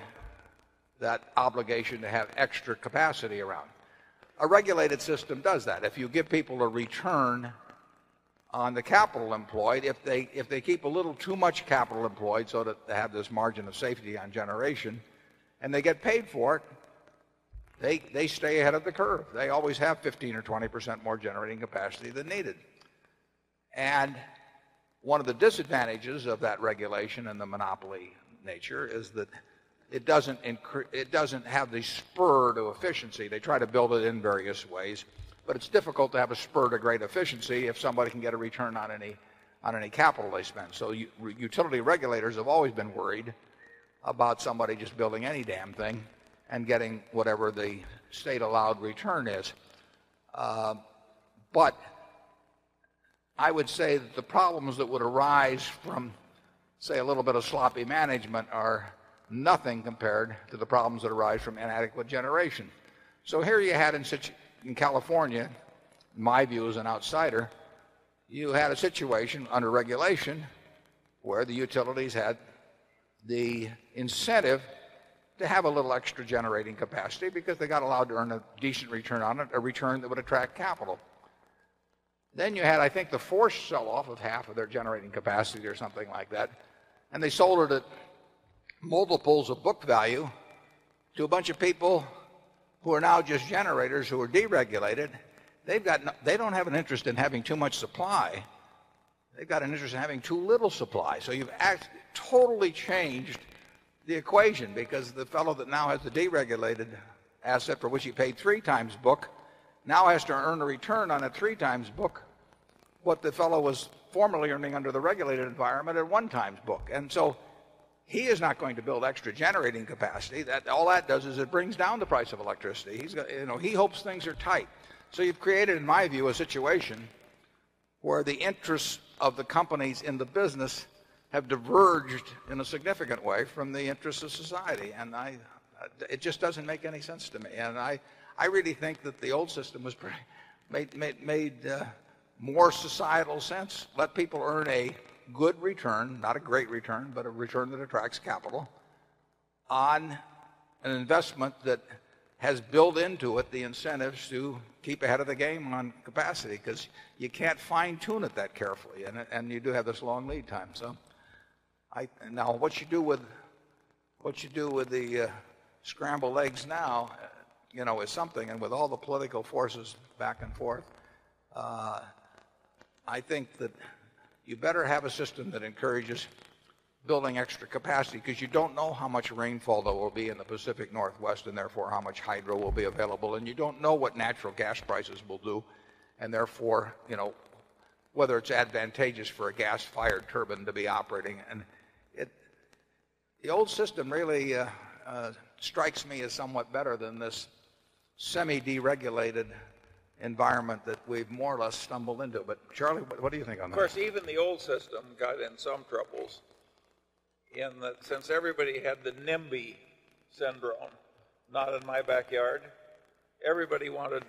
that obligation to have extra capacity around. A regulated system does that. If you give people a return on the capital employed, if they if they keep a little too much capital employed so that they have this margin of safety on generation and they get paid for it, they stay ahead of the curve. They always have 15% or 20% more generating capacity than needed. And one of the disadvantages of that regulation and the monopoly nature is that it doesn't have the spur to efficiency. They try to build it in various ways, but it's difficult to have a spur to great efficiency if somebody can get a return on any on any capital they spent. So utility regulators have always been worried about somebody just building any damn thing and getting whatever the state allowed return is. But I would say that the problems that would arise from say, a little bit of sloppy management are nothing compared to the problems that arise from inadequate generation. So here you had in such in California, my view is an outsider, you had a situation under regulation where the utilities had the incentive to have a little extra generating capacity because they got allowed to earn a decent return on it, a return that would attract capital. Then you had I think the 4 sell off of half of their generating capacity or something like that and they sold it at multiples of book value to a bunch of people who are now just generators, who are deregulated. They've got they don't have an interest in having too much supply. They've got an interest in having too little supply. So you've act totally changed the equation because the fellow that now has the deregulated asset for which he paid 3 times book now has to earn a return on a 3 times book. What the fellow was formerly earning under the regulated environment at one time book. And so he is not going to build extra generating capacity. All that does is it brings down the price of electricity. He hopes things are tight. So you've created in my view a situation where the interests of the companies in the business have diverged in a significant way from the interests of society. And I it just doesn't make any sense to me. And I I really think that the old system was made made made more societal sense, let people earn a good return, not a great return, but a return that attracts capital on an investment that has built into it the incentives to keep ahead of the game on capacity because you can't fine tune it that carefully and and you do have this long lead time. So I and now what you do with what you do with the scrambled eggs now, you know, is something and with all the political forces back and forth, I think that you better have a system that encourages building extra capacity because you don't know how much rainfall there will be in the Pacific Northwest and therefore how much hydro will be available and you don't know what natural gas prices will do. And therefore, whether it's advantageous for a gas fired turbine to be operating. And it the old system really strikes me as somewhat better than this semi deregulated environment that we've more or less stumbled into. But Charlie, what do you think on that? Of course, even the old system got in some troubles in that since everybody had the NIMBY syndrome, not in my backyard, everybody wanted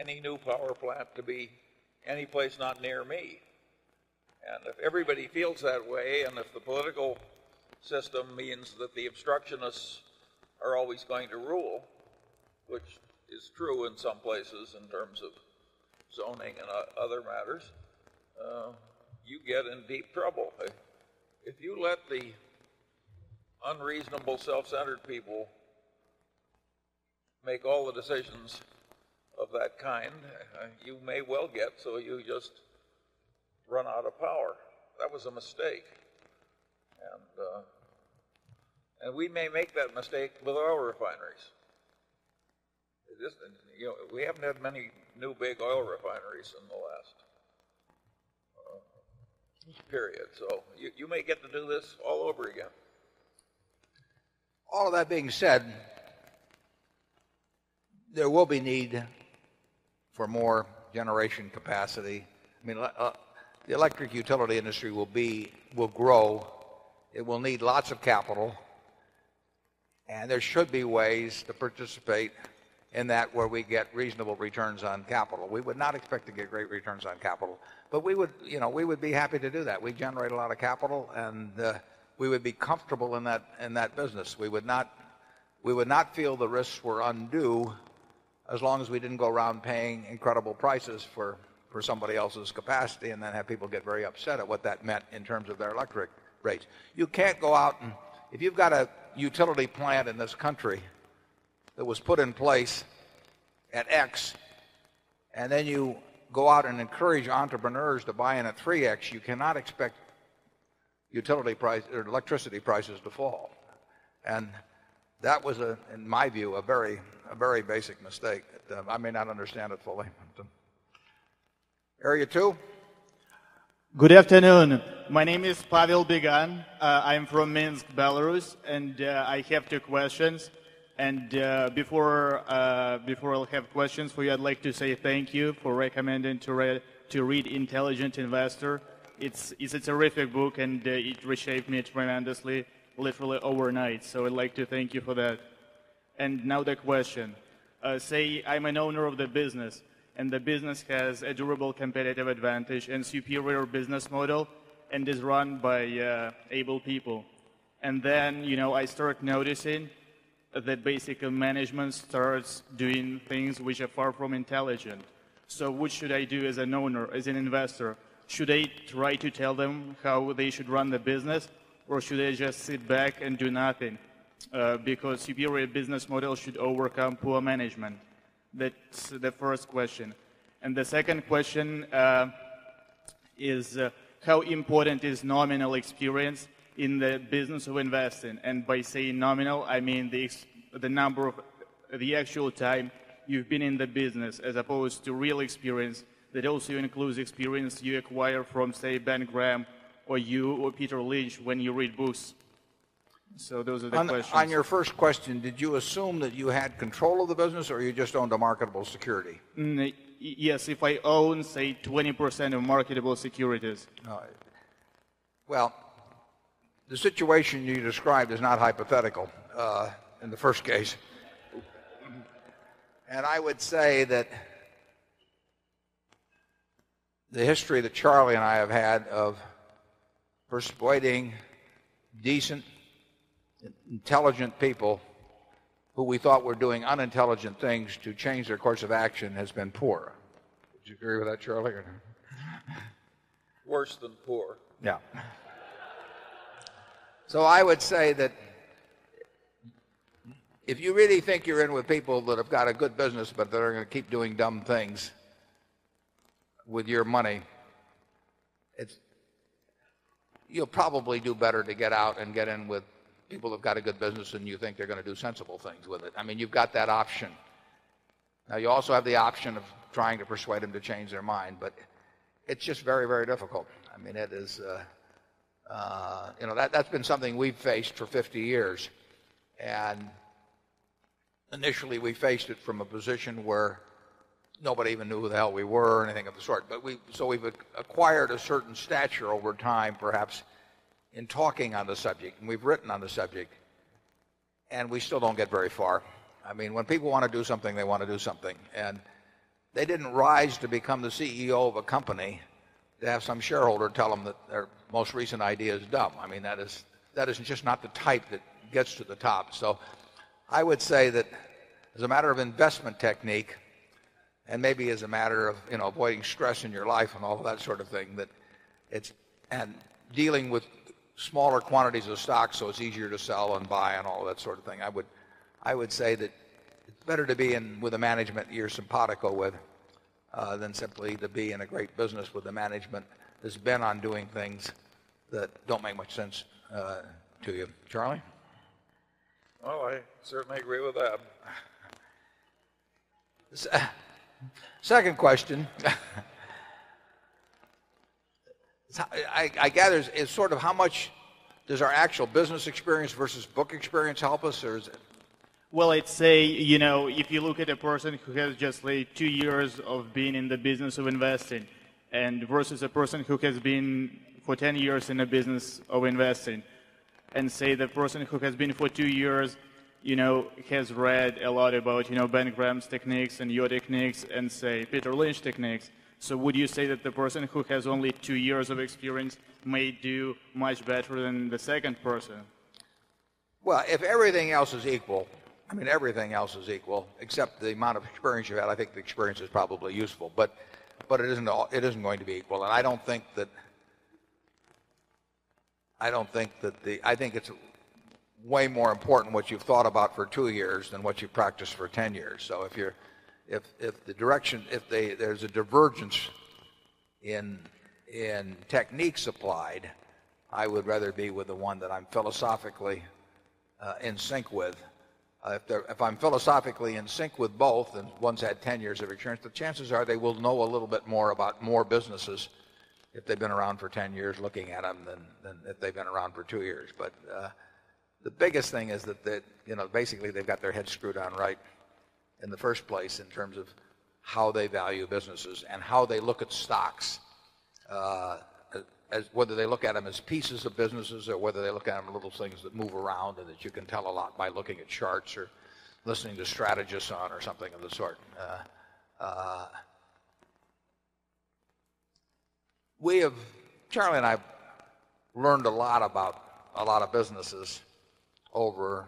any new power plant to be any place not near me. And if everybody feels that way and if the political system means that the obstructionists are always going to rule, which is true in some places in terms of zoning and other matters, you get in deep trouble. If you let the unreasonable self centered people make all the decisions of that kind, you may well get, so you just run out of power. That was a mistake. And we may make that mistake with oil refineries. We haven't had many new big oil refineries in the last period. So you may get to do this all over again. All that being said, there will be need for more generation capacity. I mean, the electric utility industry will be will grow. It will need lots of capital and there should be ways to participate in that where we get reasonable returns on capital. We would not expect to get great returns on capital but we would you know we would be happy to do that. We generate a lot of We would not We would not feel the risks were undue as long as we didn't go around paying incredible prices for somebody else's capacity and then have people get very upset at what that meant in terms of their electric rates. You can't go out and if you've got a utility plant in this country that was put in place at X and then you go out and encourage entrepreneurs to buy in at 3x, you cannot expect utility price or electricity prices to fall. And that was in my view a very basic mistake. I may not understand it fully. Area 2. Good afternoon. My name is Pavel Began. I am from Minsk, Belarus and I have two questions. And before I'll have questions for you, I'd like to say thank you for recommending to read Intelligent Investor. It's a terrific book and it reshaped me tremendously literally overnight. So I'd like to thank you for that. And now the question, say I'm an owner of the business and the business has a durable competitive advantage and superior business model and is run by able people And then I start noticing that basically management starts doing things which are far from intelligent. So what should I do as an owner, as an investor? Should I try to tell them how they should run the business or should I just sit back and do nothing because superior business model should overcome poor management? That's the first question. And the second question is how important is nominal experience in the business of investing and by saying nominal, I mean the number of the actual time you've been in the business as opposed to real experience that also includes experience you acquire from say Ben Graham or you or Peter Lynch when you read books. So those are the questions. On your first question, did you assume that you had control of the business or you just owned a marketable security? Yes. If I own say 20% of marketable securities. Well, the situation you described is not hypothetical, in the first case. And I would say that the history that Charlie and I have had of persuading decent intelligent people who we thought were doing unintelligent things to change their course of action has been poor. Would You agree with that Charlie? Worse than poor. Yeah. So I would say that if you really think you're in with people that have got a good business, but they're gonna keep doing dumb things with your money, it's you'll probably do better to get out and get in with people who've got a good business and you think they're gonna do sensible things with it. I mean, you've got that option. Now you also have the option of trying to persuade them to change their mind. But it's just very, very difficult. I mean, it is, you know, that that's been something we've faced for 50 years. And initially, we faced it from a position where nobody even knew who the hell we were or anything of the sort. But we so we've acquired a certain stature over time perhaps in talking on the subject and we've written on the subject and we still don't get very far. I mean when people want to do something, they want to do something. And they didn't rise to become the CEO of a company, They have some shareholder tell them that their most recent idea is dumb. I mean that is that isn't just not the type that gets to the top. So I would say that as a matter of investment technique and maybe as a matter of avoiding stress in your life and all that sort of thing that it's and dealing with smaller quantities of stock so it's easier to sell and buy and all that sort of thing. I would say that it's better to be in with a management you're simpatico with, than simply to be in a great business with a management that's been on doing things that don't make much sense to you. Charlie? Well, I certainly agree with that. Second question. I gather is sort of how much does our actual business experience versus book experience help us or is it? Well, I'd say, if you look at a person who has just laid 2 years of being in the business of investing and versus a person who has been for 10 years in a business of investing and say the person who has been for 2 years you know has read a lot about you know Ben Graham's techniques and your techniques and say Peter Lynch techniques. So would you say that the person who has only 2 years of experience may do much better than the second person? Well, if everything else is equal, I mean everything else is equal except the amount of experience you had. I think the experience is probably useful, it isn't going to be equal. And I don't think that I don't think that the I think it's way more important what you've thought about for 2 years than what you practice for 10 years. So if you're if the direction if they there's a divergence in techniques applied, I would rather be with the one that I'm philosophically in sync with. If I'm philosophically in sync with both and one's had 10 years of insurance, the chances are they will know a little bit more about more businesses if they've been around for 10 years looking at them than if they've been around for 2 years. But the biggest thing is that basically they've got their heads screwed on right in the first place in terms of how they value businesses and how they look at stocks as whether they look at them as pieces of businesses or whether they look at them as little things that move around and that you can tell a lot by looking at charts or listening to strategists on or something of the sort. We have Charlie and I've learned a lot about a lot of businesses over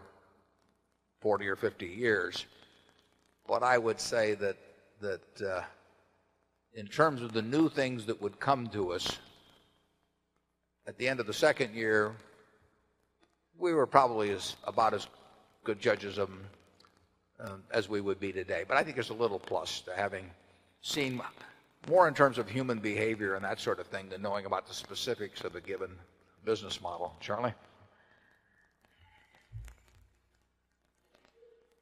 40 or 50 years. What I would say that that, in terms of the new things that would come to us, at the end of the 2nd year, we were probably as about as good judges of them as we would be today. But I think it's a little plus to having seen more in terms of human behavior and that sort of thing than knowing about the specifics of a given business model. Charlie?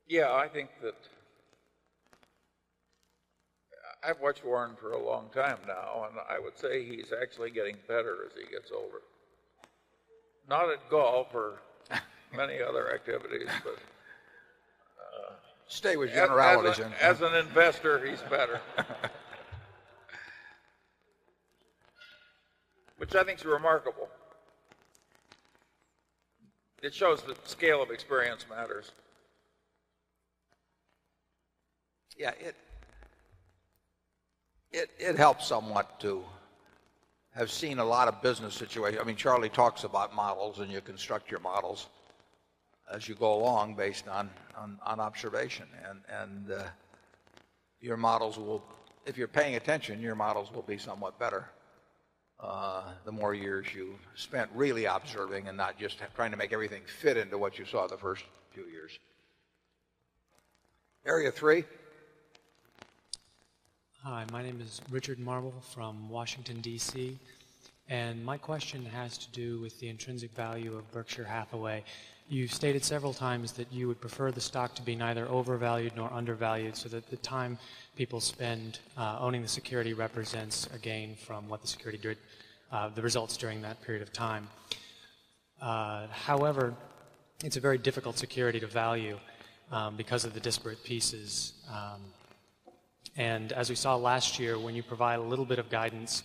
Yeah. I think that I've watched Warren for a long time now and I would say he's actually getting better as he gets older, not at golf or many other activities. Stay with your analogy. As an investor, he's better. Which I think is remarkable. It shows the scale of experience matters. Yeah. It helps somewhat to have seen a lot of business situation. I mean, Charlie talks about models and you construct your models as you go along based on observation. And your models will if you're paying attention, your models will be somewhat better, the more years you spent really observing and not just trying to make everything fit into what you saw the 1st few years. Area 3. Hi. My name is Richard Marbel from Washington D. C. And my question has to do with the intrinsic value of Berkshire Hathaway. You stated several times that you would prefer the stock to be neither overvalued nor undervalued so that the time people spend owning the security represents a gain from what the security did, the results during that period of time. However, it's a very difficult security to value because of the disparate pieces. And as we saw last year, when you provide a little bit of guidance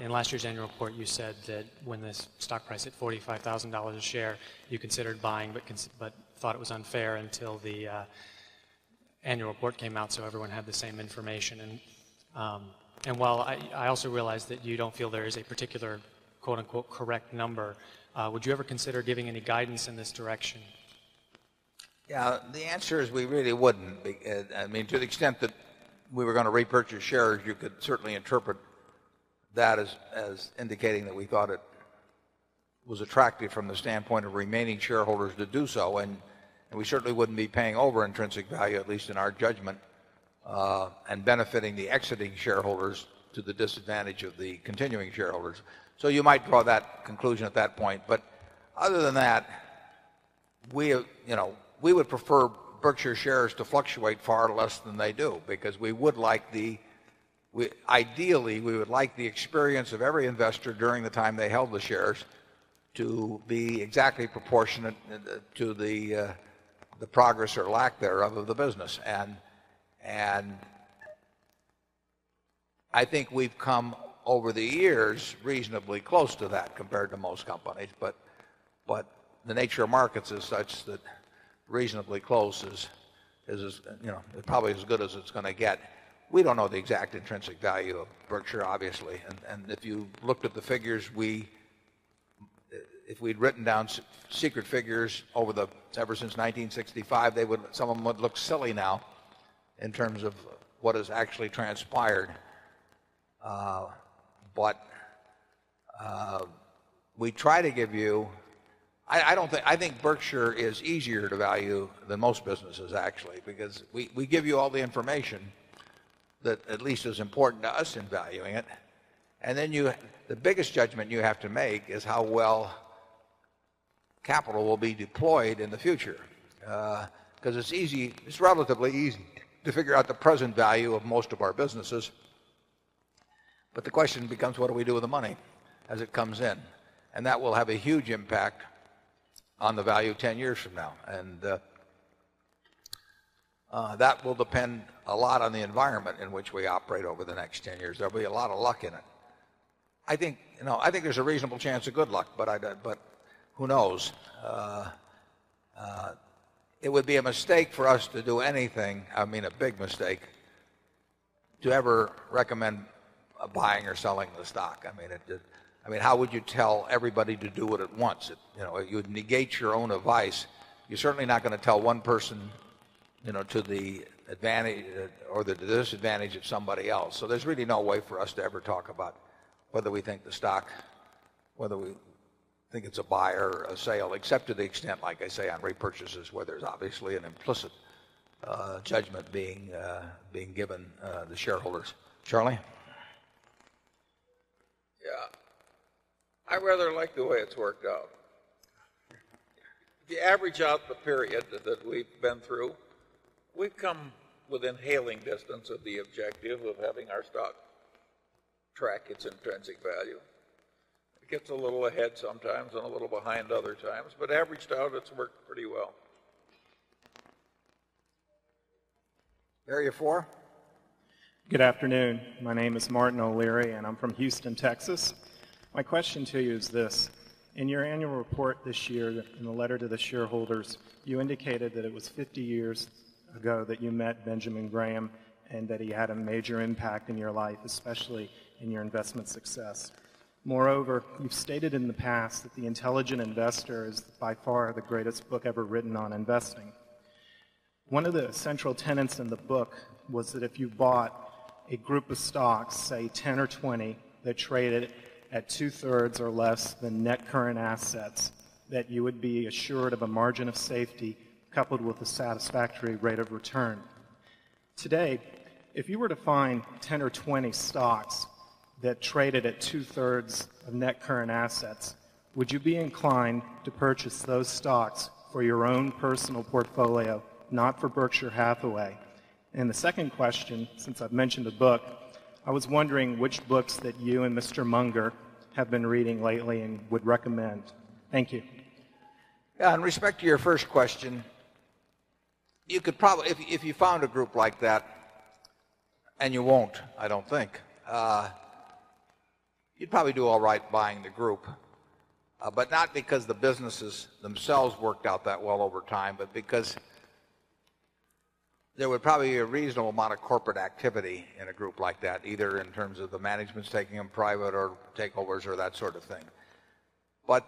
in last year's annual report, you said that when this stock price at $45,000 a share, you considered buying but thought it was unfair until the annual report came out, so everyone had the same information. And while I also realize that you don't feel there is a particular quote unquote correct number, would you ever consider giving any guidance in this direction? Yes. The answer is we really wouldn't. I mean to the extent that we were going to repurchase shares, you could certainly interpret that as indicating that we thought it was attractive from the standpoint of remaining shareholders to do so and we certainly wouldn't be paying over intrinsic value at least in our judgment and benefiting the exiting shareholders to the disadvantage of the continuing shareholders. So you might draw that conclusion at that point. But other than that, we would prefer Berkshire shares to fluctuate far less than they do because we would like the ideally we would like the experience of every investor during the time they held the shares to be exactly proportionate to the progress or lack thereof of the business. And I think we've come over the years reasonably close to that compared to most companies. But the nature of markets is such that reasonably close is probably as good as it's going to get. We don't know the exact intrinsic value of Berkshire obviously. And if you looked at the figures, we if we'd written down secret figures over the ever since 1965, they would some of them would look silly now in terms of what has actually transpired. But we try to give you I don't think I think Berkshire is easier to value than most businesses actually because we give you all the information that at least is important to us in valuing it. And then you the biggest judgment you have to make is how well capital will be deployed in the future. Because it's easy, it's relatively easy to figure out the present value of most of our businesses. But the question becomes, what do we do with the money as it comes in? And that will have a huge impact on the value 10 years from now. And that will depend a lot on the environment in which we operate over the next 10 years. There will be a lot of luck in it. I think, you know, I think there's a reasonable chance of good luck, but I but who knows. It would be a mistake for us to do anything, I mean a big mistake to ever recommend buying or selling the stock. I mean, how would you tell everybody to do what it wants? You would negate your own advice. You're certainly not going to tell one person to the advantage or the disadvantage of somebody else. So there's really no way for us to ever talk about whether we think the stock, whether we think it's a buyer or a sale except to the extent like I say on repurchases where there's obviously an implicit judgment being given the shareholders. Charlie? Yeah. I rather like the way it's worked out. The average out the period that we've been through, we've come within hailing distance of the objective of having our stock track its intrinsic value. It gets a little ahead sometimes and a little behind other times, but averaged out, it's worked pretty well. Good afternoon. My name is Martin O'Leary and I'm from Houston, Texas. My question to you is this. In your annual report this year in the letter to the shareholders, you indicated that it was 50 years ago that you met Benjamin Graham and that he had a major impact in your life, especially in your investment success. Moreover, you've stated in the past that The Intelligent Investor is by far the greatest book ever written on investing. One of the central tenants in the book was that if you bought a group of stocks, say 10 or 20 that traded at 2 thirds or less than net current assets that you would be assured of a margin of safety coupled with a satisfactory rate of return. Today, if you were to find 10 or 20 stocks that traded at 2 thirds of net current assets, would you be inclined to purchase those stocks for your own personal portfolio, not for Berkshire Hathaway? And the second question, since I've mentioned the book, I was wondering which books that you and Mr. Munger have been reading lately and would recommend. Thank you. On respect to your first question, you could probably if you found a group like that and you won't, I don't think, You'd probably do all right buying the group, but not because the businesses themselves worked out that well over time, but because there were probably a reasonable amount of corporate activity in a group like that either in terms of the management's taking them private or takeovers or that sort of thing. But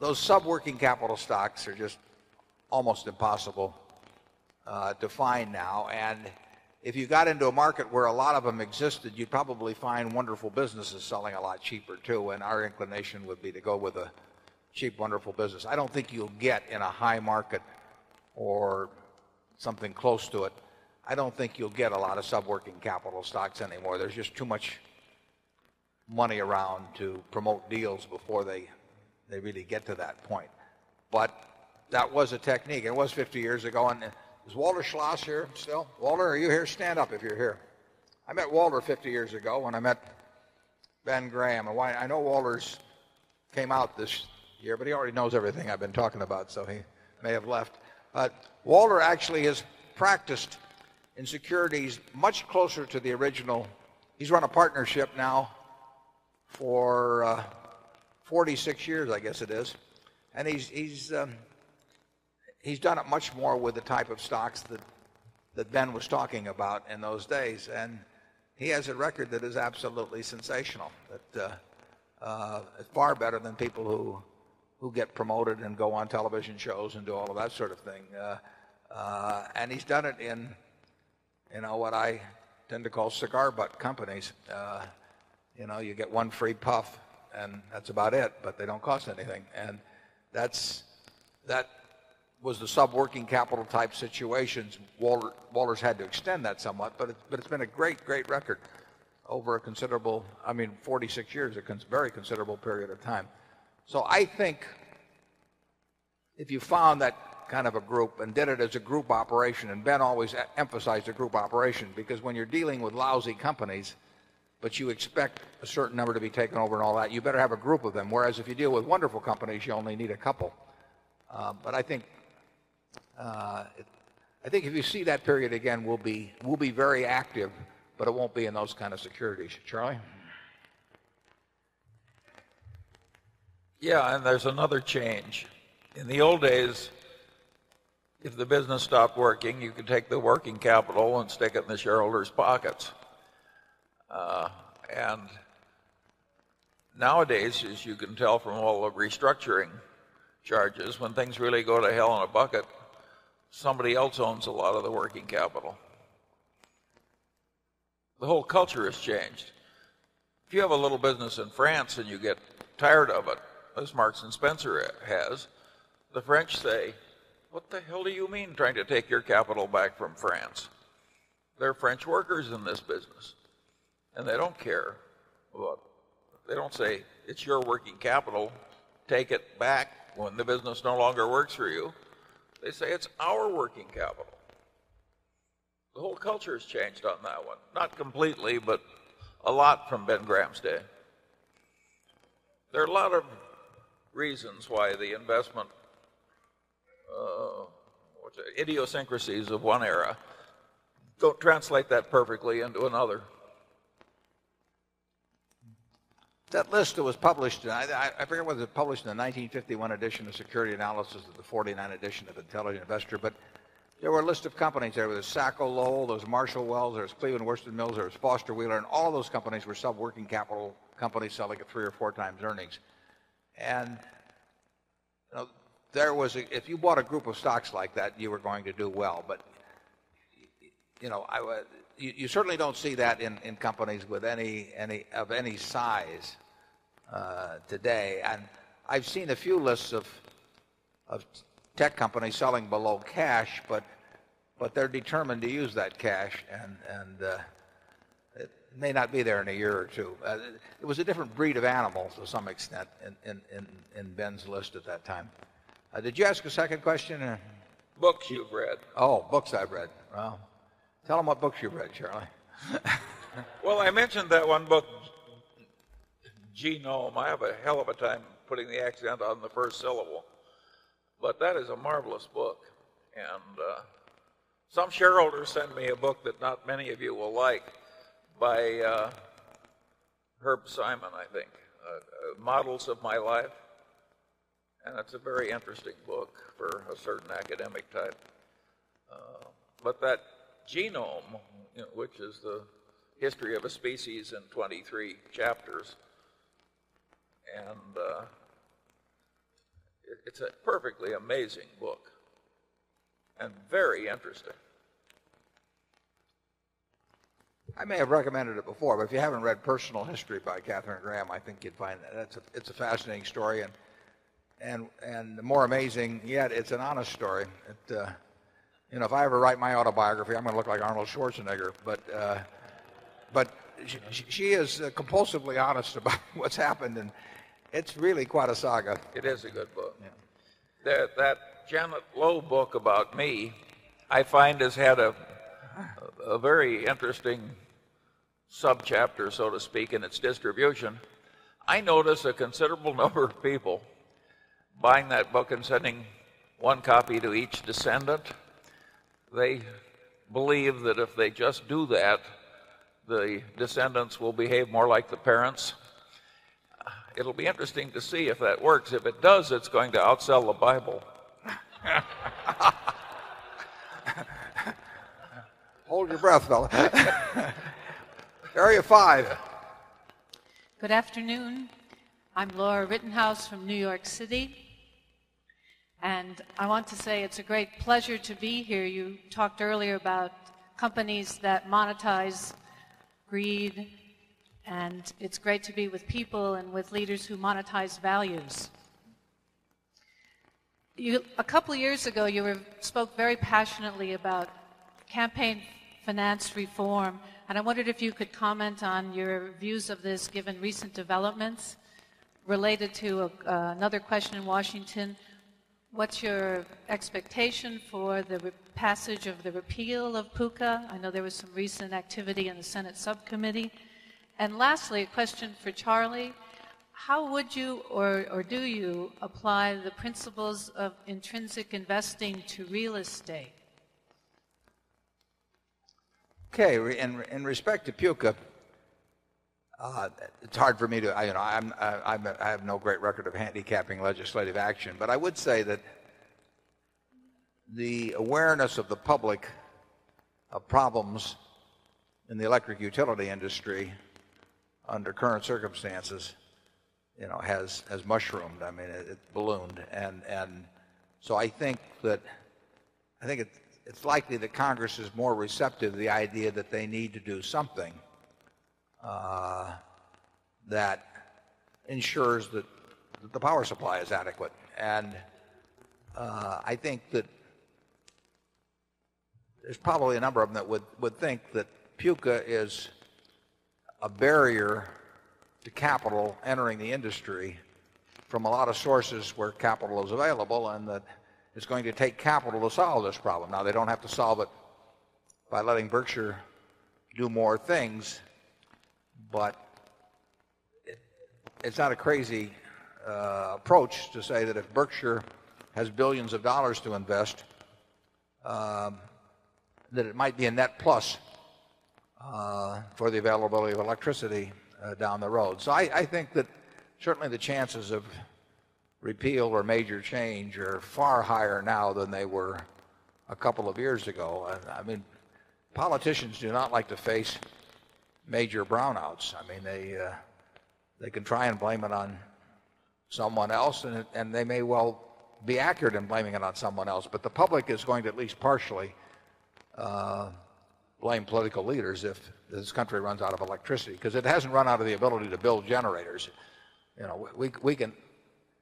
those sub working capital stocks are just almost impossible to find now and if you got into a market where a lot of them existed you'd probably find wonderful businesses selling a lot cheaper too and our inclination would be to go with a cheap wonderful business. I don't think you'll get in a high market or something close to it. I don't think you'll get a lot of sub working capital stocks anymore. There's just too much money around to promote deals before they really get to that point. But that was a technique. It was 50 years ago and is Walter Schloss here still? Walter are you here? Stand up if you're here. I met Walter 50 years ago when I met Ben Graham. I know Walder came out this year but he already knows everything I've been talking about so he may have left. Walter actually has practiced in securities much closer to the original. He's run a partnership now for 46 years, I guess it is. And he's he's he's done it much more with the type of stocks that that Ben was talking about in those days. And he has a record that is absolutely sensational that is far better than people who get promoted and go on television shows and do all of that sort of thing. And he's done it in you know, what I tend to call cigar butt companies. You know, you get one free puff and that's about it, but they don't cost anything. And that's that was the sub working capital type situations. Waller's had to extend that somewhat, but it's been a great, great record over a considerable I mean 46 years it can very considerable period of time. So I think if you found that kind of a group and did it as a group operation and Ben always emphasized a group operation because when you're dealing with lousy companies, but you expect a certain number to be taken over and all that, you better have a group of them whereas if you deal with wonderful companies, you only need a couple. But I think, I think if you see that period again, we'll be very active, but it won't be in those kind of securities. Charlie? Yeah. And there's another change. In the old days, if the business stopped working, you can take the working capital and stick it in the shareholders' pockets. And nowadays, as you can tell from all of restructuring charges, when things really go to hell in a bucket, somebody else owns a lot of the working capital. The whole culture has changed. If you have a little business in France and you get tired of it, as Marks and Spencer has, the French say, what the hell do you mean trying to take your capital back from France? There are French workers in this business and they don't care. They don't say, it's your working capital, take it back when the business no longer works for you. They say it's our working capital. The whole culture has changed on that one, not completely, but a lot from Ben Graham's day. There are a lot of reasons why the investment, idiosyncrasies of 1 era Don't translate that perfectly into another. That list that was published, I forget whether it was published in the 1951 edition of Security Analysis of the 49 edition of Intelligent Investor, but there were a list of companies there with Sacco Lowell, there was Marshall Wells, there was Cleveland Worsdon Mills, there was Foster Wheeler and all those companies were sub working capital companies selling at 3 or 4 times earnings. And there was if you bought a group of stocks like that, you were going to do well. But you certainly don't see that in companies with any of size today. And I've seen a few lists of tech companies selling below cash, but they're determined to use that cash and it may not be there in a year or 2. It was a different breed of animal to some extent in Ben's list at that time. Did you ask a second question? Books you've read. Oh, books I've read. Well, tell them what books you've read, Charlie. Well, I mentioned that one book, Gee Noem, I have a hell of a time putting the accent on the first syllable. But that is a marvelous book. And some shareholders sent me a book that not many of you will like by Herb Simon, I think, Models of My Life. And it's a very interesting book for a certain academic type. But that genome, which is the history of a species in 23 chapters, And it's a perfectly amazing book and very interesting. I may have recommended it before but if you haven't read Personal History by Katharine Graham, I think you'd find that it's a fascinating story and and the more amazing yet it's an honest story. You know if I ever write my autobiography I'm gonna look like Arnold Schwarzenegger. But but she is compulsively honest about what's happened and it's really quite a saga. It is a good book. That Janet Lowe book about me, I find this had a very interesting subchapter, so to speak in its distribution. I noticed a considerable number of people buying that book and sending one copy to each descendant. They believe that if they just do that, the descendants will behave more like the parents. It'll be interesting to see if that works. If it does, it's going to outsell the Bible. Hold your breath, Bella. Area 5. Good afternoon. I'm Laura Rittenhouse from New York City And I want to say it's a great pleasure to be here. You talked earlier about companies that monetize greed and it's great to be with people and with leaders who monetize values. A couple of years ago, you spoke very passionately about campaign finance reform and I wondered if you could comment on your views of this given recent developments related to another question in Washington. What's your expectation for the passage of the repeal of Puka? I know there was some recent activity in the Senate subcommittee. And lastly, a question for Charlie. How would you or do you apply the principles of intrinsic investing to real estate? Okay. In respect to Puka, it's hard for me to I you know, I'm I'm I have no great record of handicapping legislative action. But I would say that the awareness of the public of problems in the electric utility industry under current circumstances has mushroomed. I mean, it ballooned. And so I think that I think it's likely that Congress is more receptive to the idea that they need to do something that ensures that the power supply is adequate. And I think that there's probably a number of them that would think that puka is a barrier to capital entering the industry from a lot of sources where capital is available and that it's going to take capital to solve this problem. Now they don't have to solve it by letting Berkshire do more things, but it's not a crazy approach to say that if Berkshire has 1,000,000,000 of dollars to invest, that it might be a net plus for the availability of electricity down the road. So I think that certainly the chances of repeal or major change are far higher now than they were a couple of years ago. I mean, politicians do not like to face major brownouts. I mean, they could try and blame it on someone else and they may well be accurate in blaming it on someone else, but the public is going to at least partially blame political leaders if this country runs out of electricity because it hasn't run out of the ability to build generators. You know, we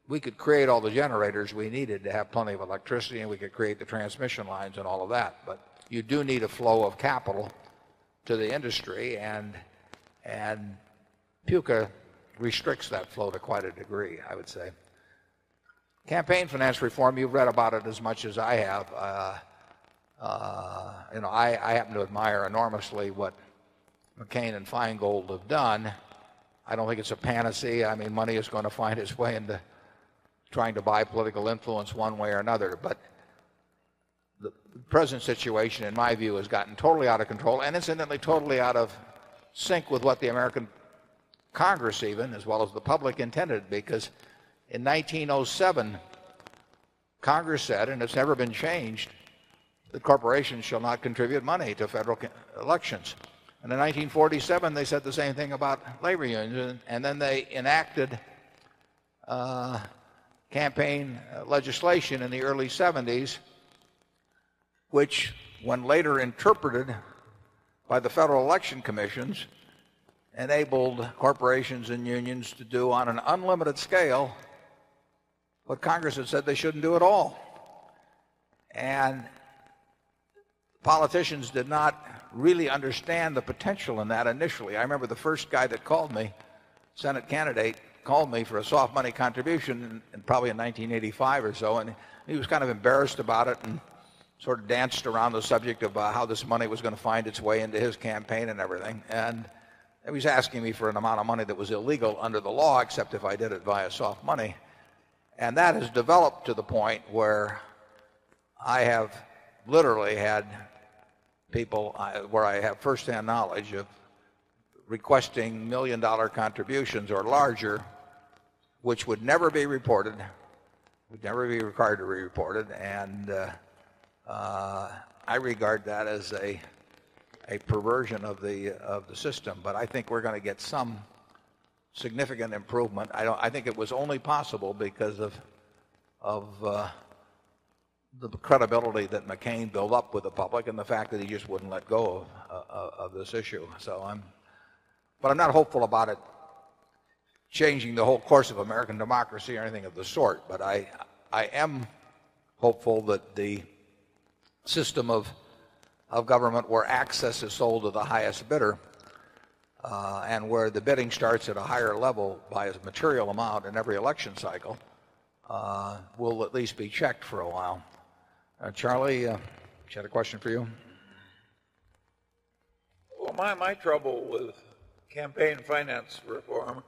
can we could create all the generators we needed to have plenty of electricity and we could create the transmission lines and all of that, but you do need a flow of capital to the industry and PIUKA restricts that flow to quite a degree I would say. Campaign finance reform, you've read about it as much as I have. You know, I happen to admire enormously what McCain and Feingold have done. I don't think it's a panacea, I mean money is going to find its way into trying to buy political influence one way or another, but the President's situation in my view has gotten totally out of control and incidentally totally out of sync with what the American Congress even as well as the public intended because in 1907 Congress said and it has never been changed, the corporation shall not contribute money to federal elections. And in 1947 they said the same thing about labor unions and then they enacted, campaign legislation in the early seventies which when later interpreted by the Federal Election Commissions enabled corporations and unions to do on an unlimited scale what congress has said they shouldn't do at all. And politicians did not really understand the potential in that initially. I remember the first guy that called me, Senate candidate called me for a soft money contribution in probably in 1985 or so and he was kind of embarrassed about it and sort of danced around the subject of how this money was going to find its way into his campaign and everything and he was asking me for an amount of money that was illegal under the law except if I did it via soft money. And that has developed to the point where I have literally had people where I have firsthand knowledge of requesting $1,000,000 contributions or larger, which would never be reported, would never be required to be reported and I regard that as a perversion of the system, but I think we're going to get some significant improvement. I think it was only possible because of the credibility that McCain build up with the public and the fact that he just wouldn't let go of this issue. So but I'm not hopeful about it changing the whole course of American democracy or anything of the sort, but I am hopeful that the system of government where access is sold to the highest bidder, and where the bidding starts at a higher level by a material amount in every election cycle, will at least be checked for a while. Charlie, we had a question for you. Well, my trouble with campaign finance reform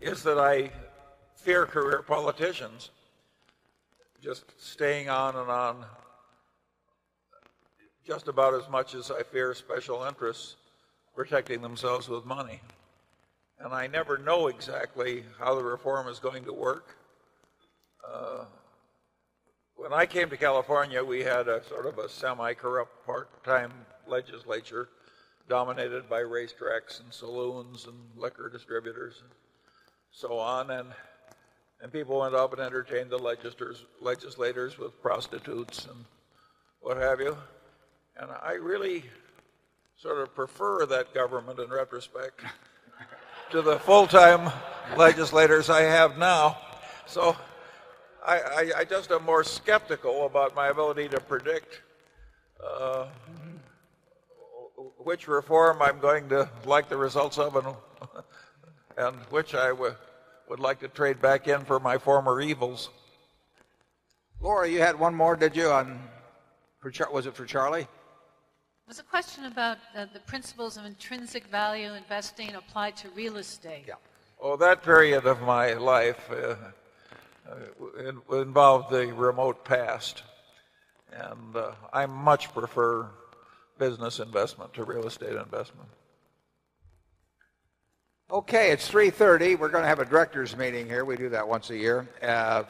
is that I fear career politicians just staying on and on just about as much as I fear special interests protecting themselves with money. And I never know exactly how the reform is going to work. When I came to California, we had a sort of a semi corrupt part time legislature dominated by racetracks and saloons and liquor distributors. So on and, and people went up and entertain the legislators, legislators with prostitutes and what have you. And I really sort of prefer that government in retrospect to the full time legislators I have now. So I just am more skeptical about my ability to predict which reform I'm going to like the results of and which I would like to trade back in for my former evils. Laura, you had one more did you on was it for Charlie? Was a question about the principles of intrinsic value investing applied to real estate. Yeah. Well that period of my life involved the remote past and I much prefer business investment to real estate investment. Okay, it's 3:30. We're going to have a directors meeting here. We do that once a year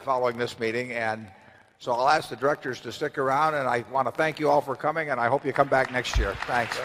following this meeting and so I'll ask the directors to stick around and I want to thank you all for coming and I hope you come back next year. Thanks.